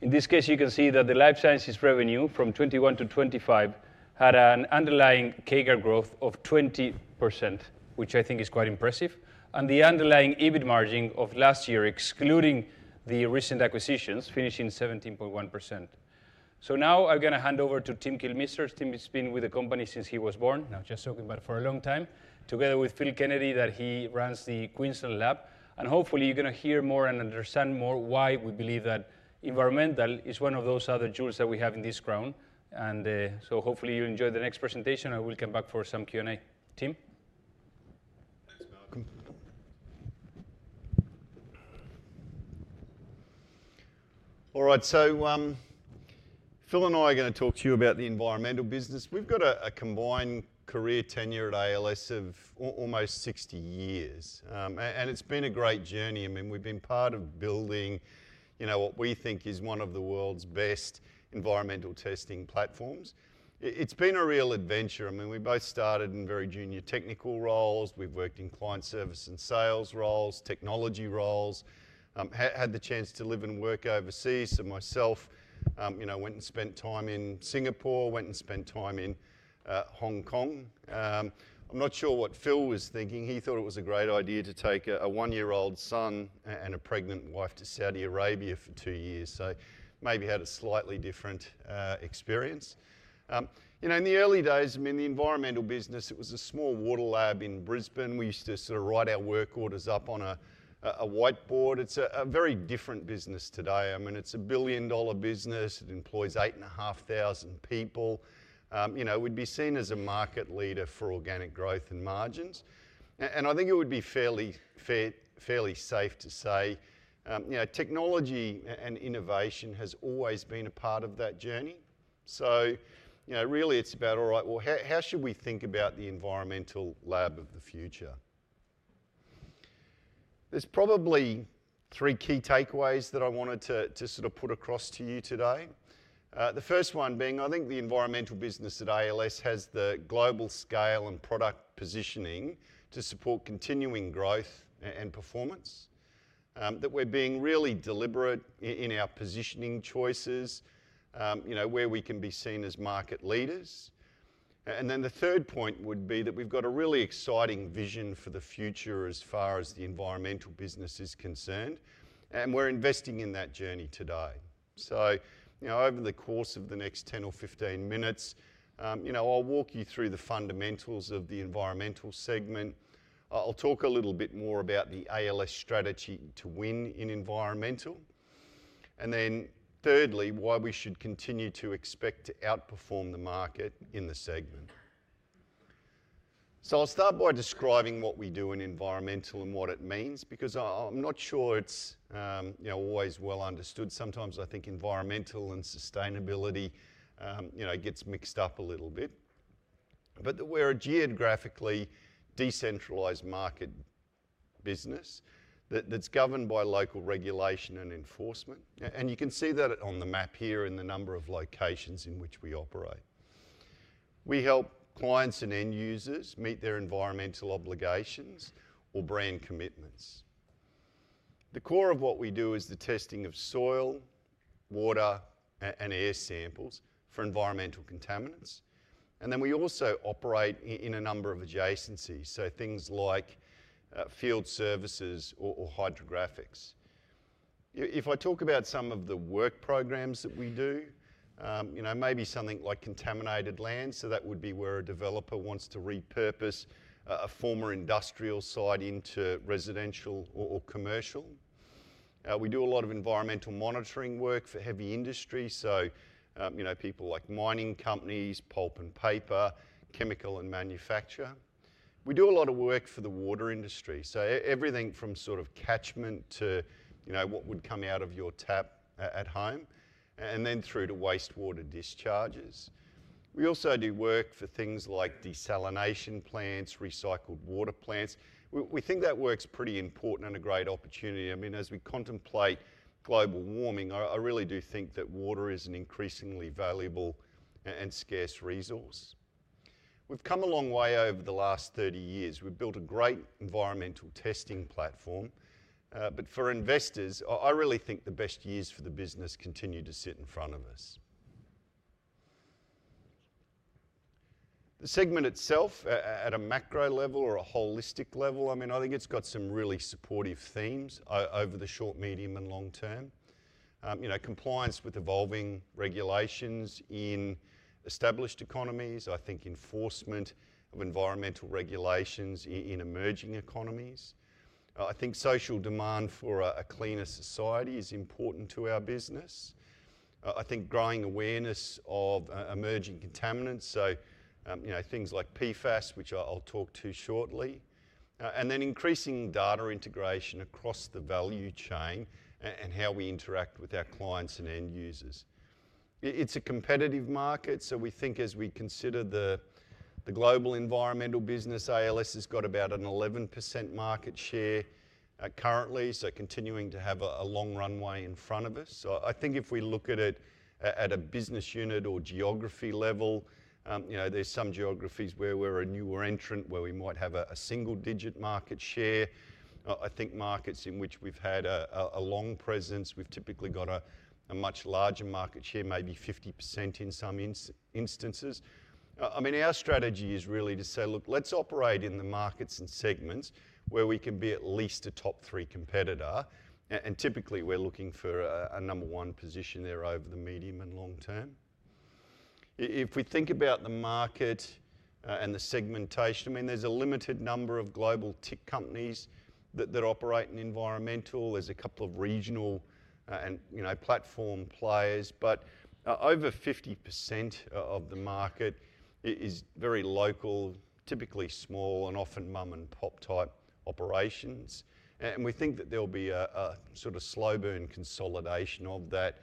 In this case, you can see that the life sciences revenue from 2021 to 2025 had an underlying CAGR growth of 20%, which I think is quite impressive. The underlying EBIT margin of last year. Excluding The recent acquisitions, finishing 17.1%. Now I'm going to hand over to Tim Kilmister. Tim has been with the company since he was born, now just talking, but for a long time, together with Phil Kennedy that he runs the Queensland Lab. Hopefully, you're going to hear more and understand more why we believe that Environmental is one of those other jewels that we have in this crown. Hopefully, you'll enjoy the next presentation. I will come back for some Q&A. Tim? Thanks, Malcolm. All right, Phil and I are going to talk to you about the environmental business. We've got a combined career tenure at ALS of almost 60 years, and it's been a great journey. We've been part of building what we think is one of the world's best environmental testing platforms. It's been a real adventure. We both started in very junior technical roles. We've worked in client service and sales roles, technology roles, and had the chance to live and work overseas. Myself, I went and spent time in Singapore and went and spent time in Hong Kong. I'm not sure what Phil was thinking. He thought it was a great idea to take a one-year-old son and a pregnant wife to Saudi Arabia for two years, so maybe had a slightly different experience. In the early days, the environmental business was a small water lab in Brisbane. We used to write our work orders up on a whiteboard. It's a very different business today. It's a billion-dollar business. It employs 8,500 people. It would be seen as a market leader for organic growth and margins. I think it would be fairly safe to say technology and innovation has always been a part of that journey. Really, it's about how should we think about the environmental lab of the future. There are probably three key takeaways that I wanted to put across to you today. The first one being, I think the environmental business at ALS has the global scale and product positioning to support continuing growth and performance, that we're being really deliberate in our positioning choices where we can be seen as market leaders. The third point would be that we've got a really exciting vision for the future as far as the environmental business is concerned, and we're investing in that journey today. Over the course of the next 10 or 15 minutes, I'll walk you through the fundamentals of the environmental segment. I'll talk a little bit more about the ALS strategy to win in environmental, and then thirdly, why we should continue to expect to outperform the market in the segment. I'll start by describing what we do in environmental and what it means, because I'm not sure it's always well understood. Sometimes I think environmental and sustainability get mixed up a little bit. We're a geographically decentralized market business that's governed by local regulation and enforcement. You can see that on the map here in the number of locations in which we operate. We help clients and end users meet their environmental obligations or brand commitments. The core of what we do is the testing of soil, water, and air samples for environmental contaminants. We also operate in a number of adjacencies, like field services or hydrographics. If I talk about some of the work programs that we do, maybe something like contaminated land, that would be where a developer wants to repurpose a former industrial site into residential or commercial. We do a lot of environmental monitoring work for heavy industry, like mining companies, pulp and paper, chemical, and manufacturing. We do a lot of work for the water industry, everything from sort of catchment to what would come out of your tap at home, and then through to wastewater discharges. We also do work for things like desalination plants and recycled water plants. We think that work's pretty important and a great opportunity. As we contemplate global warming, I really do think that water is an increasingly valuable and scarce resource. We've come a long way over the last 30 years. We've built a great environmental testing platform. For investors, I really think the best years for the business continue to sit in front of us. The segment itself at a macro level or a holistic level, I think it's got some really supportive themes over the short, medium, and long term. Compliance with evolving regulations in established economies, enforcement of environmental regulations in emerging economies, and social demand for a cleaner society are important to our business. Growing awareness of emerging contaminants, like PFAS, which I'll talk to shortly, and increasing data integration across the value chain and how we interact with our clients and end users, are also key. It's a competitive market. As we consider the global environmental business, ALS has got about an 11% market share currently, so continuing to have a long runway in front of us. If we look at it at a business unit or geography level, there are some geographies where we're a newer entrant where we might have a single-digit market share. I think markets in which we've had a long presence, we've typically got a much larger market share, maybe 50% in some instances. I mean, our strategy is really to say, look, let's operate in the markets and segments where we can be at least a top three competitor. Typically, we're looking for a number one position there over the medium and long term. If we think about the market and the segmentation, there's a limited number of global tech companies that operate in environmental. There's a couple of regional and, you know, platform players. Over 50% of the market is very local, typically small and often mom-and-pop type operations. We think that there'll be a sort of slow-burn consolidation of that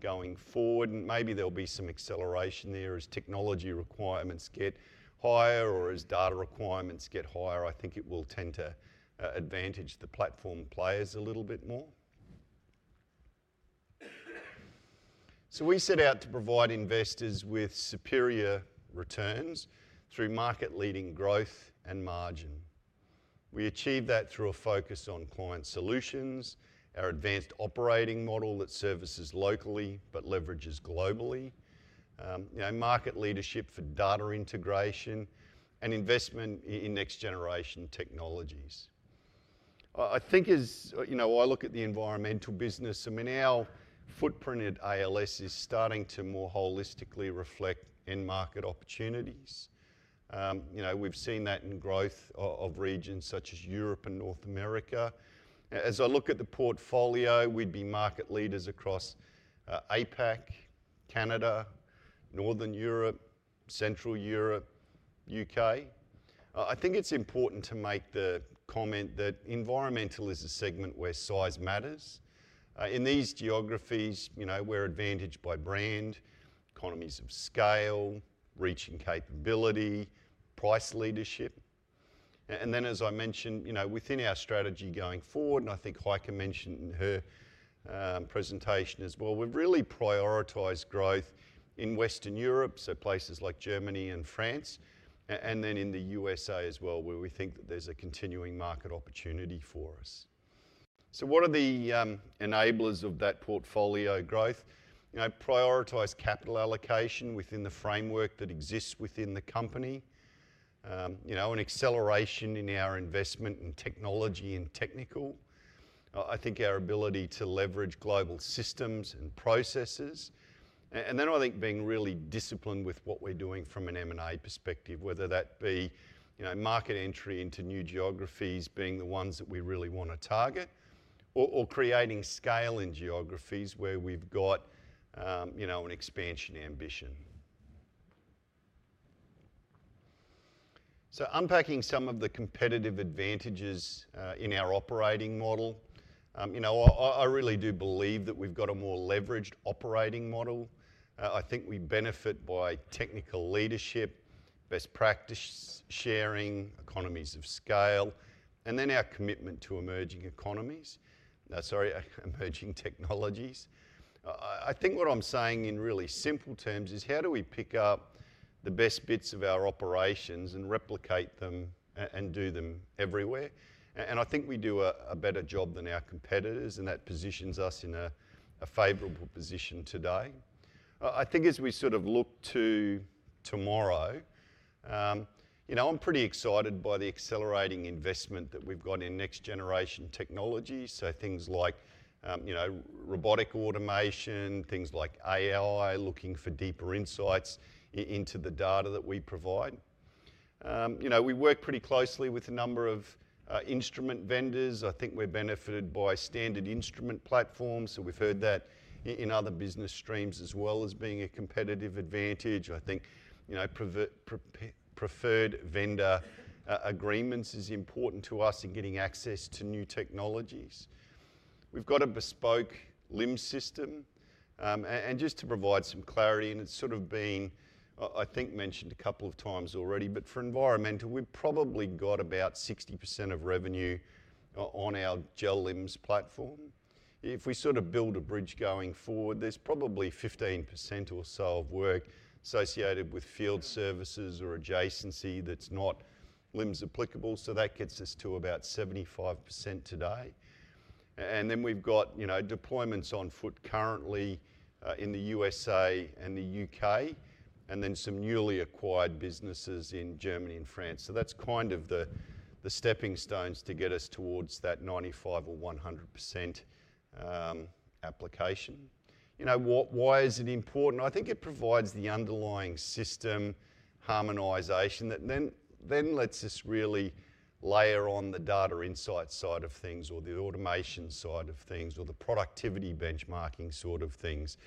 going forward. Maybe there'll be some acceleration there as technology requirements get higher or as data requirements get higher. I think it will tend to advantage the platform players a little bit more. We set out to provide investors with superior returns through market-leading growth and margin. We achieve that through a focus on client solutions, our advanced operating model that services locally but leverages globally, market leadership for data integration, and investment in next-generation technologies. I think as I look at the environmental business, our footprint at ALS is starting to more holistically reflect end-market opportunities. We've seen that in growth of regions such as Europe and North America. As I look at the portfolio, we'd be market leaders across APAC, Canada, Northern Europe, Central Europe, U.K.. I think it's important to make the comment that environmental is a segment where size matters. In these geographies, we're advantaged by brand, economies of scale, reaching capability, price leadership. As I mentioned, within our strategy going forward, and I think Heike mentioned in her presentation as well, we've really prioritized growth in Western Europe, so places like Germany and France, and then in the U.S as well, where we think that there's a continuing market opportunity for us. What are the enablers of that portfolio growth? Prioritize capital allocation within the framework that exists within the company. An acceleration in our investment in technology and technical. I think our ability to leverage global systems and processes. I think being really disciplined with what we're doing from an M&A perspective, whether that be market entry into new geographies being the ones that we really want to target, or creating scale in geographies where we've got an expansion ambition. Unpacking some of the competitive advantages in our operating model, I really do believe that we've got a more leveraged operating model. I think we benefit by technical leadership, best practice sharing, economies of scale, and our commitment to emerging technologies. What I'm saying in really simple terms is how do we pick up the best bits of our operations and replicate them and do them everywhere? I think we do a better job than our competitors, and that positions us in a favorable position today. As we sort of look to tomorrow, I'm pretty excited by the accelerating investment that we've got in next-generation technology. Things like robotic automation, things like AI, looking for deeper insights into the data that we provide. We work pretty closely with a number of instrument vendors. I think we're benefited by standard instrument platforms. We've heard that in other business streams as well as being a competitive advantage. Preferred vendor agreements are important to us in getting access to new technologies. We've got a bespoke LIMS system. Just to provide some clarity, and it's sort of been mentioned a couple of times already, but for Environmental, we've probably got about 60% of revenue on our GEL LIMS platform. If we sort of build a bridge going forward, there's probably 15% or so of work associated with field services or adjacency that's not LIMS applicable. That gets us to about 75% today. We've got deployments on foot currently in the U.S. and the U.K., and some newly acquired businesses in Germany and France. That's kind of the stepping stones to get us towards that 95% or 100% application. Why is it important? I think it provides the underlying system harmonization that then lets us really layer on the data insight side of things or the automation side of things or the productivity benchmarking sort of things,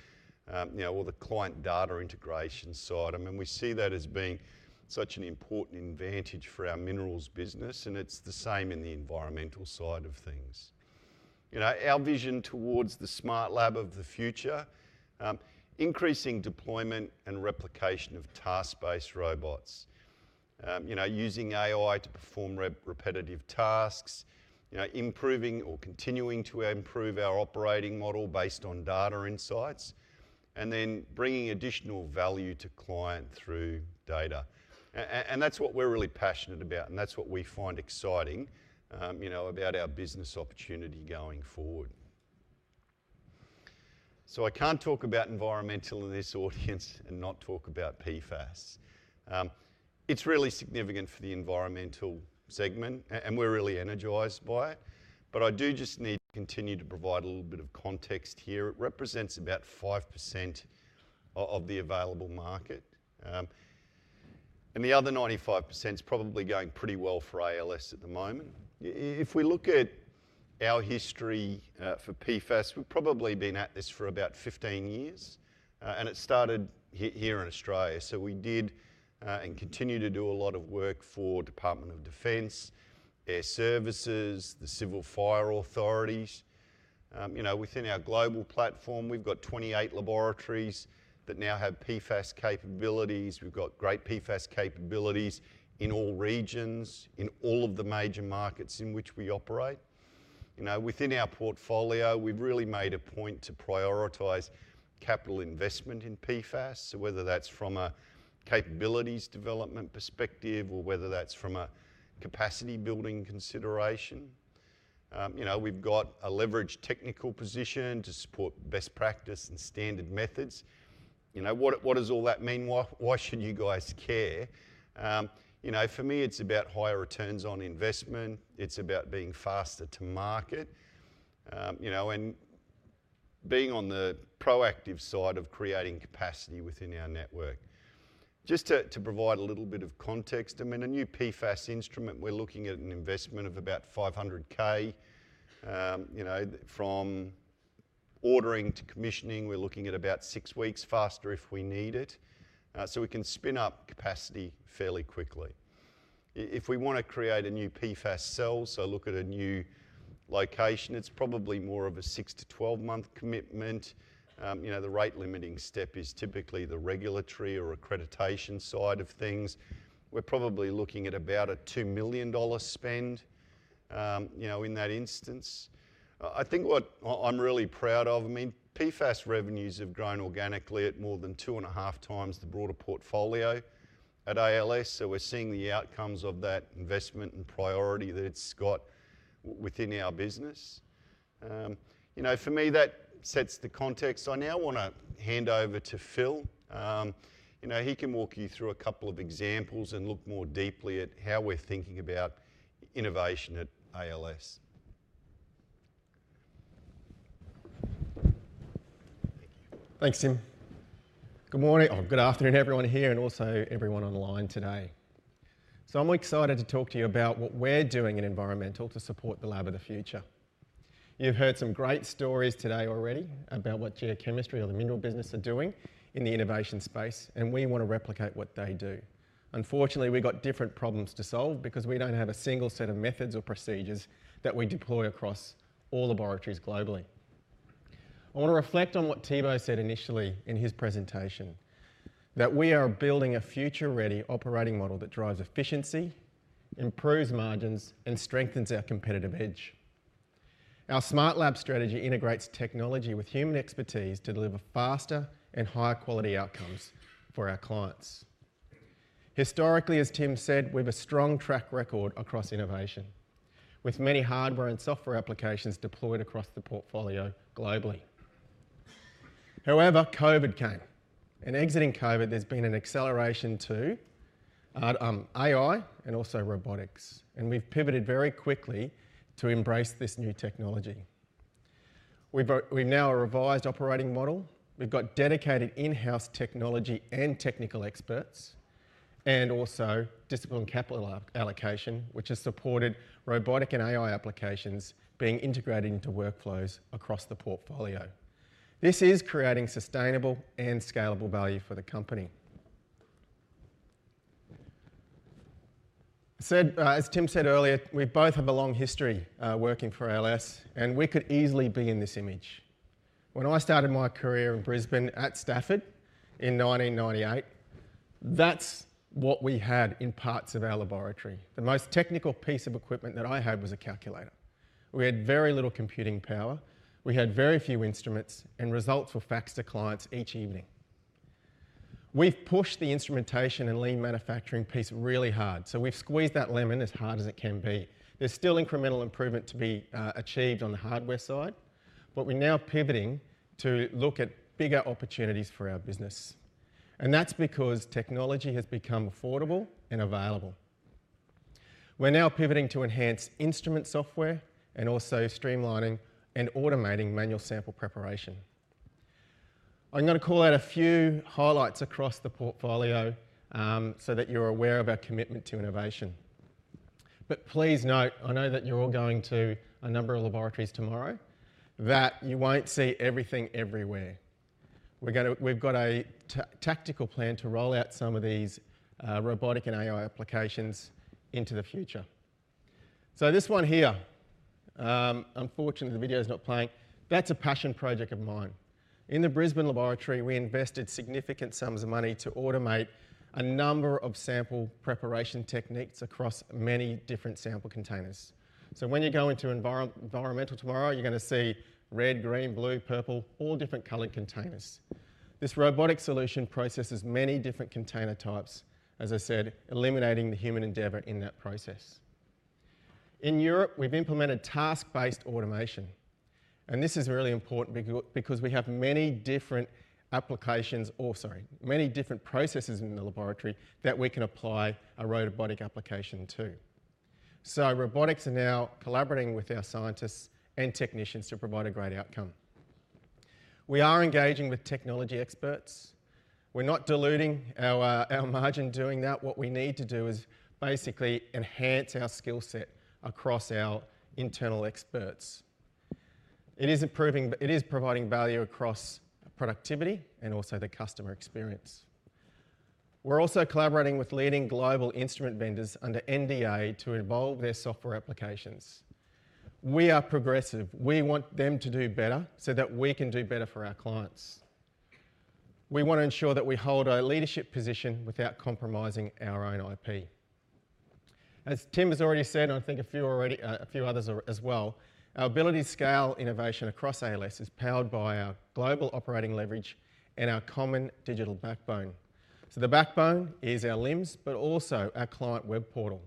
or the client data integration side. We see that as being such an important advantage for our Minerals business, and it's the same in the Environmental side of things. You know, our vision towards the smart lab of the future, increasing deployment and replication of task-based robots, using AI to perform repetitive tasks, improving or continuing to improve our operating model based on data insights, and then bringing additional value to clients through data. That's what we're really passionate about, and that's what we find exciting about our business opportunity going forward. I can't talk about environmental in this audience and not talk about PFAS. It's really significant for the environmental segment, and we're really energized by it. I do just need to continue to provide a little bit of context here. It represents about 5% of the available market, and the other 95% is probably going pretty well for ALS at the moment. If we look at our history for PFAS, we've probably been at this for about 15 years, and it started here in Australia. We did and continue to do a lot of work for the Department of Defense, Air Services, the Civil Fire Authorities. Within our global platform, we've got 28 laboratories that now have PFAS capabilities. We've got great PFAS capabilities in all regions, in all of the major markets in which we operate. Within our portfolio, we've really made a point to prioritize capital investment in PFAS, whether that's from a capabilities development perspective or whether that's from a capacity-building consideration. We've got a leveraged technical position to support best practice and standard methods. What does all that mean? Why should you guys care? For me, it's about higher returns on investment. It's about being faster to market and being on the proactive side of creating capacity within our network. Just to provide a little bit of context, a new PFAS instrument, we're looking at an investment of about 500,000. From ordering to commissioning, we're looking at about six weeks faster if we need it, so we can spin up capacity fairly quickly. If we want to create a new PFAS cell, so look at a new location, it's probably more of a six to 12-month commitment. The rate limiting step is typically the regulatory or accreditation side of things. We're probably looking at about a 2 million dollar spend in that instance. I think what I'm really proud of, PFAS revenues have grown organically at more than two and a half times the broader portfolio at ALS. We're seeing the outcomes of that investment and priority that it's got within our business. For me, that sets the context. I now want to hand over to Phil. He can walk you through a couple of examples and look more deeply at how we're thinking about innovation at ALS. Thanks, Tim. Good morning. Good afternoon, everyone here, and also everyone online today. I'm excited to talk to you about what we're doing in Environmental to support the lab of the future. You've heard some great stories today already about what Geochemistry or the Minerals business are doing in the innovation space, and we want to replicate what they do. Unfortunately, we've got different problems to solve because we don't have a single set of methods or procedures that we deploy across all laboratories globally. I want to reflect on what Thibault said initially in his presentation, that we are building a future-ready operating model that drives efficiency, improves margins, and strengthens our competitive edge. Our smart lab strategy integrates technology with human expertise to deliver faster and higher quality outcomes for our clients. Historically, as Tim said, we have a strong track record across innovation, with many hardware and software applications deployed across the portfolio globally. However, COVID came, and exiting COVID, there's been an acceleration to AI and also robotics, and we've pivoted very quickly to embrace this new technology. We've now a revised operating model. We've got dedicated in-house technology and technical experts, and also disciplined capital allocation, which has supported robotic and AI applications being integrated into workflows across the portfolio. This is creating sustainable and scalable value for the company. As Tim said earlier, we both have a long history working for ALS Limited, and we could easily be in this image. When I started my career in Brisbane at Stafford in 1998, that's what we had in parts of our laboratory. The most technical piece of equipment that I had was a calculator. We had very little computing power. We had very few instruments, and results were faxed to clients each evening. We've pushed the instrumentation and lean manufacturing piece really hard. We've squeezed that lemon as hard as it can be. There's still incremental improvement to be achieved on the hardware side. We're now pivoting to look at bigger opportunities for our business. That's because technology has become affordable and available. We're now pivoting to enhance instrument software and also streamlining and automating manual sample preparation. I'm going to call out a few highlights across the portfolio so that you're aware of our commitment to innovation. Please note, I know that you're all going to a number of laboratories tomorrow, that you won't see everything everywhere. We've got a tactical plan to roll out some of these robotic and AI applications into the future. This one here, unfortunately, the video's not playing. That's a passion project of mine. In the Brisbane Laboratory, we invested significant sums of money to automate a number of sample preparation techniques across many different sample containers. When you go into Environmental tomorrow, you're going to see red, green, blue, purple, all different colored containers. This robotic solution processes many different container types, as I said, eliminating the human endeavor in that process. In Europe, we've implemented task-based automation. This is really important because we have many different applications, or many different processes in the laboratory that we can apply a robotic application to. Robotics are now collaborating with our scientists and technicians to provide a great outcome. We are engaging with technology experts. We're not diluting our margin doing that. What we need to do is basically enhance our skill set across our internal experts. It is providing value across productivity and also the customer experience. We're also collaborating with leading global instrument vendors under NDA to evolve their software applications. We are progressive. We want them to do better so that we can do better for our clients. We want to ensure that we hold a leadership position without compromising our own IP. As Tim has already said, and I think a few others as well, our ability to scale innovation across ALS is powered by our global operating leverage and our common digital backbone. The backbone is our LIMS, but also our client web portal.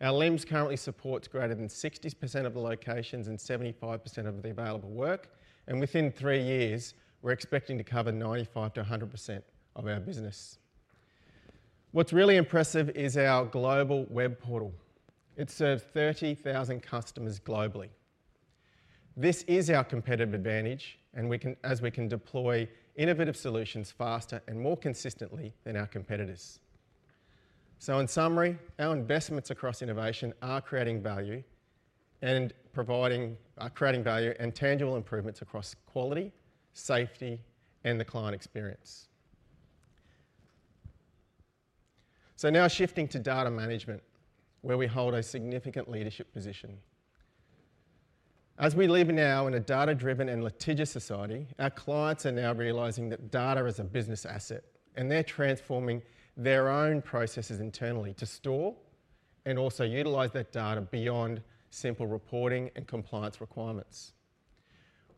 Our LIMS currently supports greater than 60% of the locations and 75% of the available work. Within three years, we're expecting to cover 95%-100% of our business. What's really impressive is our global web portal. It serves 30,000 customers globally. This is our competitive advantage, as we can deploy innovative solutions faster and more consistently than our competitors. In summary, our investments across innovation are creating value and providing value and tangible improvements across quality, safety, and the client experience. Now shifting to data management, where we hold a significant leadership position. As we live now in a data-driven and litigious society, our clients are now realizing that data is a business asset, and they're transforming their own processes internally to store and also utilize that data beyond simple reporting and compliance requirements.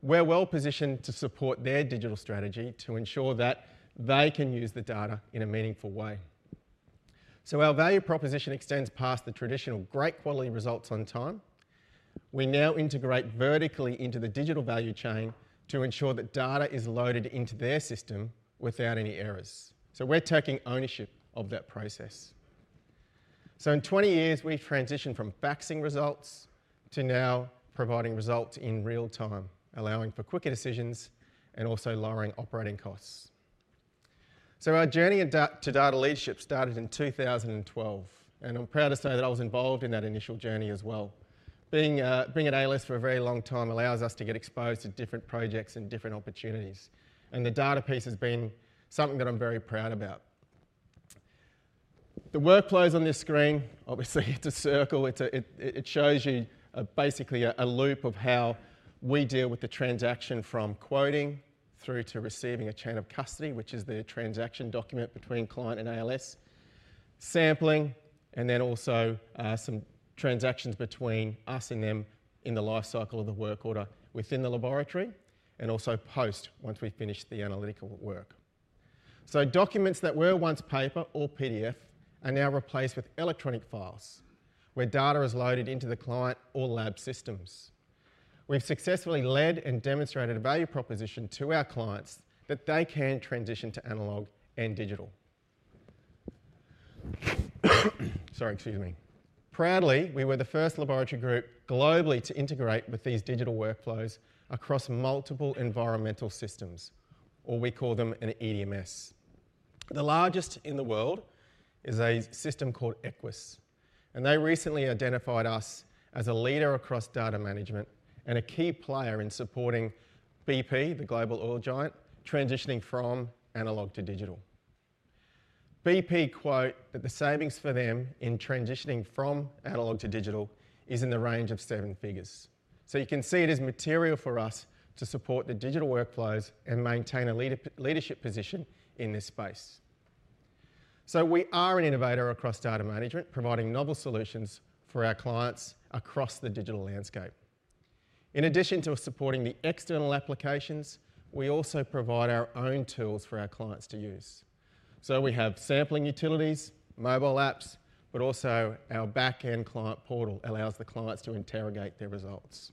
We're well positioned to support their digital strategy to ensure that they can use the data in a meaningful way. Our value proposition extends past the traditional great quality results on time. We now integrate vertically into the digital value chain to ensure that data is loaded into their system without any errors. We're taking ownership of that process. In 20 years, we've transitioned from faxing results to now providing results in real time, allowing for quicker decisions and also lowering operating costs. Our journey to data leadership started in 2012, and I'm proud to say that I was involved in that initial journey as well. Being at ALS for a very long time allows us to get exposed to different projects and different opportunities. The data piece has been something that I'm very proud about. The workflows on this screen, obviously, it's a circle. It shows you basically a loop of how we deal with the transaction from quoting through to receiving a chain of custody, which is the transaction document between client and ALS, sampling, and then also some transactions between us and them in the lifecycle of the work order within the laboratory, and also post once we finish the analytical work. Documents that were once paper or PDF are now replaced with electronic files where data is loaded into the client or lab systems. We've successfully led and demonstrated a value proposition to our clients that they can transition to analog and digital. Proudly, we were the first laboratory group globally to integrate with these digital workflows across multiple environmental systems, or we call them an EDMS. The largest in the world is a system called EQUIS. They recently identified us as a leader across data management and a key player in supporting BP, the global oil giant, transitioning from analog to digital. BP quote that the savings for them in transitioning from analog to digital is in the range of seven figures. You can see it is material for us to support the digital workflows and maintain a leadership position in this space. We are an innovator across data management, providing novel solutions for our clients across the digital landscape. In addition to supporting the external applications, we also provide our own tools for our clients to use. We have sampling utilities, mobile apps, and our backend client portal allows the clients to interrogate their results.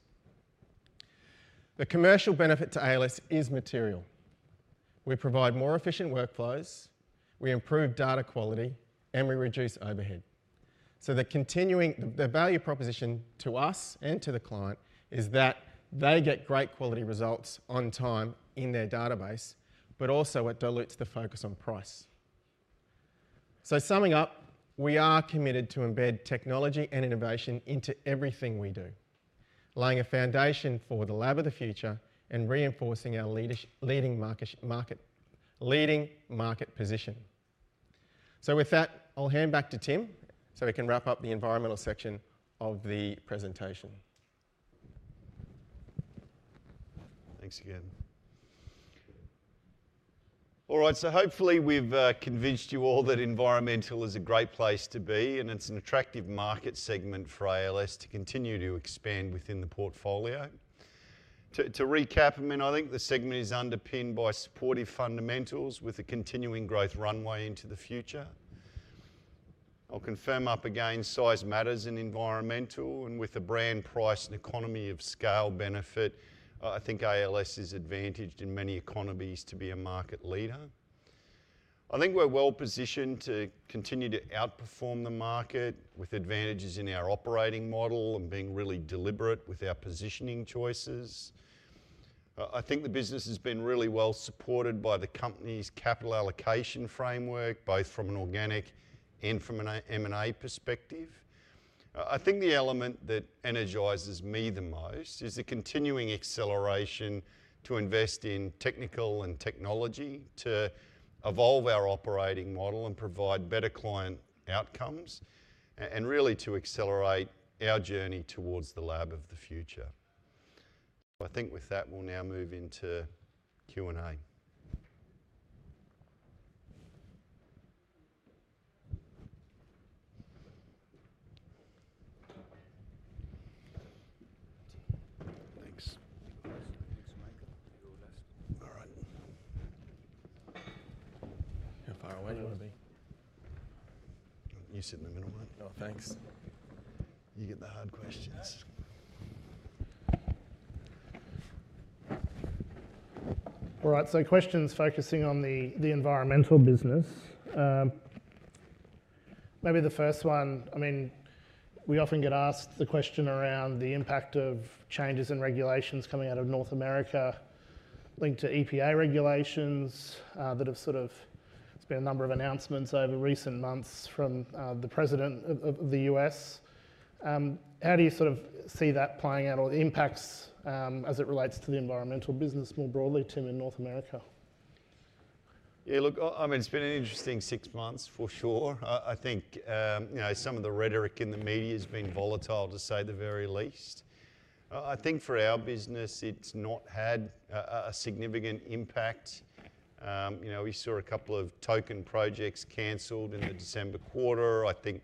The commercial benefit to ALS is material. We provide more efficient workflows, we improve data quality, and we reduce overhead. The value proposition to us and to the client is that they get great quality results on time in their database, and it dilutes the focus on price. Summing up, we are committed to embed technology and innovation into everything we do, laying a foundation for the lab of the future and reinforcing our leading market position. With that, I'll hand back to Tim so we can wrap up the environmental section of the presentation. Thanks again. All right, so hopefully we've convinced you all that environmental is a great place to be, and it's an attractive market segment for ALS to continue to expand within the portfolio. To recap, I think the segment is underpinned by supportive fundamentals with a continuing growth runway into the future. I'll confirm up again, size matters in environmental, and with the brand, price, and economy of scale benefit, I think ALS is advantaged in many economies to be a market leader. I think we're well positioned to continue to outperform the market with advantages in our operating model and being really deliberate with our positioning choices. I think the business has been really well supported by the company's capital allocation framework, both from an organic and from an M&A perspective. I think the element that energizes me the most is the continuing acceleration to invest in technical and technology to evolve our operating model and provide better client outcomes, and really to accelerate our journey towards the lab of the future. I think with that, we'll now move into Q&A. Thanks. All right. How far away do you want to be? You sit in the middle, mate. Oh, thanks. You get the hard questions. All right, so questions focusing on the environmental business. Maybe the first one, I mean, we often get asked the question around the impact of changes in regulations coming out of North America linked to EPA regulations that have sort of, it's been a number of announcements over recent months from the president of the U.S. How do you sort of see that playing out or the impacts as it relates to the environmental business more broadly, Tim, in North America? Yeah, look, I mean, it's been an interesting six months for sure. I think some of the rhetoric in the media has been volatile to say the very least. I think for our business, it's not had a significant impact. We saw a couple of token projects canceled in the December quarter. I think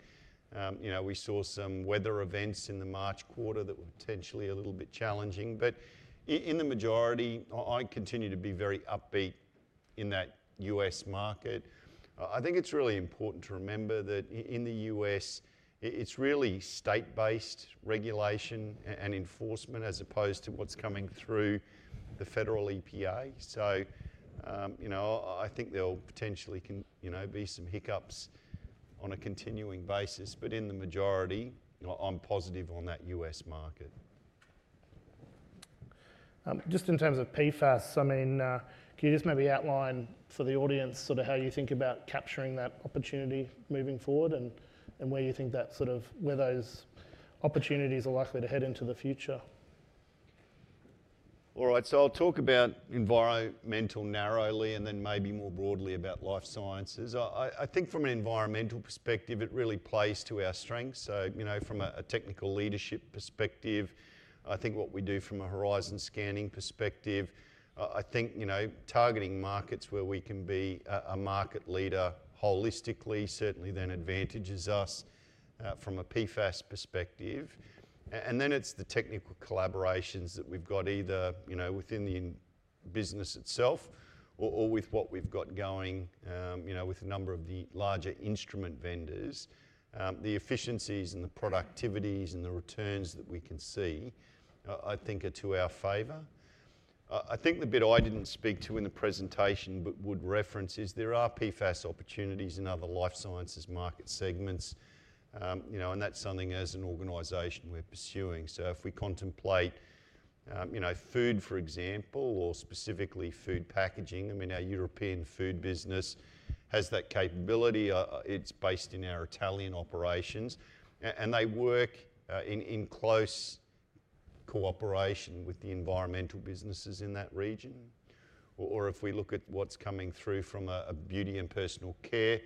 we saw some weather events in the March quarter that were potentially a little bit challenging. In the majority, I continue to be very upbeat in that U.S. market. I think it's really important to remember that in the U.S., it's really state-based regulation and enforcement as opposed to what's coming through the federal EPA. I think there'll potentially be some hiccups on a continuing basis. In the majority, I'm positive on that U.S. market. Just in terms of PFAS, can you maybe outline for the audience how you think about capturing that opportunity moving forward and where you think those opportunities are likely to head into the future? All right, I'll talk about environmental narrowly and then maybe more broadly about life sciences. I think from an environmental perspective, it really plays to our strengths. From a technical leadership perspective, what we do from a horizon scanning perspective, targeting markets where we can be a market leader holistically certainly then advantages us from a PFAS perspective. It's the technical collaborations that we've got either within the business itself or with what we've got going with a number of the larger instrument vendors. The efficiencies, the productivities, and the returns that we can see are to our favor. The bit I didn't speak to in the presentation but would reference is there are PFAS opportunities in other life sciences market segments, and that's something as an organization we're pursuing. If we contemplate food, for example, or specifically food packaging, our European food business has that capability. It's based in our Italian operations, and they work in close cooperation with the environmental businesses in that region. If we look at what's coming through from a beauty and personal care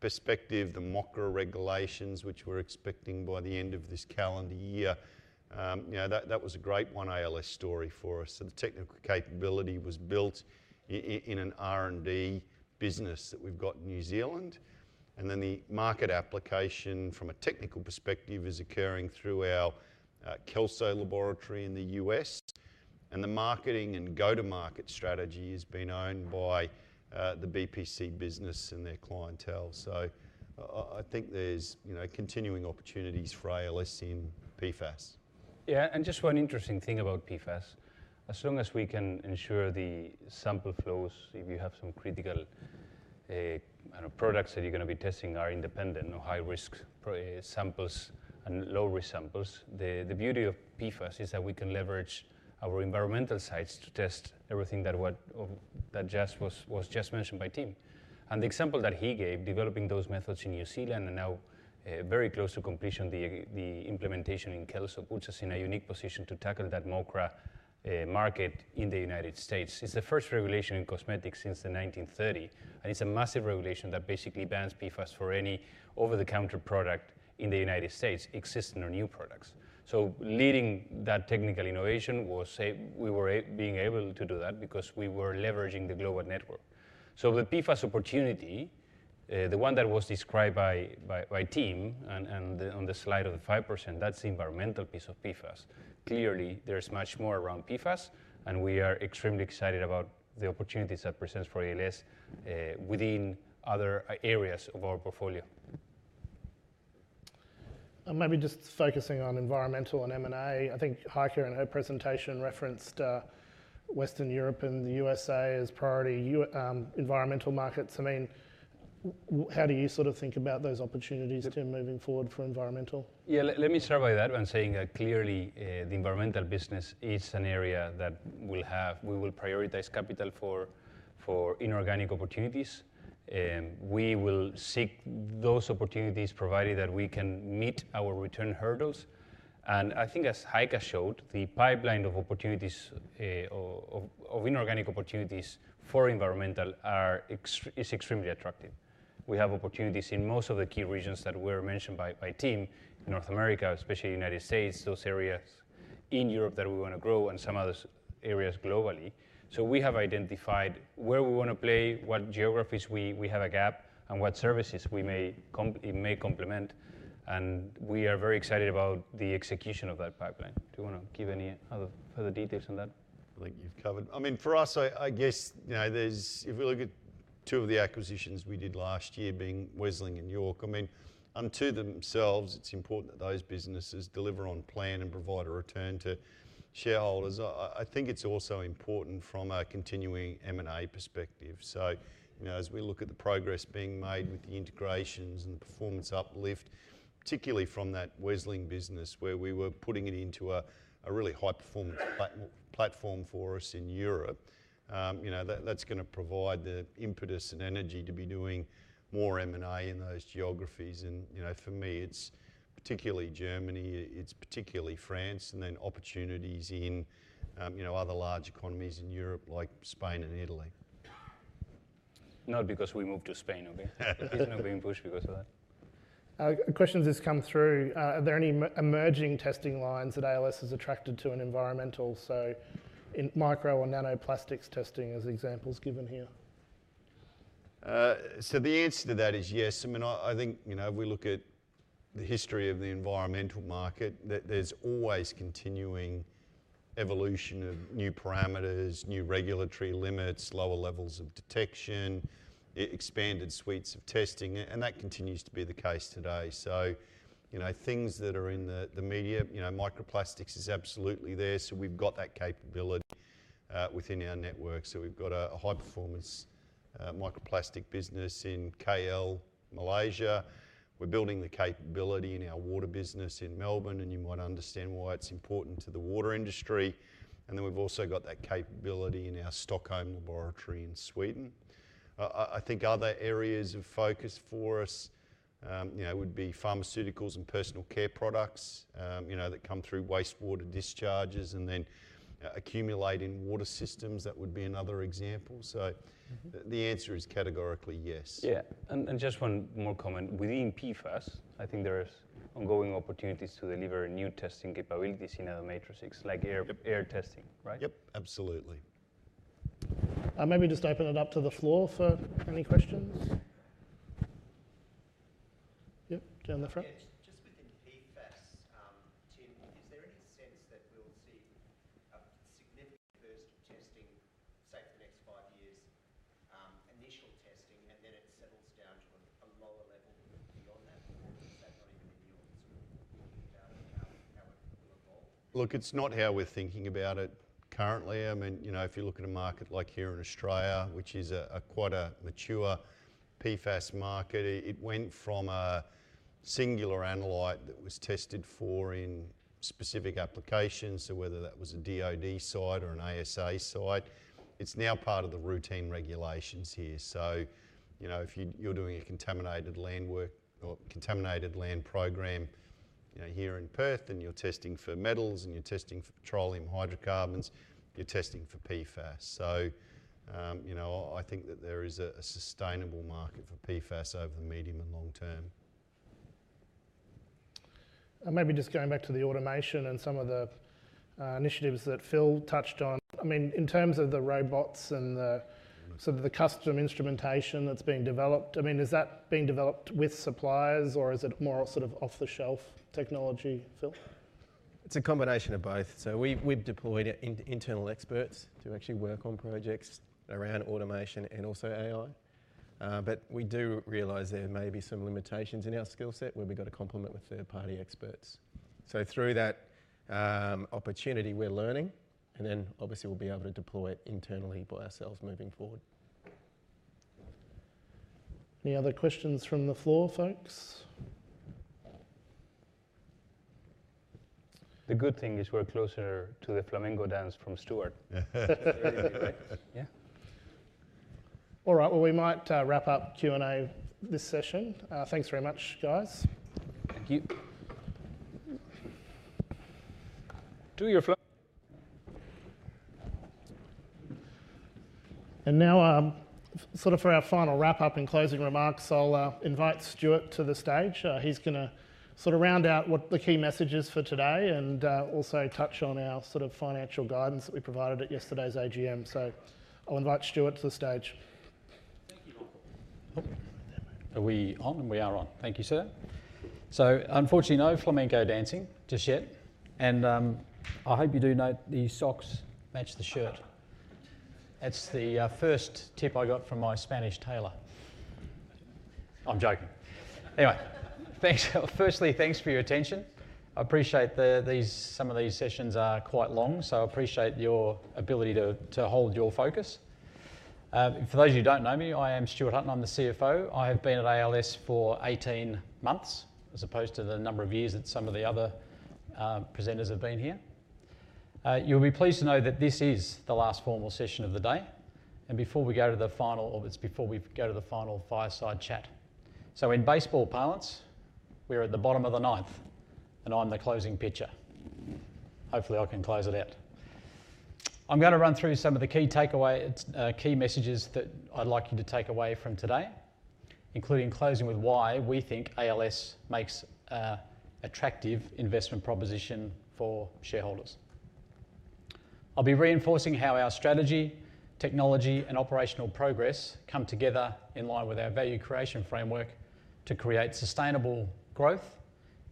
perspective, the MOCHRA regulations, which we're expecting by the end of this calendar year, that was a great one ALS story for us. The technical capability was built in an R&D business that we've got in New Zealand. The market application from a technical perspective is occurring through our Kelsay laboratory in the U.S., and the marketing and go-to-market strategy has been owned by the BPC business and their clientele. There's continuing opportunities for ALS in PFAS. Yeah, and just one interesting thing about PFAS. As long as we can ensure the sample flows, if you have some critical products that you're going to be testing are independent or high-risk samples and low-risk samples, the beauty of PFAS is that we can leverage our environmental sites to test everything that was just mentioned by Tim. The example that he gave, developing those methods in New Zealand and now very close to completion, the implementation in Kelso, puts us in a unique position to tackle that MOCHRA market in the U.S. It's the first regulation in cosmetics since 1930, and it's a massive regulation that basically bans PFAS for any over-the-counter product in the U.S., existing or new products. Leading that technical innovation was we were being able to do that because we were leveraging the global network. The PFAS opportunity, the one that was described by Tim and on the slide of the 5%, that's the environmental piece of PFAS. Clearly, there's much more around PFAS, and we are extremely excited about the opportunities that present for ALS within other areas of our portfolio. Maybe just focusing on Environmental and M&A, I think Heike in her presentation referenced Western Europe and the U.S as priority Environmental markets. I mean, how do you sort of think about those opportunities, Tim, moving forward for Environmental? Let me start by that one, saying that clearly the Environmental business is an area that we will prioritize capital for inorganic opportunities. We will seek those opportunities provided that we can meet our return hurdles. I think as Heike showed, the pipeline of inorganic opportunities for Environmental is extremely attractive. We have opportunities in most of the key regions that were mentioned by Tim, North America, especially the United States, those areas in Europe that we want to grow, and some other areas globally. We have identified where we want to play, what geographies we have a gap, and what services we may complement. We are very excited about the execution of that pipeline. Do you want to give any other further details on that? I think you've covered it. I mean, for us, I guess, you know, if we look at two of the acquisitions we did last year, being Westling and York, I mean, unto themselves, it's important that those businesses deliver on plan and provide a return to shareholders. I think it's also important from a continuing M&A perspective. You know, as we look at the progress being made with the integrations and the performance uplift, particularly from that Westling business where we were putting it into a really high-performance platform for us in Europe, that's going to provide the impetus and energy to be doing more M&A in those geographies. For me, it's particularly Germany, it's particularly France, and then opportunities in other large economies in Europe like Spain and Italy. No, because we moved to Spain, okay? There's no being pushed because of that. Questions have come through. Are there any emerging testing lines that ALS has attracted to in Environmental, so in micro or nanoplastics testing as examples given here? The answer to that is yes. I think, if we look at the history of the environmental market, there's always continuing evolution of new parameters, new regulatory limits, lower levels of detection, expanded suites of testing, and that continues to be the case today. Things that are in the media, microplastics is absolutely there. We've got that capability within our network. We've got a high-performance microplastics business in KL, Malaysia. We're building the capability in our water business in Melbourne, and you might understand why it's important to the water industry. We've also got that capability in our Stockholm laboratory in Sweden. I think other areas of focus for us would be pharmaceuticals and personal care products that come through wastewater discharges and then accumulate in water systems. That would be another example. The answer is categorically yes. Yeah, just one more comment. Within PFAS, I think there are ongoing opportunities to deliver new testing capabilities in other matrixes like air testing, right? Yep, absolutely. Maybe just open it up to the floor for any questions. Yep, down the front. Just within PFAS, Tim, is there any sense that we'll see a significant burst of testing, say, for the next five years, initial testing, and then it settles down to a lower level beyond that? Is that not even in your sort of thinking about how it will evolve? Look, it's not how we're thinking about it currently. I mean, you know, if you look at a market like here in Australia, which is quite a mature PFAS market, it went from a singular analyte that was tested for in specific applications, whether that was a DOD site or an ASA site, it's now part of the routine regulations here. If you're doing a contaminated land work or contaminated land program here in Perth, and you're testing for metals, and you're testing for petroleum hydrocarbons, you're testing for PFAS. I think that there is a sustainable market for PFAS over the medium and long term. Maybe just going back to the automation and some of the initiatives that Phil touched on. In terms of the robots and the sort of the custom instrumentation that's being developed, is that being developed with suppliers or is it more sort of off-the-shelf technology, Phil? It's a combination of both. We've deployed internal experts to actually work on projects around automation and also AI. We do realize there may be some limitations in our skill set where we've got to complement with third-party experts. Through that opportunity, we're learning, and obviously we'll be able to deploy it internally by ourselves moving forward. Any other questions from the floor, folks? The good thing is we're closer to the flamenco dance from Stuart. All right, we might wrap up Q&A this session. Thanks very much, guys. Thank you. To your flow. For our final wrap-up and closing remarks, I'll invite Stuart to the stage. He's going to round out what the key message is for today and also touch on our financial guidance that we provided at yesterday's AGM. I'll invite Stuart to the stage. Are we on? We are on. Thank you, sir. Unfortunately, no flamenco dancing just yet. I hope you do note these socks match the shirt. That's the first tip I got from my Spanish tailor. I'm joking. Firstly, thanks for your attention. I appreciate that some of these sessions are quite long, so I appreciate your ability to hold your focus. For those of you who don't know me, I am Stuart Hutton. I'm the CFO. I have been at ALS for 18 months, as opposed to the number of years that some of the other presenters have been here. You'll be pleased to know that this is the last formal session of the day before we go to the final fireside chat. In baseball parlance, we're at the bottom of the ninth, and I'm the closing pitcher. Hopefully, I can close it out. I'm going to run through some of the key takeaways, key messages that I'd like you to take away from today, including closing with why we think ALS makes an attractive investment proposition for shareholders. I'll be reinforcing how our strategy, technology, and operational progress come together in line with our value creation framework to create sustainable growth,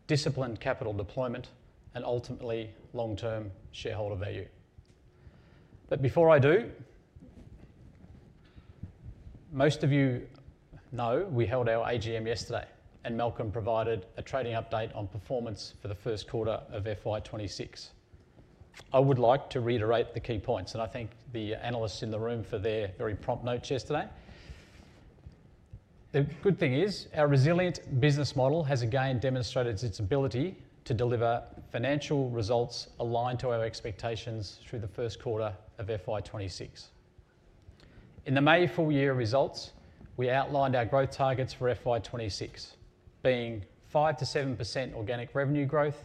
disciplined capital deployment, and ultimately long-term shareholder value. Before I do, most of you know we held our AGM yesterday, and Malcolm provided a trading update on performance for the first quarter of FY 2026. I would like to reiterate the key points, and I thank the analysts in the room for their very prompt notes yesterday. The good thing is our resilient business model has again demonstrated its ability to deliver financial results aligned to our expectations through the first quarter of FY 2026. In the May full-year results, we outlined our growth targets for FY 2026, being 5%-7% organic revenue growth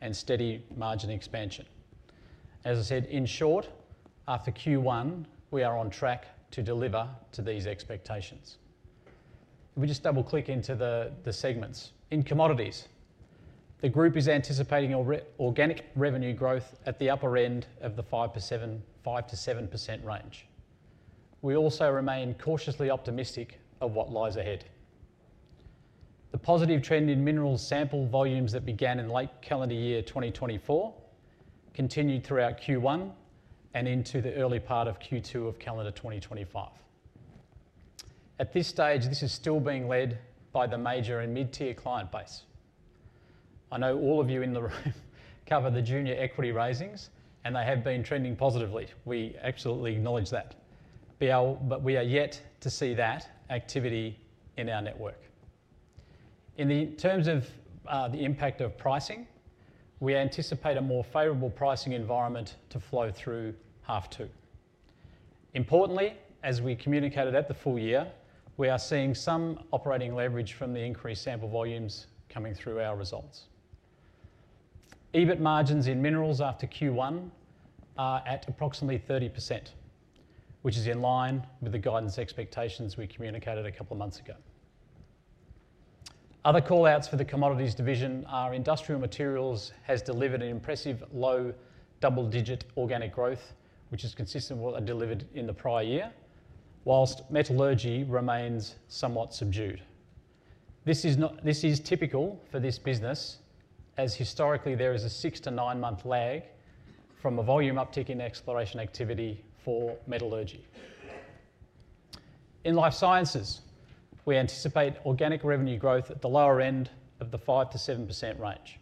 and steady margin expansion. As I said, in short, after Q1, we are on track to deliver to these expectations. Let me just double-click into the segments. In commodities, the group is anticipating organic revenue growth at the upper end of the 5%-7% range. We also remain cautiously optimistic of what lies ahead. The positive trend in mineral sample volumes that began in late calendar year 2024 continued throughout Q1 and into the early part of Q2 of calendar 2025. At this stage, this is still being led by the major and mid-tier client base. I know all of you in the room cover the junior equity raisings, and they have been trending positively. We absolutely acknowledge that. We are yet to see that activity in our network. In terms of the impact of pricing, we anticipate a more favorable pricing environment to flow through half two. Importantly, as we communicated at the full year, we are seeing some operating leverage from the increased sample volumes coming through our results. EBIT margins in minerals after Q1 are at approximately 30%, which is in line with the guidance expectations we communicated a couple of months ago. Other callouts for the commodities division are industrial materials have delivered an impressive low double-digit organic growth, which is consistent with what they delivered in the prior year, whilst metallurgy remains somewhat subdued. This is typical for this business, as historically there is a six to nine-month lag from a volume uptick in exploration activity for metallurgy. In life sciences, we anticipate organic revenue growth at the lower end of the 5%-7% range.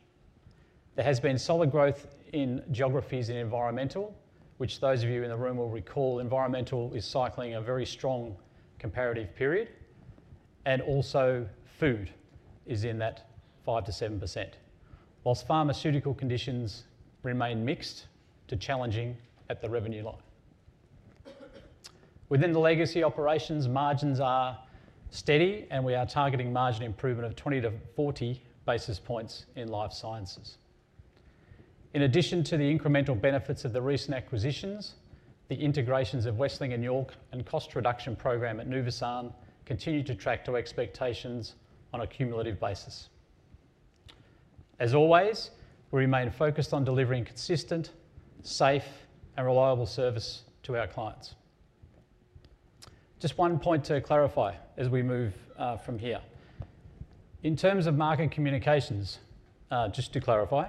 There has been solid growth in geographies in environmental, which those of you in the room will recall. Environmental is cycling a very strong comparative period, and also food is in that 5%-7%, whilst pharmaceutical conditions remain mixed to challenging at the revenue line. Within the legacy operations, margins are steady, and we are targeting margin improvement of 20-40 basis points in life sciences. In addition to the incremental benefits of the recent acquisitions, the integrations of Westling and York and cost reduction program at Nuvisan continue to track to expectations on a cumulative basis. As always, we remain focused on delivering consistent, safe, and reliable service to our clients. Just one point to clarify as we move from here. In terms of market communications, just to clarify,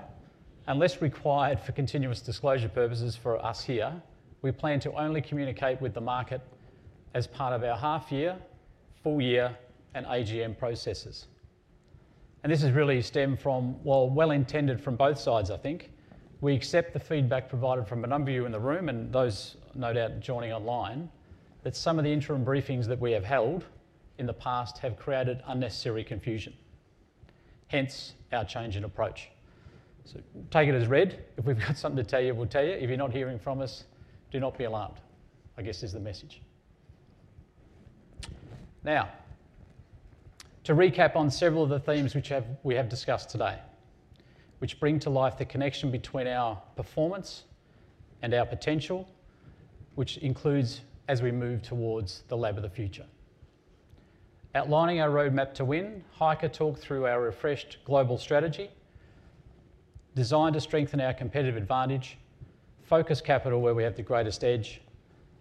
unless required for continuous disclosure purposes for us here, we plan to only communicate with the market as part of our half-year, full-year, and AGM processes. This has really stemmed from, well-intended from both sides, I think. We accept the feedback provided from a number of you in the room and those no doubt joining online that some of the interim briefings that we have held in the past have created unnecessary confusion. Hence our change in approach. Take it as read. If we've got something to tell you, we'll tell you. If you're not hearing from us, do not be alarmed, I guess is the message. Now, to recap on several of the themes which we have discussed today, which bring to life the connection between our performance and our potential, which includes as we move towards the lab of the future. Outlining our roadmap to win, Heike talked through our refreshed global strategy, designed to strengthen our competitive advantage, focus capital where we have the greatest edge,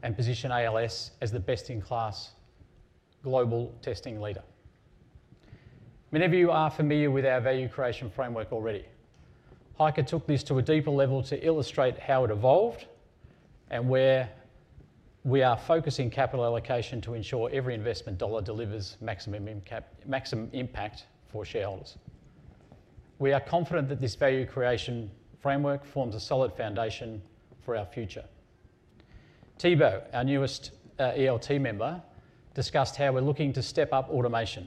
and position ALS as the best-in-class global testing leader. Many of you are familiar with our value creation framework already. Heike took this to a deeper level to illustrate how it evolved and where we are focusing capital allocation to ensure every investment dollar delivers maximum impact for shareholders. We are confident that this value creation framework forms a solid foundation for our future. Thibault, our newest ELT member, discussed how we're looking to step up automation,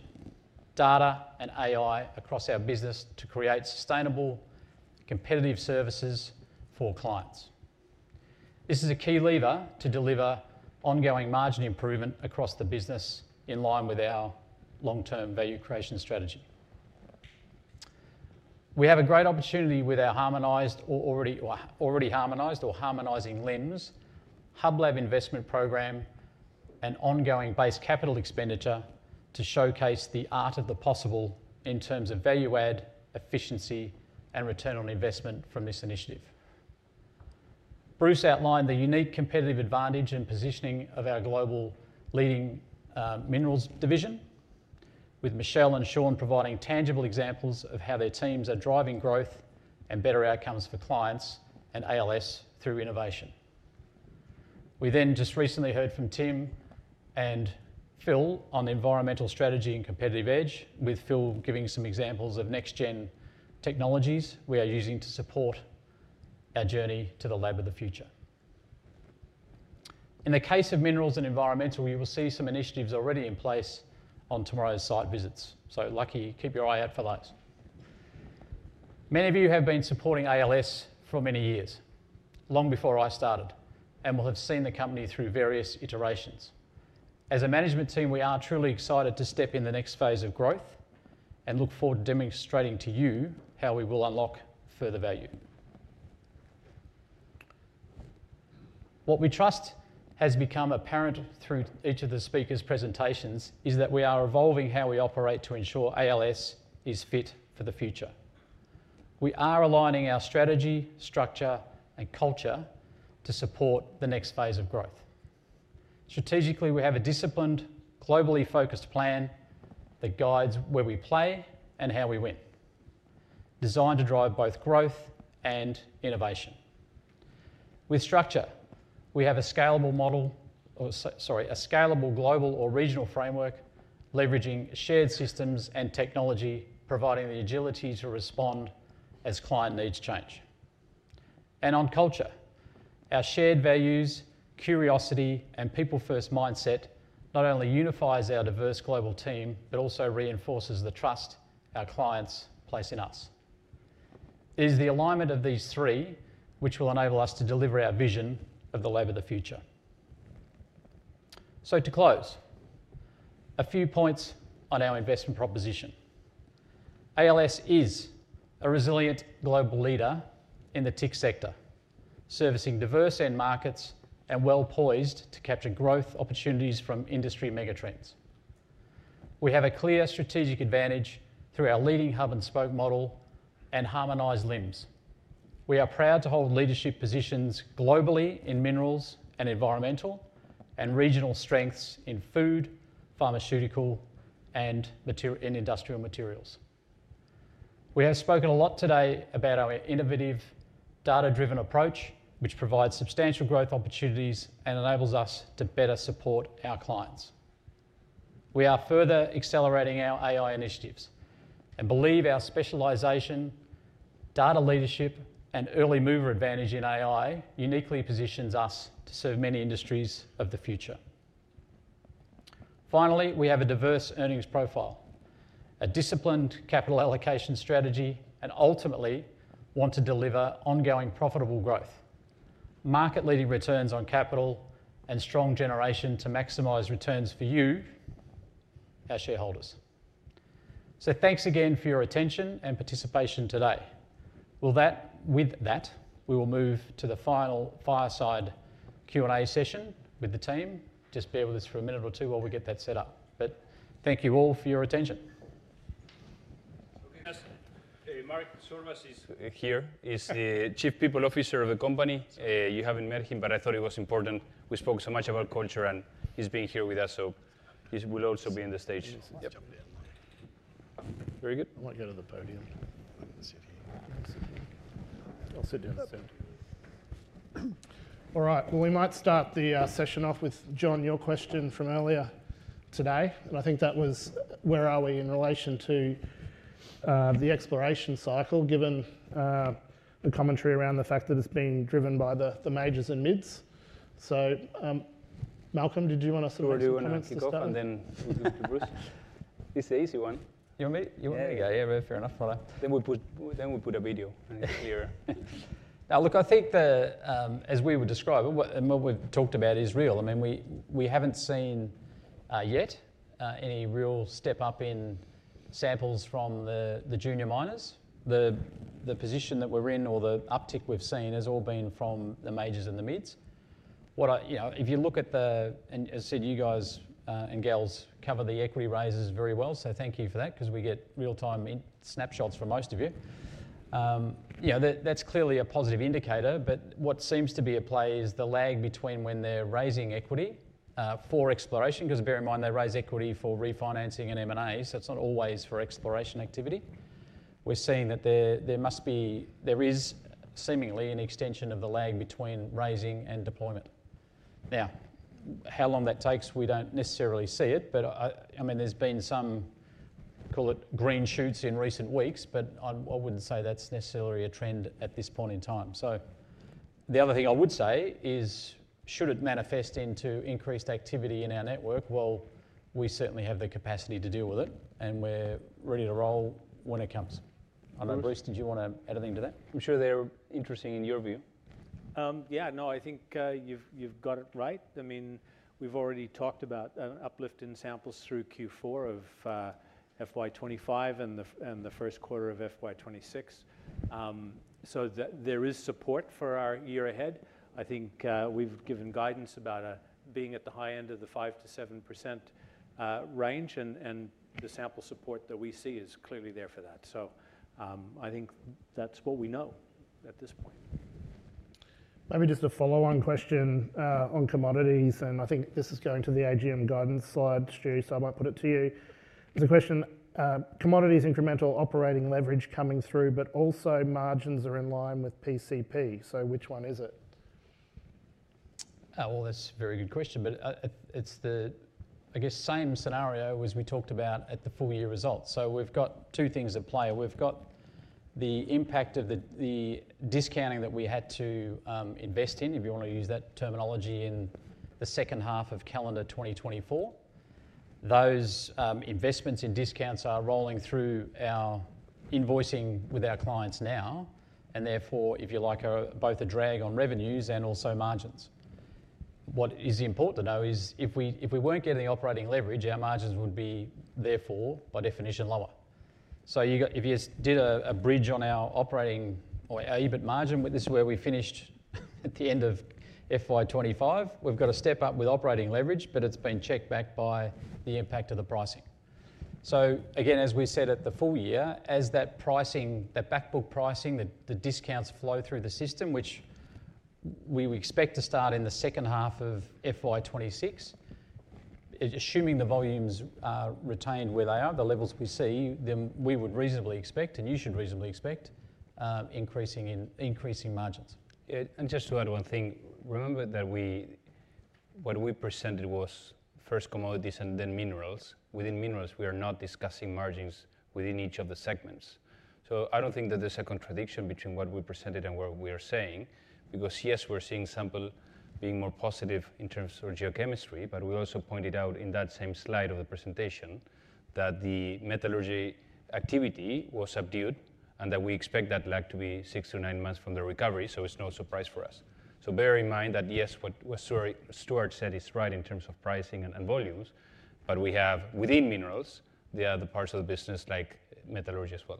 data, and AI across our business to create sustainable, competitive services for clients. This is a key lever to deliver ongoing margin improvement across the business in line with our long-term value creation strategy. We have a great opportunity with our harmonized or already harmonized or harmonizing LIMS, hub lab investment program, and ongoing base capital expenditure to showcase the art of the possible in terms of value add, efficiency, and return on investment from this initiative. Bruce outlined the unique competitive advantage and positioning of our global leading minerals division, with Michelle and Shawn providing tangible examples of how their teams are driving growth and better outcomes for clients and ALS through innovation. We then just recently heard from Tim and Phil on the environmental strategy and competitive edge, with Phil giving some examples of next-gen technologies we are using to support our journey to the lab of the future. In the case of minerals and environmental, you will see some initiatives already in place on tomorrow's site visits. Keep your eye out for those. Many of you have been supporting ALS for many years, long before I started, and will have seen the company through various iterations. As a management team, we are truly excited to step in the next phase of growth and look forward to demonstrating to you how we will unlock further value. What we trust has become apparent through each of the speakers' presentations is that we are evolving how we operate to ensure ALS is fit for the future. We are aligning our strategy, structure, and culture to support the next phase of growth. Strategically, we have a disciplined, globally focused plan that guides where we play and how we win, designed to drive both growth and innovation. With structure, we have a scalable global or regional framework, leveraging shared systems and technology, providing the agility to respond as client needs change. On culture, our shared values, curiosity, and people-first mindset not only unify our diverse global team, but also reinforce the trust our clients place in us. It is the alignment of these three which will enable us to deliver our vision of the lab of the future. To close, a few points on our investment proposition. ALS Limited is a resilient global leader in the tech sector, servicing diverse end markets and well-poised to capture growth opportunities from industry megatrends. We have a clear strategic advantage through our leading hub and spoke model and harmonized LIMS. We are proud to hold leadership positions globally in minerals and environmental and regional strengths in food, pharmaceutical, and industrial materials. We have spoken a lot today about our innovative, data-driven approach, which provides substantial growth opportunities and enables us to better support our clients. We are further accelerating our AI initiatives and believe our specialization, data leadership, and early mover advantage in AI uniquely position us to serve many industries of the future. Finally, we have a diverse earnings profile, a disciplined capital allocation strategy, and ultimately want to deliver ongoing profitable growth, market-leading returns on capital, and strong generation to maximize returns for you, our shareholders. Thank you again for your attention and participation today. With that, we will move to the final fireside Q&A session with the team. Just bear with us for a minute or two while we get that set up. Thank you all for your attention. Hey, Mark Zorbas is here. He's the Chief People Officer of the company. You haven't met him, but I thought it was important. We spoke so much about culture, and he's been here with us, so he will also be on the stage. Very good. I might go to the podium. I'll sit here. I'll sit down. All right, we might start the session off with John, your question from earlier today. I think that was where are we in relation to the exploration cycle, given the commentary around the fact that it's being driven by the majors and mids. Malcolm, did you want us to do a comment? Mr. Bruce? It's the easy one. You want me? Yeah, fair enough. We'll put a video, and it's clearer. Now look, I think as we were describing, and what we've talked about is real. I mean, we haven't seen yet any real step up in samples from the junior miners. The position that we're in or the uptick we've seen has all been from the majors and the mids. If you look at the, and as I said, you guys and Gael cover the equity raises very well, so thank you for that because we get real-time snapshots from most of you. That's clearly a positive indicator, but what seems to be at play is the lag between when they're raising equity for exploration, because bear in mind they raise equity for refinancing and M&A, so it's not always for exploration activity. We're seeing that there must be, there is seemingly an extension of the lag between raising and deployment. Now, how long that takes, we don't necessarily see it, but I mean, there's been some, call it green shoots in recent weeks, but I wouldn't say that's necessarily a trend at this point in time. The other thing I would say is, should it manifest into increased activity in our network? We certainly have the capacity to deal with it, and we're ready to roll when it comes. I don't know, Bruce, did you want to add anything to that? I'm sure they're interesting in your view. Yeah, no, I think you've got it right. I mean, we've already talked about an uplift in samples through Q4 of FY 2025 and the first quarter of FY 2026. There is support for our year ahead. I think we've given guidance about being at the high end of the 5%-7% range, and the sample support that we see is clearly there for that. I think that's what we know at this point. Maybe just a follow-on question on commodities, and I think this is going to the AGM guidance slide, Stu, so I might put it to you. There's a question, commodities incremental operating leverage coming through, but also margins are in line with PCP. Which one is it? Oh, that's a very good question, but it's the same scenario as we talked about at the full-year results. We've got two things at play. We've got the impact of the discounting that we had to invest in, if you want to use that terminology, in the second half of calendar 2024. Those investments in discounts are rolling through our invoicing with our clients now, and therefore, if you like, are both a drag on revenues and also margins. What is important to know is if we weren't getting the operating leverage, our margins would be, therefore, by definition, lower. If you did a bridge on our operating or our EBIT margin, this is where we finished at the end of FY 2025. We've got a step up with operating leverage, but it's been checked back by the impact of the pricing. As we said at the full year, as that pricing, that backbook pricing, the discounts flow through the system, which we expect to start in the second half of FY 2026, assuming the volumes are retained where they are, the levels we see, then we would reasonably expect, and you should reasonably expect, increasing margins. Just to add one thing, remember that what we presented was first commodities and then minerals. Within minerals, we are not discussing margins within each of the segments. I don't think that there's a contradiction between what we presented and what we are saying, because yes, we're seeing sample being more positive in terms of geochemistry, but we also pointed out in that same slide of the presentation that the metallurgy activity was subdued and that we expect that lag to be six to nine months from the recovery. It's no surprise for us. Bear in mind that yes, what Stuart said is right in terms of pricing and volumes, but we have within minerals the other parts of the business like metallurgy as well.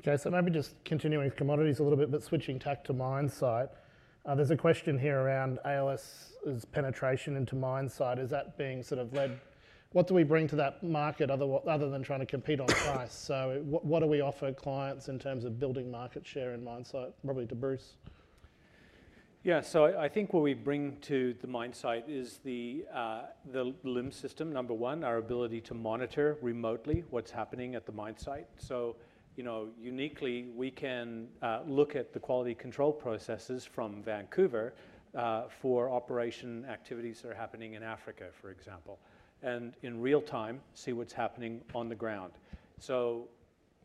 Okay, so maybe just continuing with commodities a little bit, but switching tack to mine site. There's a question here around ALS's penetration into mine site. Is that being sort of led? What do we bring to that market other than trying to compete on price? What do we offer clients in terms of building market share in mine site? Probably to Bruce. Yeah, so I think what we bring to the mine site is the LIMS system, number one, our ability to monitor remotely what's happening at the mine site. You know, uniquely we can look at the quality control processes from Vancouver for operation activities that are happening in Africa, for example, and in real time see what's happening on the ground.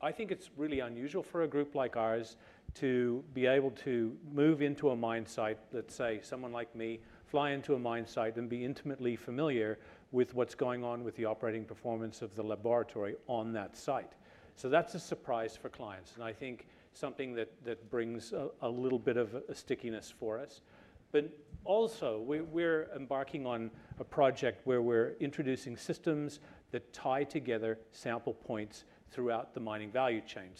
I think it's really unusual for a group like ours to be able to move into a mine site, let's say someone like me, fly into a mine site and be intimately familiar with what's going on with the operating performance of the laboratory on that site. That's a surprise for clients, and I think something that brings a little bit of a stickiness for us. We're embarking on a project where we're introducing systems that tie together sample points throughout the mining value chain.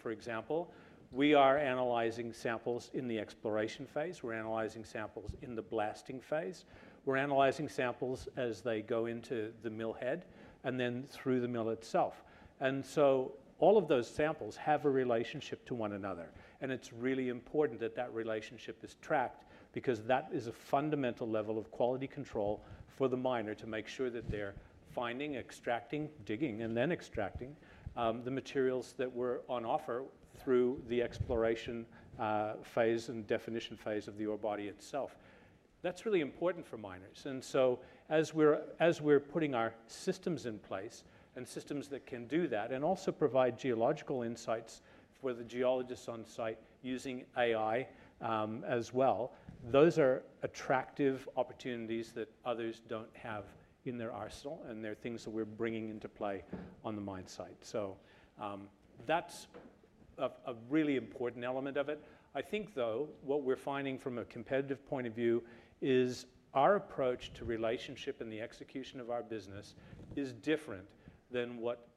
For example, we are analyzing samples in the exploration phase. We're analyzing samples in the blasting phase. We're analyzing samples as they go into the millhead and then through the mill itself. All of those samples have a relationship to one another, and it's really important that that relationship is tracked because that is a fundamental level of quality control for the miner to make sure that they're finding, extracting, digging, and then extracting the materials that were on offer through the exploration phase and definition phase of the ore body itself. That's really important for miners. As we're putting our systems in place and systems that can do that and also provide geological insights for the geologists on site using AI as well, those are attractive opportunities that others don't have in their arsenal, and they're things that we're bringing into play on the mine site. That's a really important element of it. I think, though, what we're finding from a competitive point of view is our approach to relationship and the execution of our business is different than what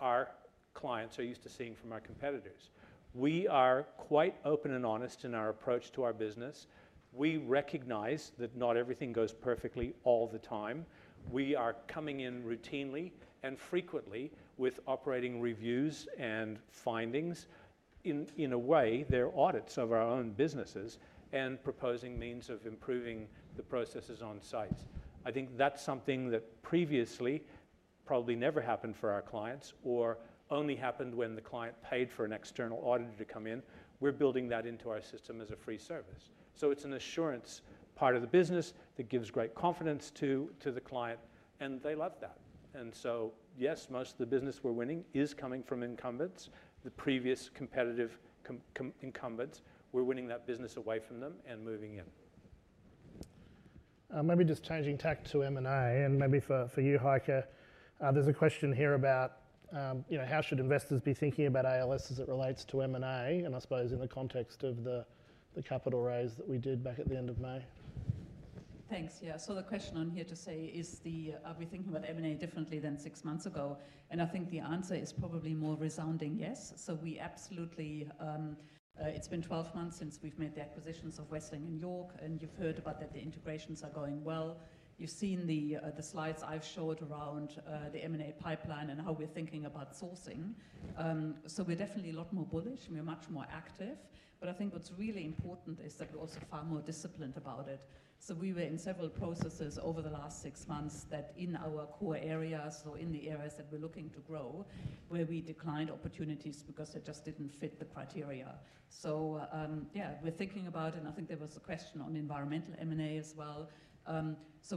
our clients are used to seeing from our competitors. We are quite open and honest in our approach to our business. We recognize that not everything goes perfectly all the time. We are coming in routinely and frequently with operating reviews and findings. In a way, they're audits of our own businesses and proposing means of improving the processes on sites. I think that's something that previously probably never happened for our clients or only happened when the client paid for an external auditor to come in. We're building that into our system as a free service. It's an assurance part of the business that gives great confidence to the client, and they love that. Yes, most of the business we're winning is coming from incumbents, the previous competitive incumbents. We're winning that business away from them and moving in. Maybe just changing tack to M&A, and maybe for you, Heike, there's a question here about how should investors be thinking about ALS as it relates to M&A, and I suppose in the context of the capital raise that we did back at the end of May. Thanks, yeah. The question here is, are we thinking about M&A differently than six months ago? I think the answer is probably a more resounding yes. We absolutely are. It's been 12 months since we've made the acquisitions of Westling and York, and you've heard that the integrations are going well. You've seen the slides I showed around the M&A pipeline and how we're thinking about sourcing. We're definitely a lot more bullish, and we're much more active. What's really important is that we're also far more disciplined about it. We were in several processes over the last six months in our core areas or in the areas that we're looking to grow, where we declined opportunities because it just didn't fit the criteria. We're thinking about it, and I think there was a question on environmental M&A as well.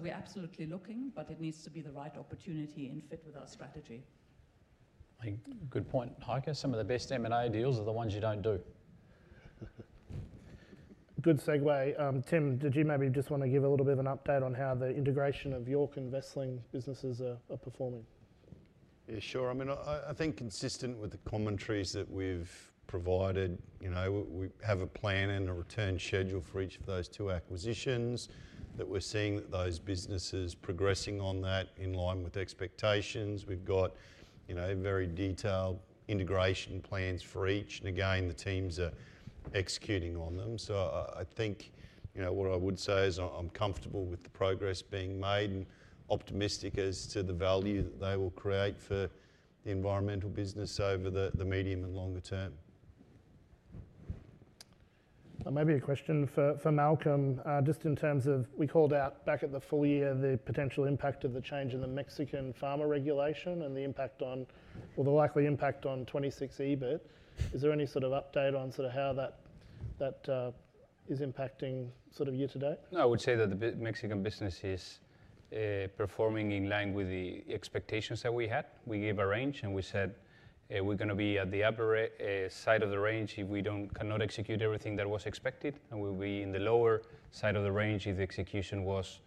We're absolutely looking, but it needs to be the right opportunity and fit with our strategy. I think good point, Heike. Some of the best M&A deals are the ones you don't do. Good segue. Tim, did you maybe just want to give a little bit of an update on how the integration of York and Westling businesses are performing? Yeah, sure. I mean, I think consistent with the commentaries that we've provided, we have a plan and a return schedule for each of those two acquisitions that we're seeing that those businesses are progressing on that in line with expectations. We've got very detailed integration plans for each, and again, the teams are executing on them. I think what I would say is I'm comfortable with the progress being made and optimistic as to the value that they will create for the environmental business over the medium and longer term. Maybe a question for Malcolm, just in terms of we called out back at the full year the potential impact of the change in the Mexican pharma regulation and the impact on, or the likely impact on 2026 EBIT. Is there any sort of update on how that is impacting year to date? No, I would say that the Mexican business is performing in line with the expectations that we had. We gave a range, and we said we're going to be at the upper side of the range if we cannot execute everything that was expected, and we'll be in the lower side of the range if the execution was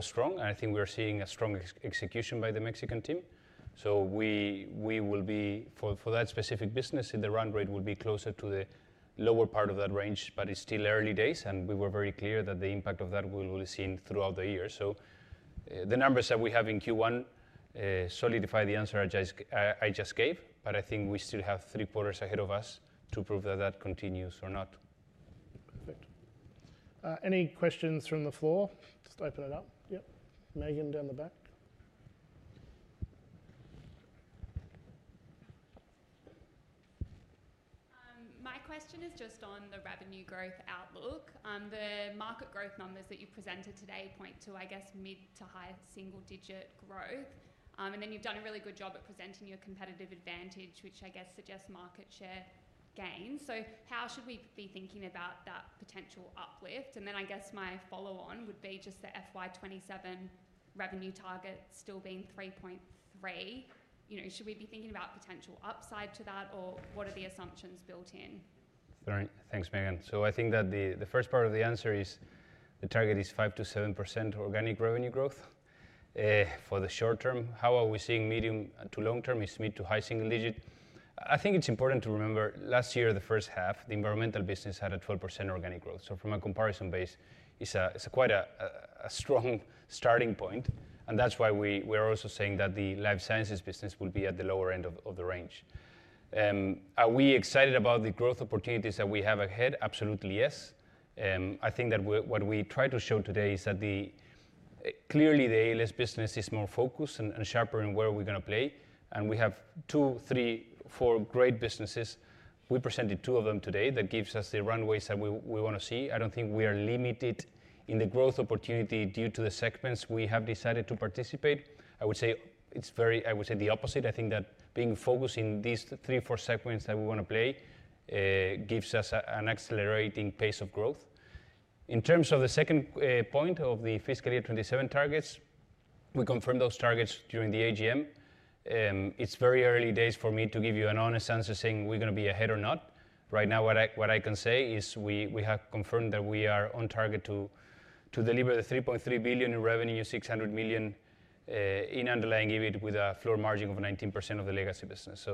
strong. I think we are seeing a strong execution by the Mexican team. We will be, for that specific business, the run rate will be closer to the lower part of that range, but it's still early days, and we were very clear that the impact of that will be seen throughout the year. The numbers that we have in Q1 solidify the answer I just gave, but I think we still have three quarters ahead of us to prove that that continues or not. Any questions from the floor? Just open it up. Yeah, Megan down the back. My question is just on the revenue growth outlook. The market growth numbers that you presented today point to, I guess, mid to high single-digit growth. You've done a really good job at presenting your competitive advantage, which I guess suggests market share gains. How should we be thinking about that potential uplift? My follow-on would be just the FY 2027 revenue target still being 3.3 billion. Should we be thinking about potential upside to that, or what are the assumptions built in? Thanks, Megan. I think that the first part of the answer is the target is 5%-7% organic revenue growth. For the short term, how are we seeing medium to long term is mid to high single-digit. I think it's important to remember last year the first half, the environmental business had a 12% organic growth. From a comparison base, it's quite a strong starting point. That's why we are also saying that the life sciences business will be at the lower end of the range. Are we excited about the growth opportunities that we have ahead? Absolutely yes. I think that what we try to show today is that clearly the ALS business is more focused and sharper in where we're going to play. We have two, three, four great businesses. We presented two of them today that give us the runways that we want to see. I don't think we are limited in the growth opportunity due to the segments we have decided to participate. I would say the opposite. I think that being focused in these three or four segments that we want to play gives us an accelerating pace of growth. In terms of the second point of the fiscal year 2027 targets, we confirmed those targets during the AGM. It's very early days for me to give you an honest answer saying we're going to be ahead or not. Right now, what I can say is we have confirmed that we are on target to deliver the 3.3 billion in revenue and 600 million in underlying EBIT with a floor margin of 19% of the legacy business.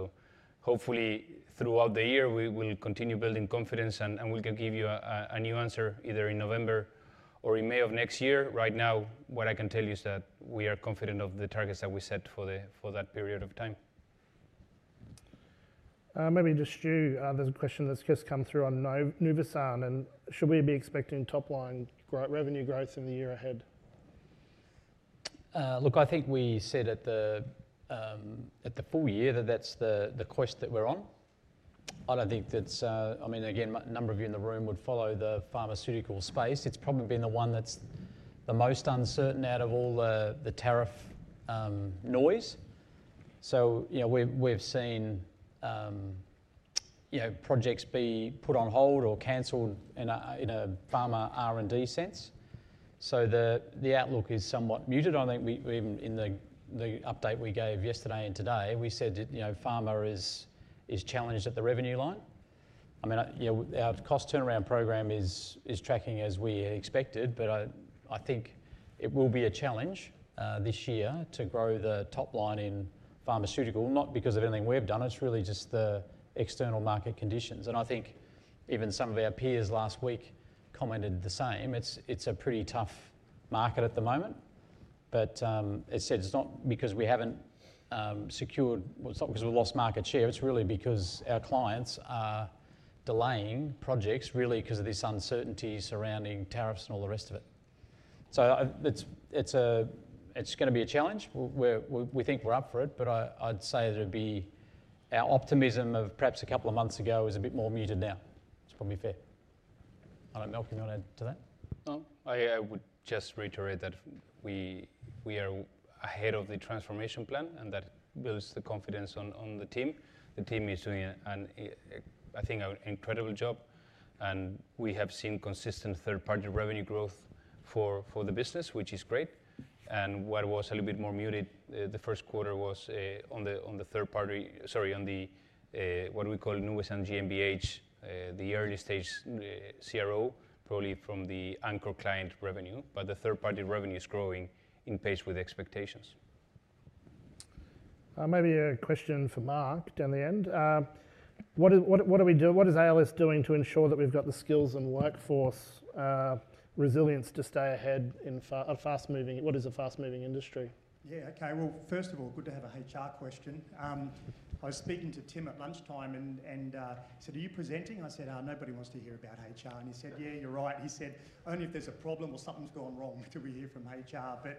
Hopefully throughout the year, we will continue building confidence and we'll give you a new answer either in November or in May of next year. Right now, what I can tell you is that we are confident of the targets that we set for that period of time. Maybe just you, there's a question that's just come through on Nuvisan, and should we be expecting top line revenue growth in the year ahead? Look, I think we said at the full year that that's the quest that we're on. I don't think that's, I mean, again, a number of you in the room would follow the pharmaceutical space. It's probably been the one that's the most uncertain out of all the tariff noise. We've seen projects be put on hold or canceled in a pharma R&D sense. The outlook is somewhat muted. I think even in the update we gave yesterday and today, we said that pharma is challenged at the revenue line. Our cost turnaround program is tracking as we expected, but I think it will be a challenge this year to grow the top line in pharmaceutical, not because of anything we've done. It's really just the external market conditions. I think even some of our peers last week commented the same. It's a pretty tough market at the moment, but it's not because we haven't secured, it's not because we've lost market share. It's really because our clients are delaying projects really because of this uncertainty surrounding tariffs and all the rest of it. It's going to be a challenge. We think we're up for it, but I'd say that our optimism of perhaps a couple of months ago is a bit more muted now. It's probably fair. I don't know, Malcolm, you want to add to that? I would just reiterate that we are ahead of the transformation plan, and that builds the confidence on the team. The team is doing, I think, an incredible job, and we have seen consistent third-party revenue growth for the business, which is great. What was a little bit more muted the first quarter was on the third-party, sorry, on what we call Nuvisan GMBH, the early stage CRO, probably from the anchor client revenue, but the third-party revenue is growing in pace with expectations. Maybe a question for Mark down the end. What is ALS doing to ensure that we've got the skills and workforce resilience to stay ahead in a fast-moving, what is a fast-moving industry? Yeah, okay, first of all, good to have a HR question. I was speaking to Tim at lunchtime and said, are you presenting? I said, oh, nobody wants to hear about HR. He said, yeah, you're right. He said, only if there's a problem or something's gone wrong do we hear? Hey,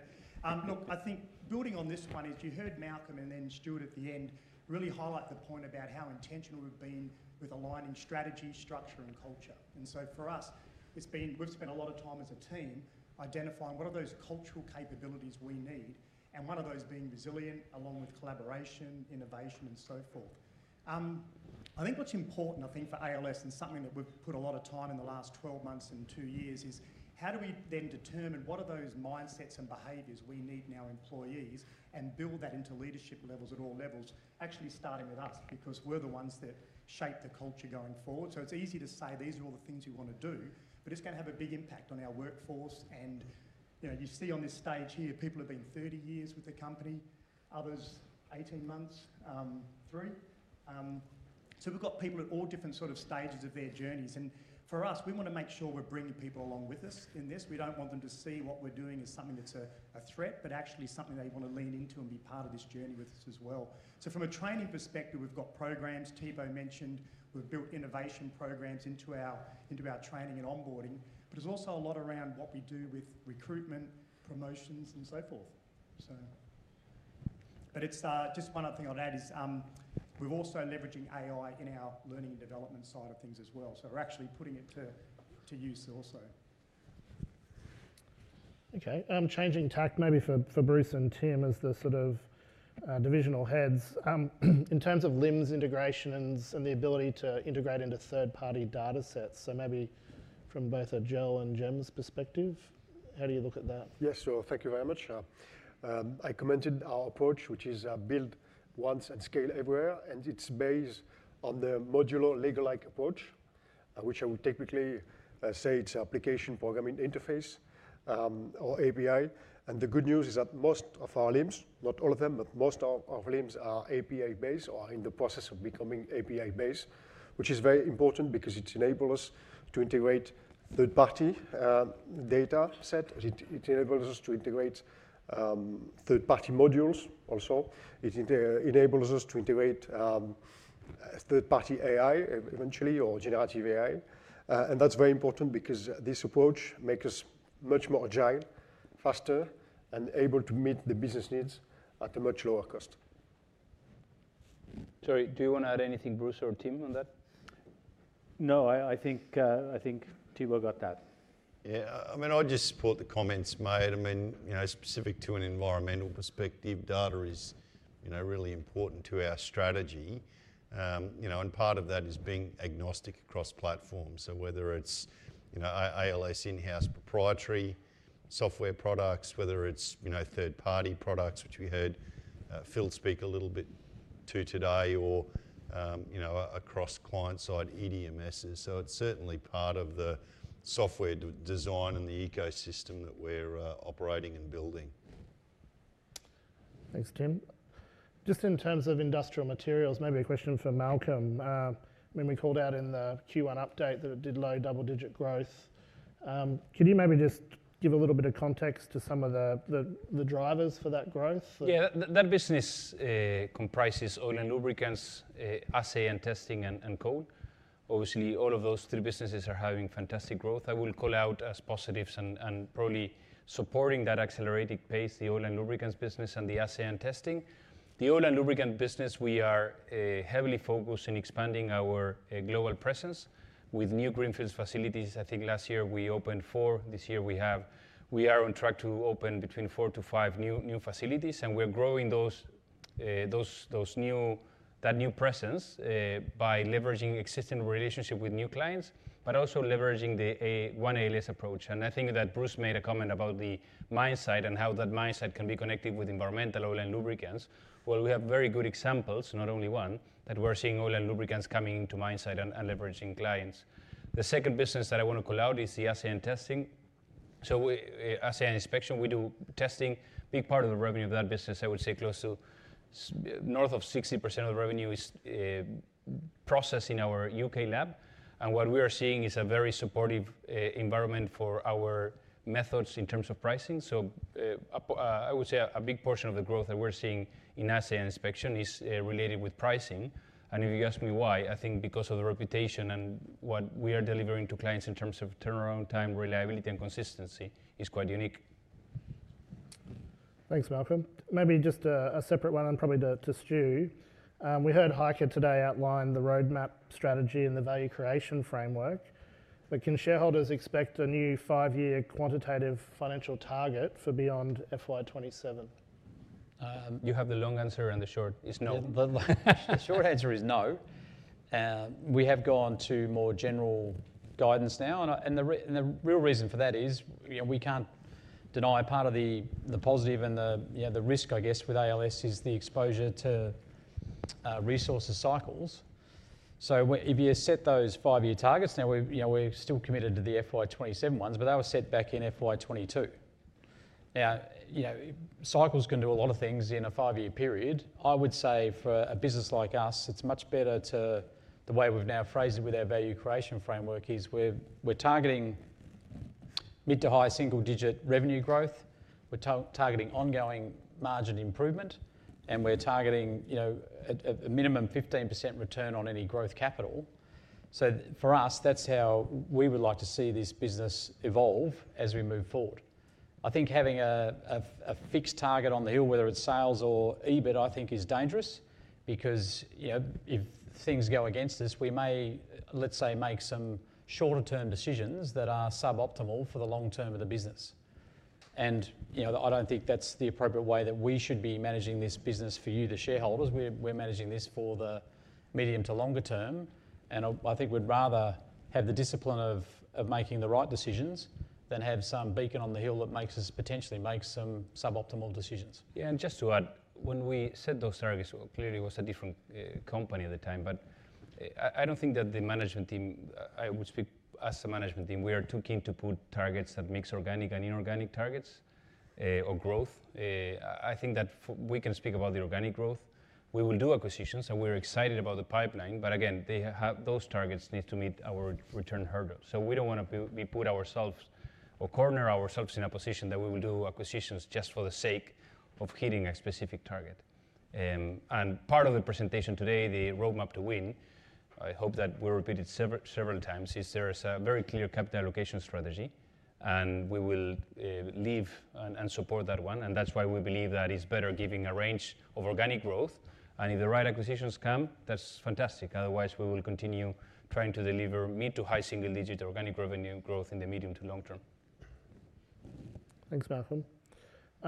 Look, I think building on this quality, as you heard Malcolm and then Stuart at the end really highlight the point about how intentional we've been with aligning strategy, structure, and culture. For us, we've spent a lot of time as a team identifying what are those cultural capabilities we need, and one of those being resilient along with collaboration, innovation, and so forth. I think what's important, I think, for ALS, and something that we've put a lot of time in the last 12 months and two years, is how do we then determine what are those mindsets and behaviors we need in our employees and build that into leadership levels at all levels, actually starting with us because we're the ones that shape the culture going forward. It's easy to say these are all the things we want to do, but it's going to have a big impact on our workforce. You see on this stage here, people have been 30 years with the company, others 18 months, three. We've got people at all different sort of stages of their journeys. For us, we want to make sure we're bringing people along with us in this. We don't want them to see what we're doing as something that's a threat, but actually something they want to lean into and be part of this journey with us as well. From a training perspective, we've got programs. Thibault mentioned we've built innovation programs into our training and onboarding, but it's also a lot around what we do with recruitment, promotions, and so forth. Just one other thing I'd add is we're also leveraging AI in our learning and development side of things as well. We're actually putting it to use also. OK. Changing tack, maybe for Bruce and Tim as the sort of Divisional Heads, in terms of LIMS integrations and the ability to integrate into third-party data sets, so maybe from both a Jell and Gem's perspective, how do you look at that? Yes, sure. Thank you very much. I commented our approach, which is build once at scale everywhere, and it's based on the modular, legal-like approach, which I would technically say it's an application programming interface or API. The good news is that most of our LIMS, not all of them, but most of our LIMS are API-based or are in the process of becoming API-based, which is very important because it enables us to integrate third-party data sets. It enables us to integrate third-party modules also. It enables us to integrate third-party AI eventually or generative AI. That is very important because this approach makes us much more agile, faster, and able to meet the business needs at a much lower cost. Sorry, do you want to add anything, Bruce or Tim, on that? No, I think Thibault got that. Yeah, I mean, I'll just support the comments made. Specific to an environmental perspective, data is really important to our strategy. Part of that is being agnostic across platforms, whether it's ALS in-house proprietary software products, third-party products, which we heard Phil speak a little bit to today, or across client-side EDMSs. It's certainly part of the software design and the ecosystem that we're operating and building. Thanks, Tim. Just in terms of industrial materials, maybe a question for Malcolm. When we called out in the Q1 update that it did low double-digit growth, could you maybe just give a little bit of context to some of the drivers for that growth? Yeah, that business comprises oil and lubricants, assay and testing, and coal. Obviously, all of those three businesses are having fantastic growth. I will call out as positives and probably supporting that accelerated pace, the oil and lubricants business and the assay and testing. The oil and lubricants business, we are heavily focused on expanding our global presence with new greenfield facilities. I think last year we opened four. This year we are on track to open between four to five new facilities. We're growing that new presence by leveraging existing relationships with new clients, but also leveraging the one ALS approach. I think that Bruce made a comment about the mine site and how that mine site can be connected with environmental oil and lubricants. We have very good examples, not only one, that we're seeing oil and lubricants coming into mine site and leveraging clients. The second business that I want to call out is the assay and testing. Assay and inspection, we do testing. A big part of the revenue of that business, I would say close to north of 60% of the revenue is processed in our U.K. lab. What we are seeing is a very supportive environment for our methods in terms of pricing. I would say a big portion of the growth that we're seeing in assay and inspection is related with pricing. If you ask me why, I think because of the reputation and what we are delivering to clients in terms of turnaround time, reliability, and consistency is quite unique. Thanks, Malcolm. Maybe just a separate one, and probably to Stu. We heard Heike today outline the roadmap strategy and the value creation framework. Can shareholders expect a new five-year quantitative financial target for beyond FY 2027? You have the long answer and the short. The short answer is no. We have gone to more general guidance now. The real reason for that is we can't deny part of the positive and the risk, I guess, with ALS is the exposure to resources cycles. If you set those five-year targets now, we're still committed to the FY 2027 ones, but that was set back in FY 2022. Cycles can do a lot of things in a five-year period. I would say for a business like us, it's much better to the way we've now phrased it with our value creation framework is we're targeting mid to high single-digit revenue growth, we're targeting ongoing margin improvement, and we're targeting a minimum 15% return on any growth capital. For us, that's how we would like to see this business evolve as we move forward. I think having a fixed target on the hill, whether it's sales or EBIT, I think is dangerous because if things go against us, we may, let's say, make some shorter-term decisions that are suboptimal for the long term of the business. I don't think that's the appropriate way that we should be managing this business for you, the shareholders. We're managing this for the medium to longer term. I think we'd rather have the discipline of making the right decisions than have some beacon on the hill that makes us potentially make some suboptimal decisions. Yeah, and just to add, when we set those targets, clearly it was a different company at the time. I don't think that the management team, I would speak as a management team, we are too keen to put targets that mix organic and inorganic targets or growth. I think that we can speak about the organic growth. We will do acquisitions, and we're excited about the pipeline. Again, those targets need to meet our return hurdle. We don't want to put ourselves or corner ourselves in a position that we will do acquisitions just for the sake of hitting a specific target. Part of the presentation today, the roadmap to win, I hope that we repeated several times, is there is a very clear capital allocation strategy. We will leave and support that one. That's why we believe that it's better giving a range of organic growth. If the right acquisitions come, that's fantastic. Otherwise, we will continue trying to deliver mid to high single-digit organic revenue growth in the medium to long term. Thanks, Malcolm.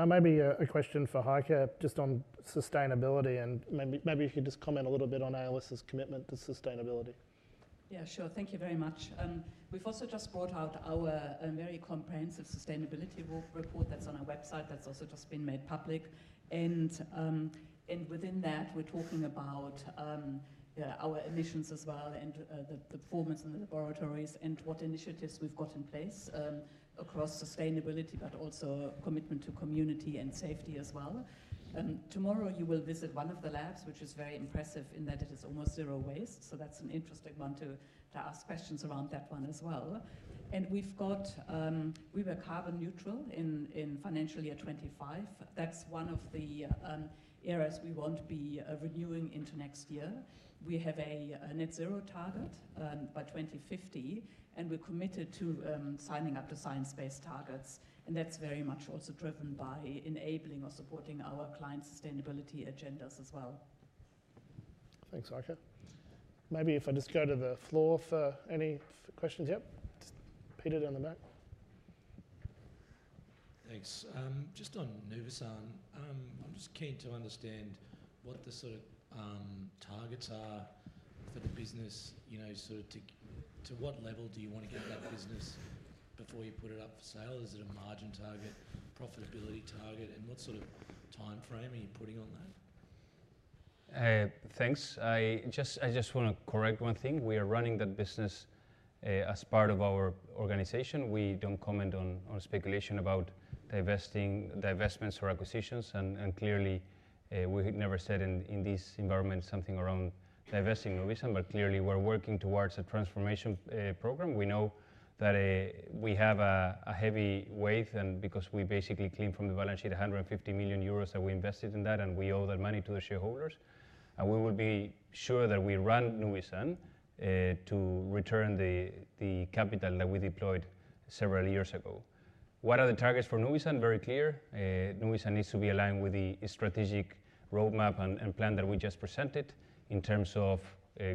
Maybe a question for Heike just on sustainability. Maybe if you could just comment a little bit on ALS Limited's commitment to sustainability. Yeah, sure. Thank you very much. We've also just brought out our very comprehensive sustainability report that's on our website that's also just been made public. Within that, we're talking about our emissions as well and the performance in the laboratories and what initiatives we've got in place across sustainability, but also commitment to community and safety as well. Tomorrow, you will visit one of the labs, which is very impressive in that it is almost zero waste. That's an interesting one to ask questions around as well. We were carbon neutral in financial year 2025. That's one of the areas we won't be renewing into next year. We have a net zero target by 2050, and we're committed to signing up to science-based targets. That's very much also driven by enabling or supporting our clients' sustainability agendas as well. Thanks, Heike. Maybe if I just go to the floor for any questions. Yep, just Peter down the back. Thanks. Just on Nuvisan, I'm just keen to understand what the sort of targets are for the business. You know, sort of to what level do you want to get that business before you put it up for sale? Is it a margin target, profitability target? What sort of time frame are you putting on that? Thanks. I just want to correct one thing. We are running that business as part of our organization. We don't comment on speculation about divestments or acquisitions. We never said in this environment something around divesting Nuvisan. We are working towards a transformation program. We know that we have a heavy weight because we basically cleaned from the balance sheet 150 million euros that we invested in that, and we owe that money to the shareholders. We will be sure that we run Nuvisan to return the capital that we deployed several years ago. What are the targets for Nuvisan? Very clear. Nuvisan needs to be aligned with the strategic roadmap and plan that we just presented in terms of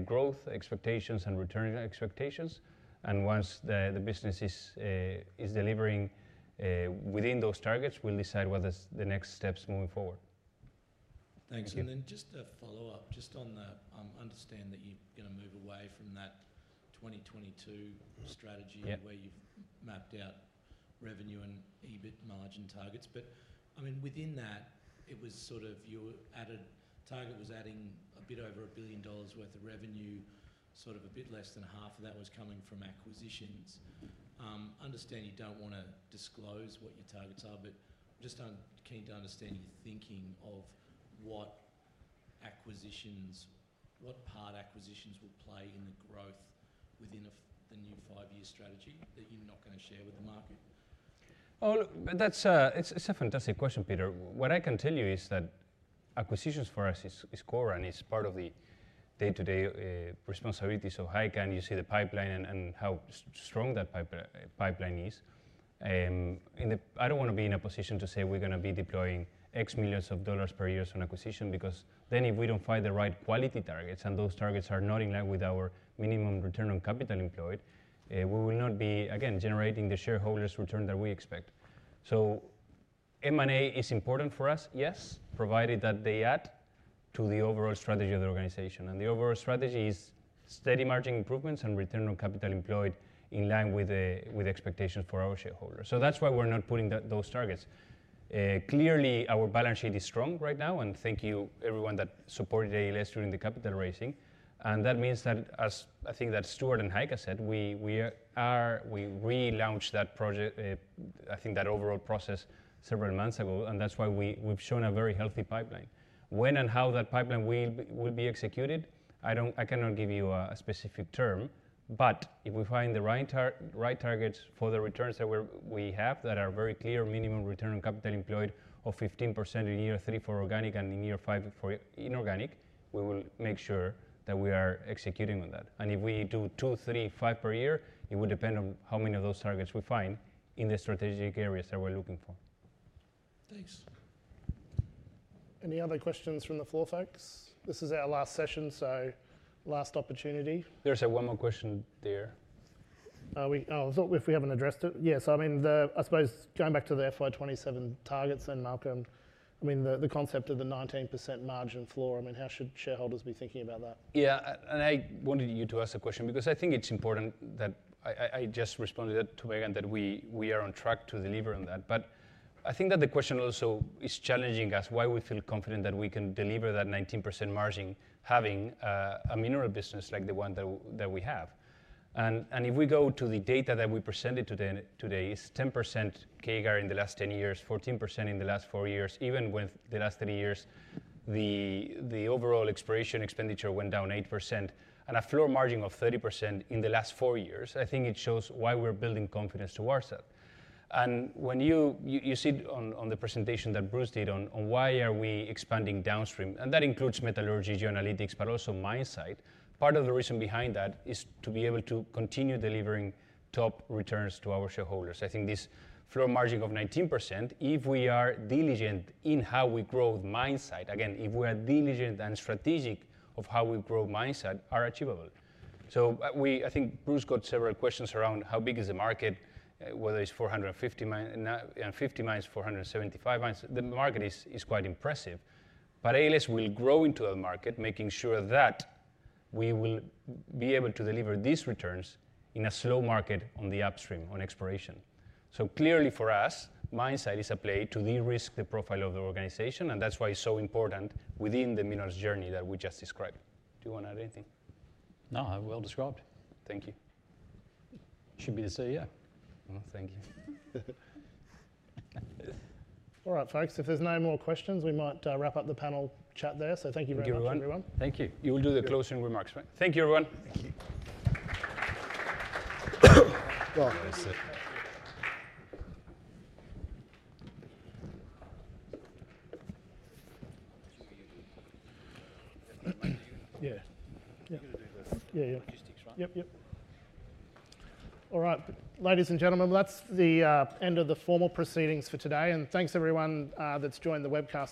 growth expectations and return expectations. Once the business is delivering within those targets, we'll decide what the next steps moving forward. Thanks. Just a follow-up on that. I understand that you're going to move away from that 2022 strategy where you've mapped out revenue and EBIT margin targets. Within that, your added target was adding a bit over 1 billion dollars worth of revenue. A bit less than half of that was coming from acquisitions. I understand you don't want to disclose what your targets are, but I'm just keen to understand your thinking of what acquisitions, what part acquisitions will play in the growth within the new five-year strategy that you're not going to share with the market. Oh, look, it's a fantastic question, Peter. What I can tell you is that acquisitions for us is core and is part of the day-to-day responsibilities of Heike, and you see the pipeline and how strong that pipeline is. I don't want to be in a position to say we're going to be deploying AUD X million per year on acquisition because if we don't find the right quality targets and those targets are not in line with our minimum return on capital employed, we will not be generating the shareholders' return that we expect. M&A is important for us, yes, provided that they add to the overall strategy of the organization. The overall strategy is steady margin improvements and return on capital employed in line with the expectations for our shareholders. That's why we're not putting those targets. Clearly, our balance sheet is strong right now. Thank you, everyone, that supported ALS Limited during the capital raising. That means that, as I think that Stuart and Heike said, we relaunched that project, I think that overall process several months ago. That's why we've shown a very healthy pipeline. When and how that pipeline will be executed, I cannot give you a specific term. If we find the right targets for the returns that we have that are very clear, minimum return on capital employed of 15% in year three for organic and in year five for inorganic, we will make sure that we are executing on that. If we do two, three, five per year, it would depend on how many of those targets we find in the strategic areas that we're looking for. Thanks. Any other questions from the floor, folks? This is our last session, so last opportunity. There's one more question there. If we haven't addressed it, yes, I mean, I suppose going back to the FY 2027 targets and Malcolm, I mean, the concept of the 19% margin floor, how should shareholders be thinking about that? Yeah, I wanted to ask a question because I think it's important that I just responded to Megan that we are on track to deliver on that. I think that the question also is challenging us why we feel confident that we can deliver that 19% margin having a minerals business like the one that we have. If we go to the data that we presented today, it's 10% CAGR in the last 10 years, 14% in the last four years. Even with the last three years, the overall exploration expenditure went down 8%. A floor margin of 30% in the last four years, I think it shows why we're building confidence towards that. When you see on the presentation that Bruce did on why we are expanding downstream, and that includes metallurgy, geoanalytics, but also mine site, part of the reason behind that is to be able to continue delivering top returns to our shareholders. I think this floor margin of 19%, if we are diligent in how we grow the mine site, again, if we are diligent and strategic of how we grow mine site, are achievable. I think Bruce got several questions around how big is the market, whether it's 450 mines, 475 mines. The market is quite impressive. ALS Limited will grow into the market, making sure that we will be able to deliver these returns in a slow market on the upstream on exploration. Clearly for us, mine site is a play to de-risk the profile of the organization. That's why it's so important within the minerals journey that we just described. Do you want to add anything? No, that's well described. Thank you. Should be the CEO. Thank you. All right, folks, if there's no more questions, we might wrap up the panel chat there. Thank you very much, everyone. Thank you. You will do the closing remarks, right? Thank you, everyone. Thank you. Yeah. All right, ladies and gentlemen, that's the end of the formal proceedings for today. Thanks, everyone, that's joined the webcast.